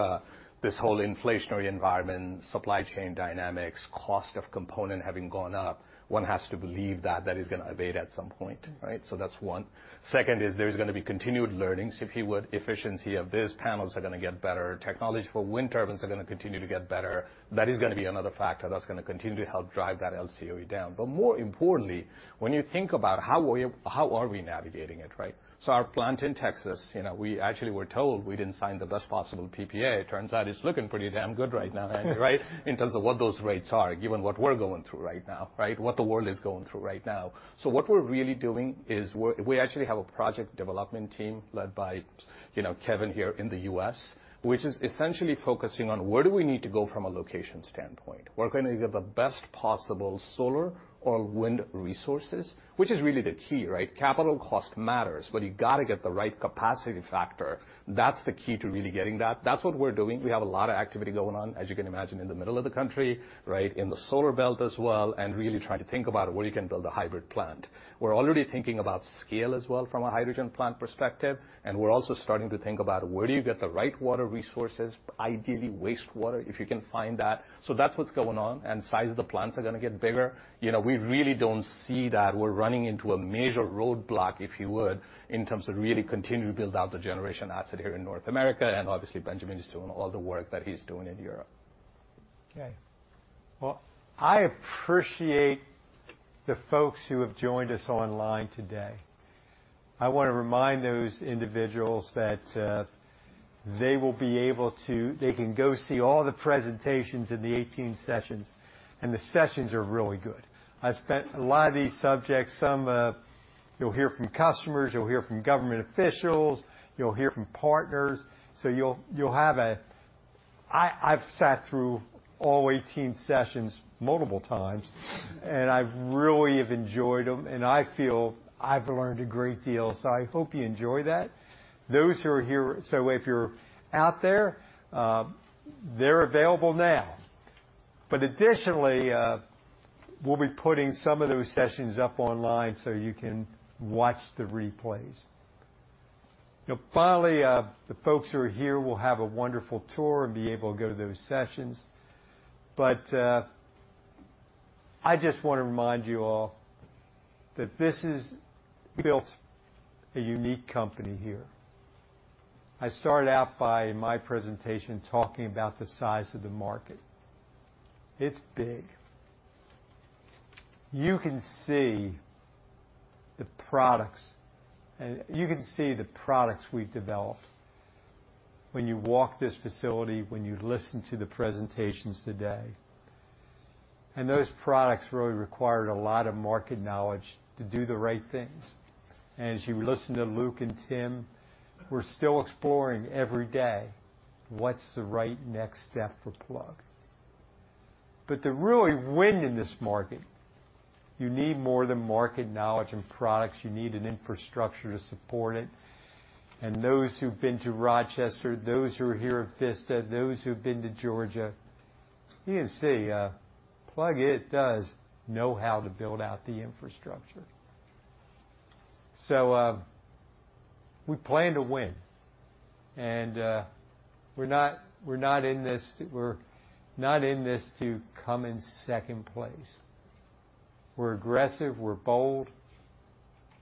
this whole inflationary environment, supply chain dynamics, cost of component having gone up, one has to believe that that is gonna abate at some point, right? So that's one. Second is there's gonna be continued learnings, if you would. Efficiency of these panels are gonna get better. Technology for wind turbines are gonna continue to get better. That is gonna be another factor that's gonna continue to help drive that LCOE down. But more importantly, when you think about how are we, how are we navigating it, right? So our plant in Texas, you know, we actually were told we didn't sign the best possible PPA. It turns out it's looking pretty damn good right now, Andrew, right? In terms of what those rates are, given what we're going through right now, right? What the world is going through right now. So what we're really doing is we're, we actually have a project development team led by, you know, Kevin here in the U.S., which is essentially focusing on where do we need to go from a location standpoint. We're going to get the best possible solar or wind resources, which is really the key, right? Capital cost matters, but you gotta get the right capacity factor. That's the key to really getting that. That's what we're doing. We have a lot of activity going on, as you can imagine, in the middle of the country, right, in the solar belt as well, and really trying to think about where you can build a hybrid plant. We're already thinking about scale as well from a hydrogen plant perspective, and we're also starting to think about where do you get the right water resources, ideally wastewater, if you can find that. So that's what's going on, and size of the plants are gonna get bigger. You know, we really don't see that we're running into a major roadblock, if you would, in terms of really continuing to build out the generation asset here in North America, and obviously, Benjamin is doing all the work that he's doing in Europe. Okay. Well, I appreciate the folks who have joined us online today. I wanna remind those individuals that they can go see all the presentations in the 18 sessions, and the sessions are really good. I spent a lot of these subjects. Some, you'll hear from customers, you'll hear from government officials, you'll hear from partners. So you'll have a, I've sat through all 18 sessions multiple times, and I really have enjoyed them, and I feel I've learned a great deal, so I hope you enjoy that. Those who are here, so if you're out there, they're available now. But additionally, we'll be putting some of those sessions up online so you can watch the replays. Now, finally, the folks who are here will have a wonderful tour and be able to go to those sessions. But, I just wanna remind you all that this is built a unique company here. I started out by, in my presentation, talking about the size of the market. It's big. You can see the products and you can see the products we've developed when you walk this facility, when you listen to the presentations today. And those products really required a lot of market knowledge to do the right things. And as you listen to Luke and Tim, we're still exploring every day what's the right next step for Plug. But to really win in this market, you need more than market knowledge and products. You need an infrastructure to support it. And those who've been to Rochester, those who are here at Vista, those who've been to Georgia, you can see, Plug it does know how to build out the infrastructure. So, we plan to win, and we're not in this to come in second place. We're aggressive, we're bold,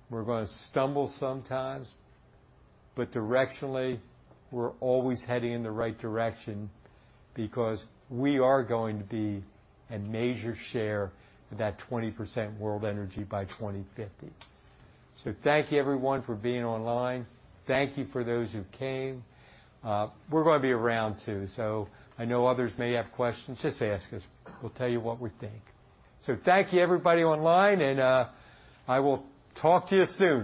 we're gonna stumble sometimes, but directionally, we're always heading in the right direction because we are going to be a major share of that 20% world energy by 2050. So thank you, everyone, for being online. Thank you for those who came. We're gonna be around, too, so I know others may have questions. Just ask us. We'll tell you what we think. So thank you, everybody, online, and I will talk to you soon.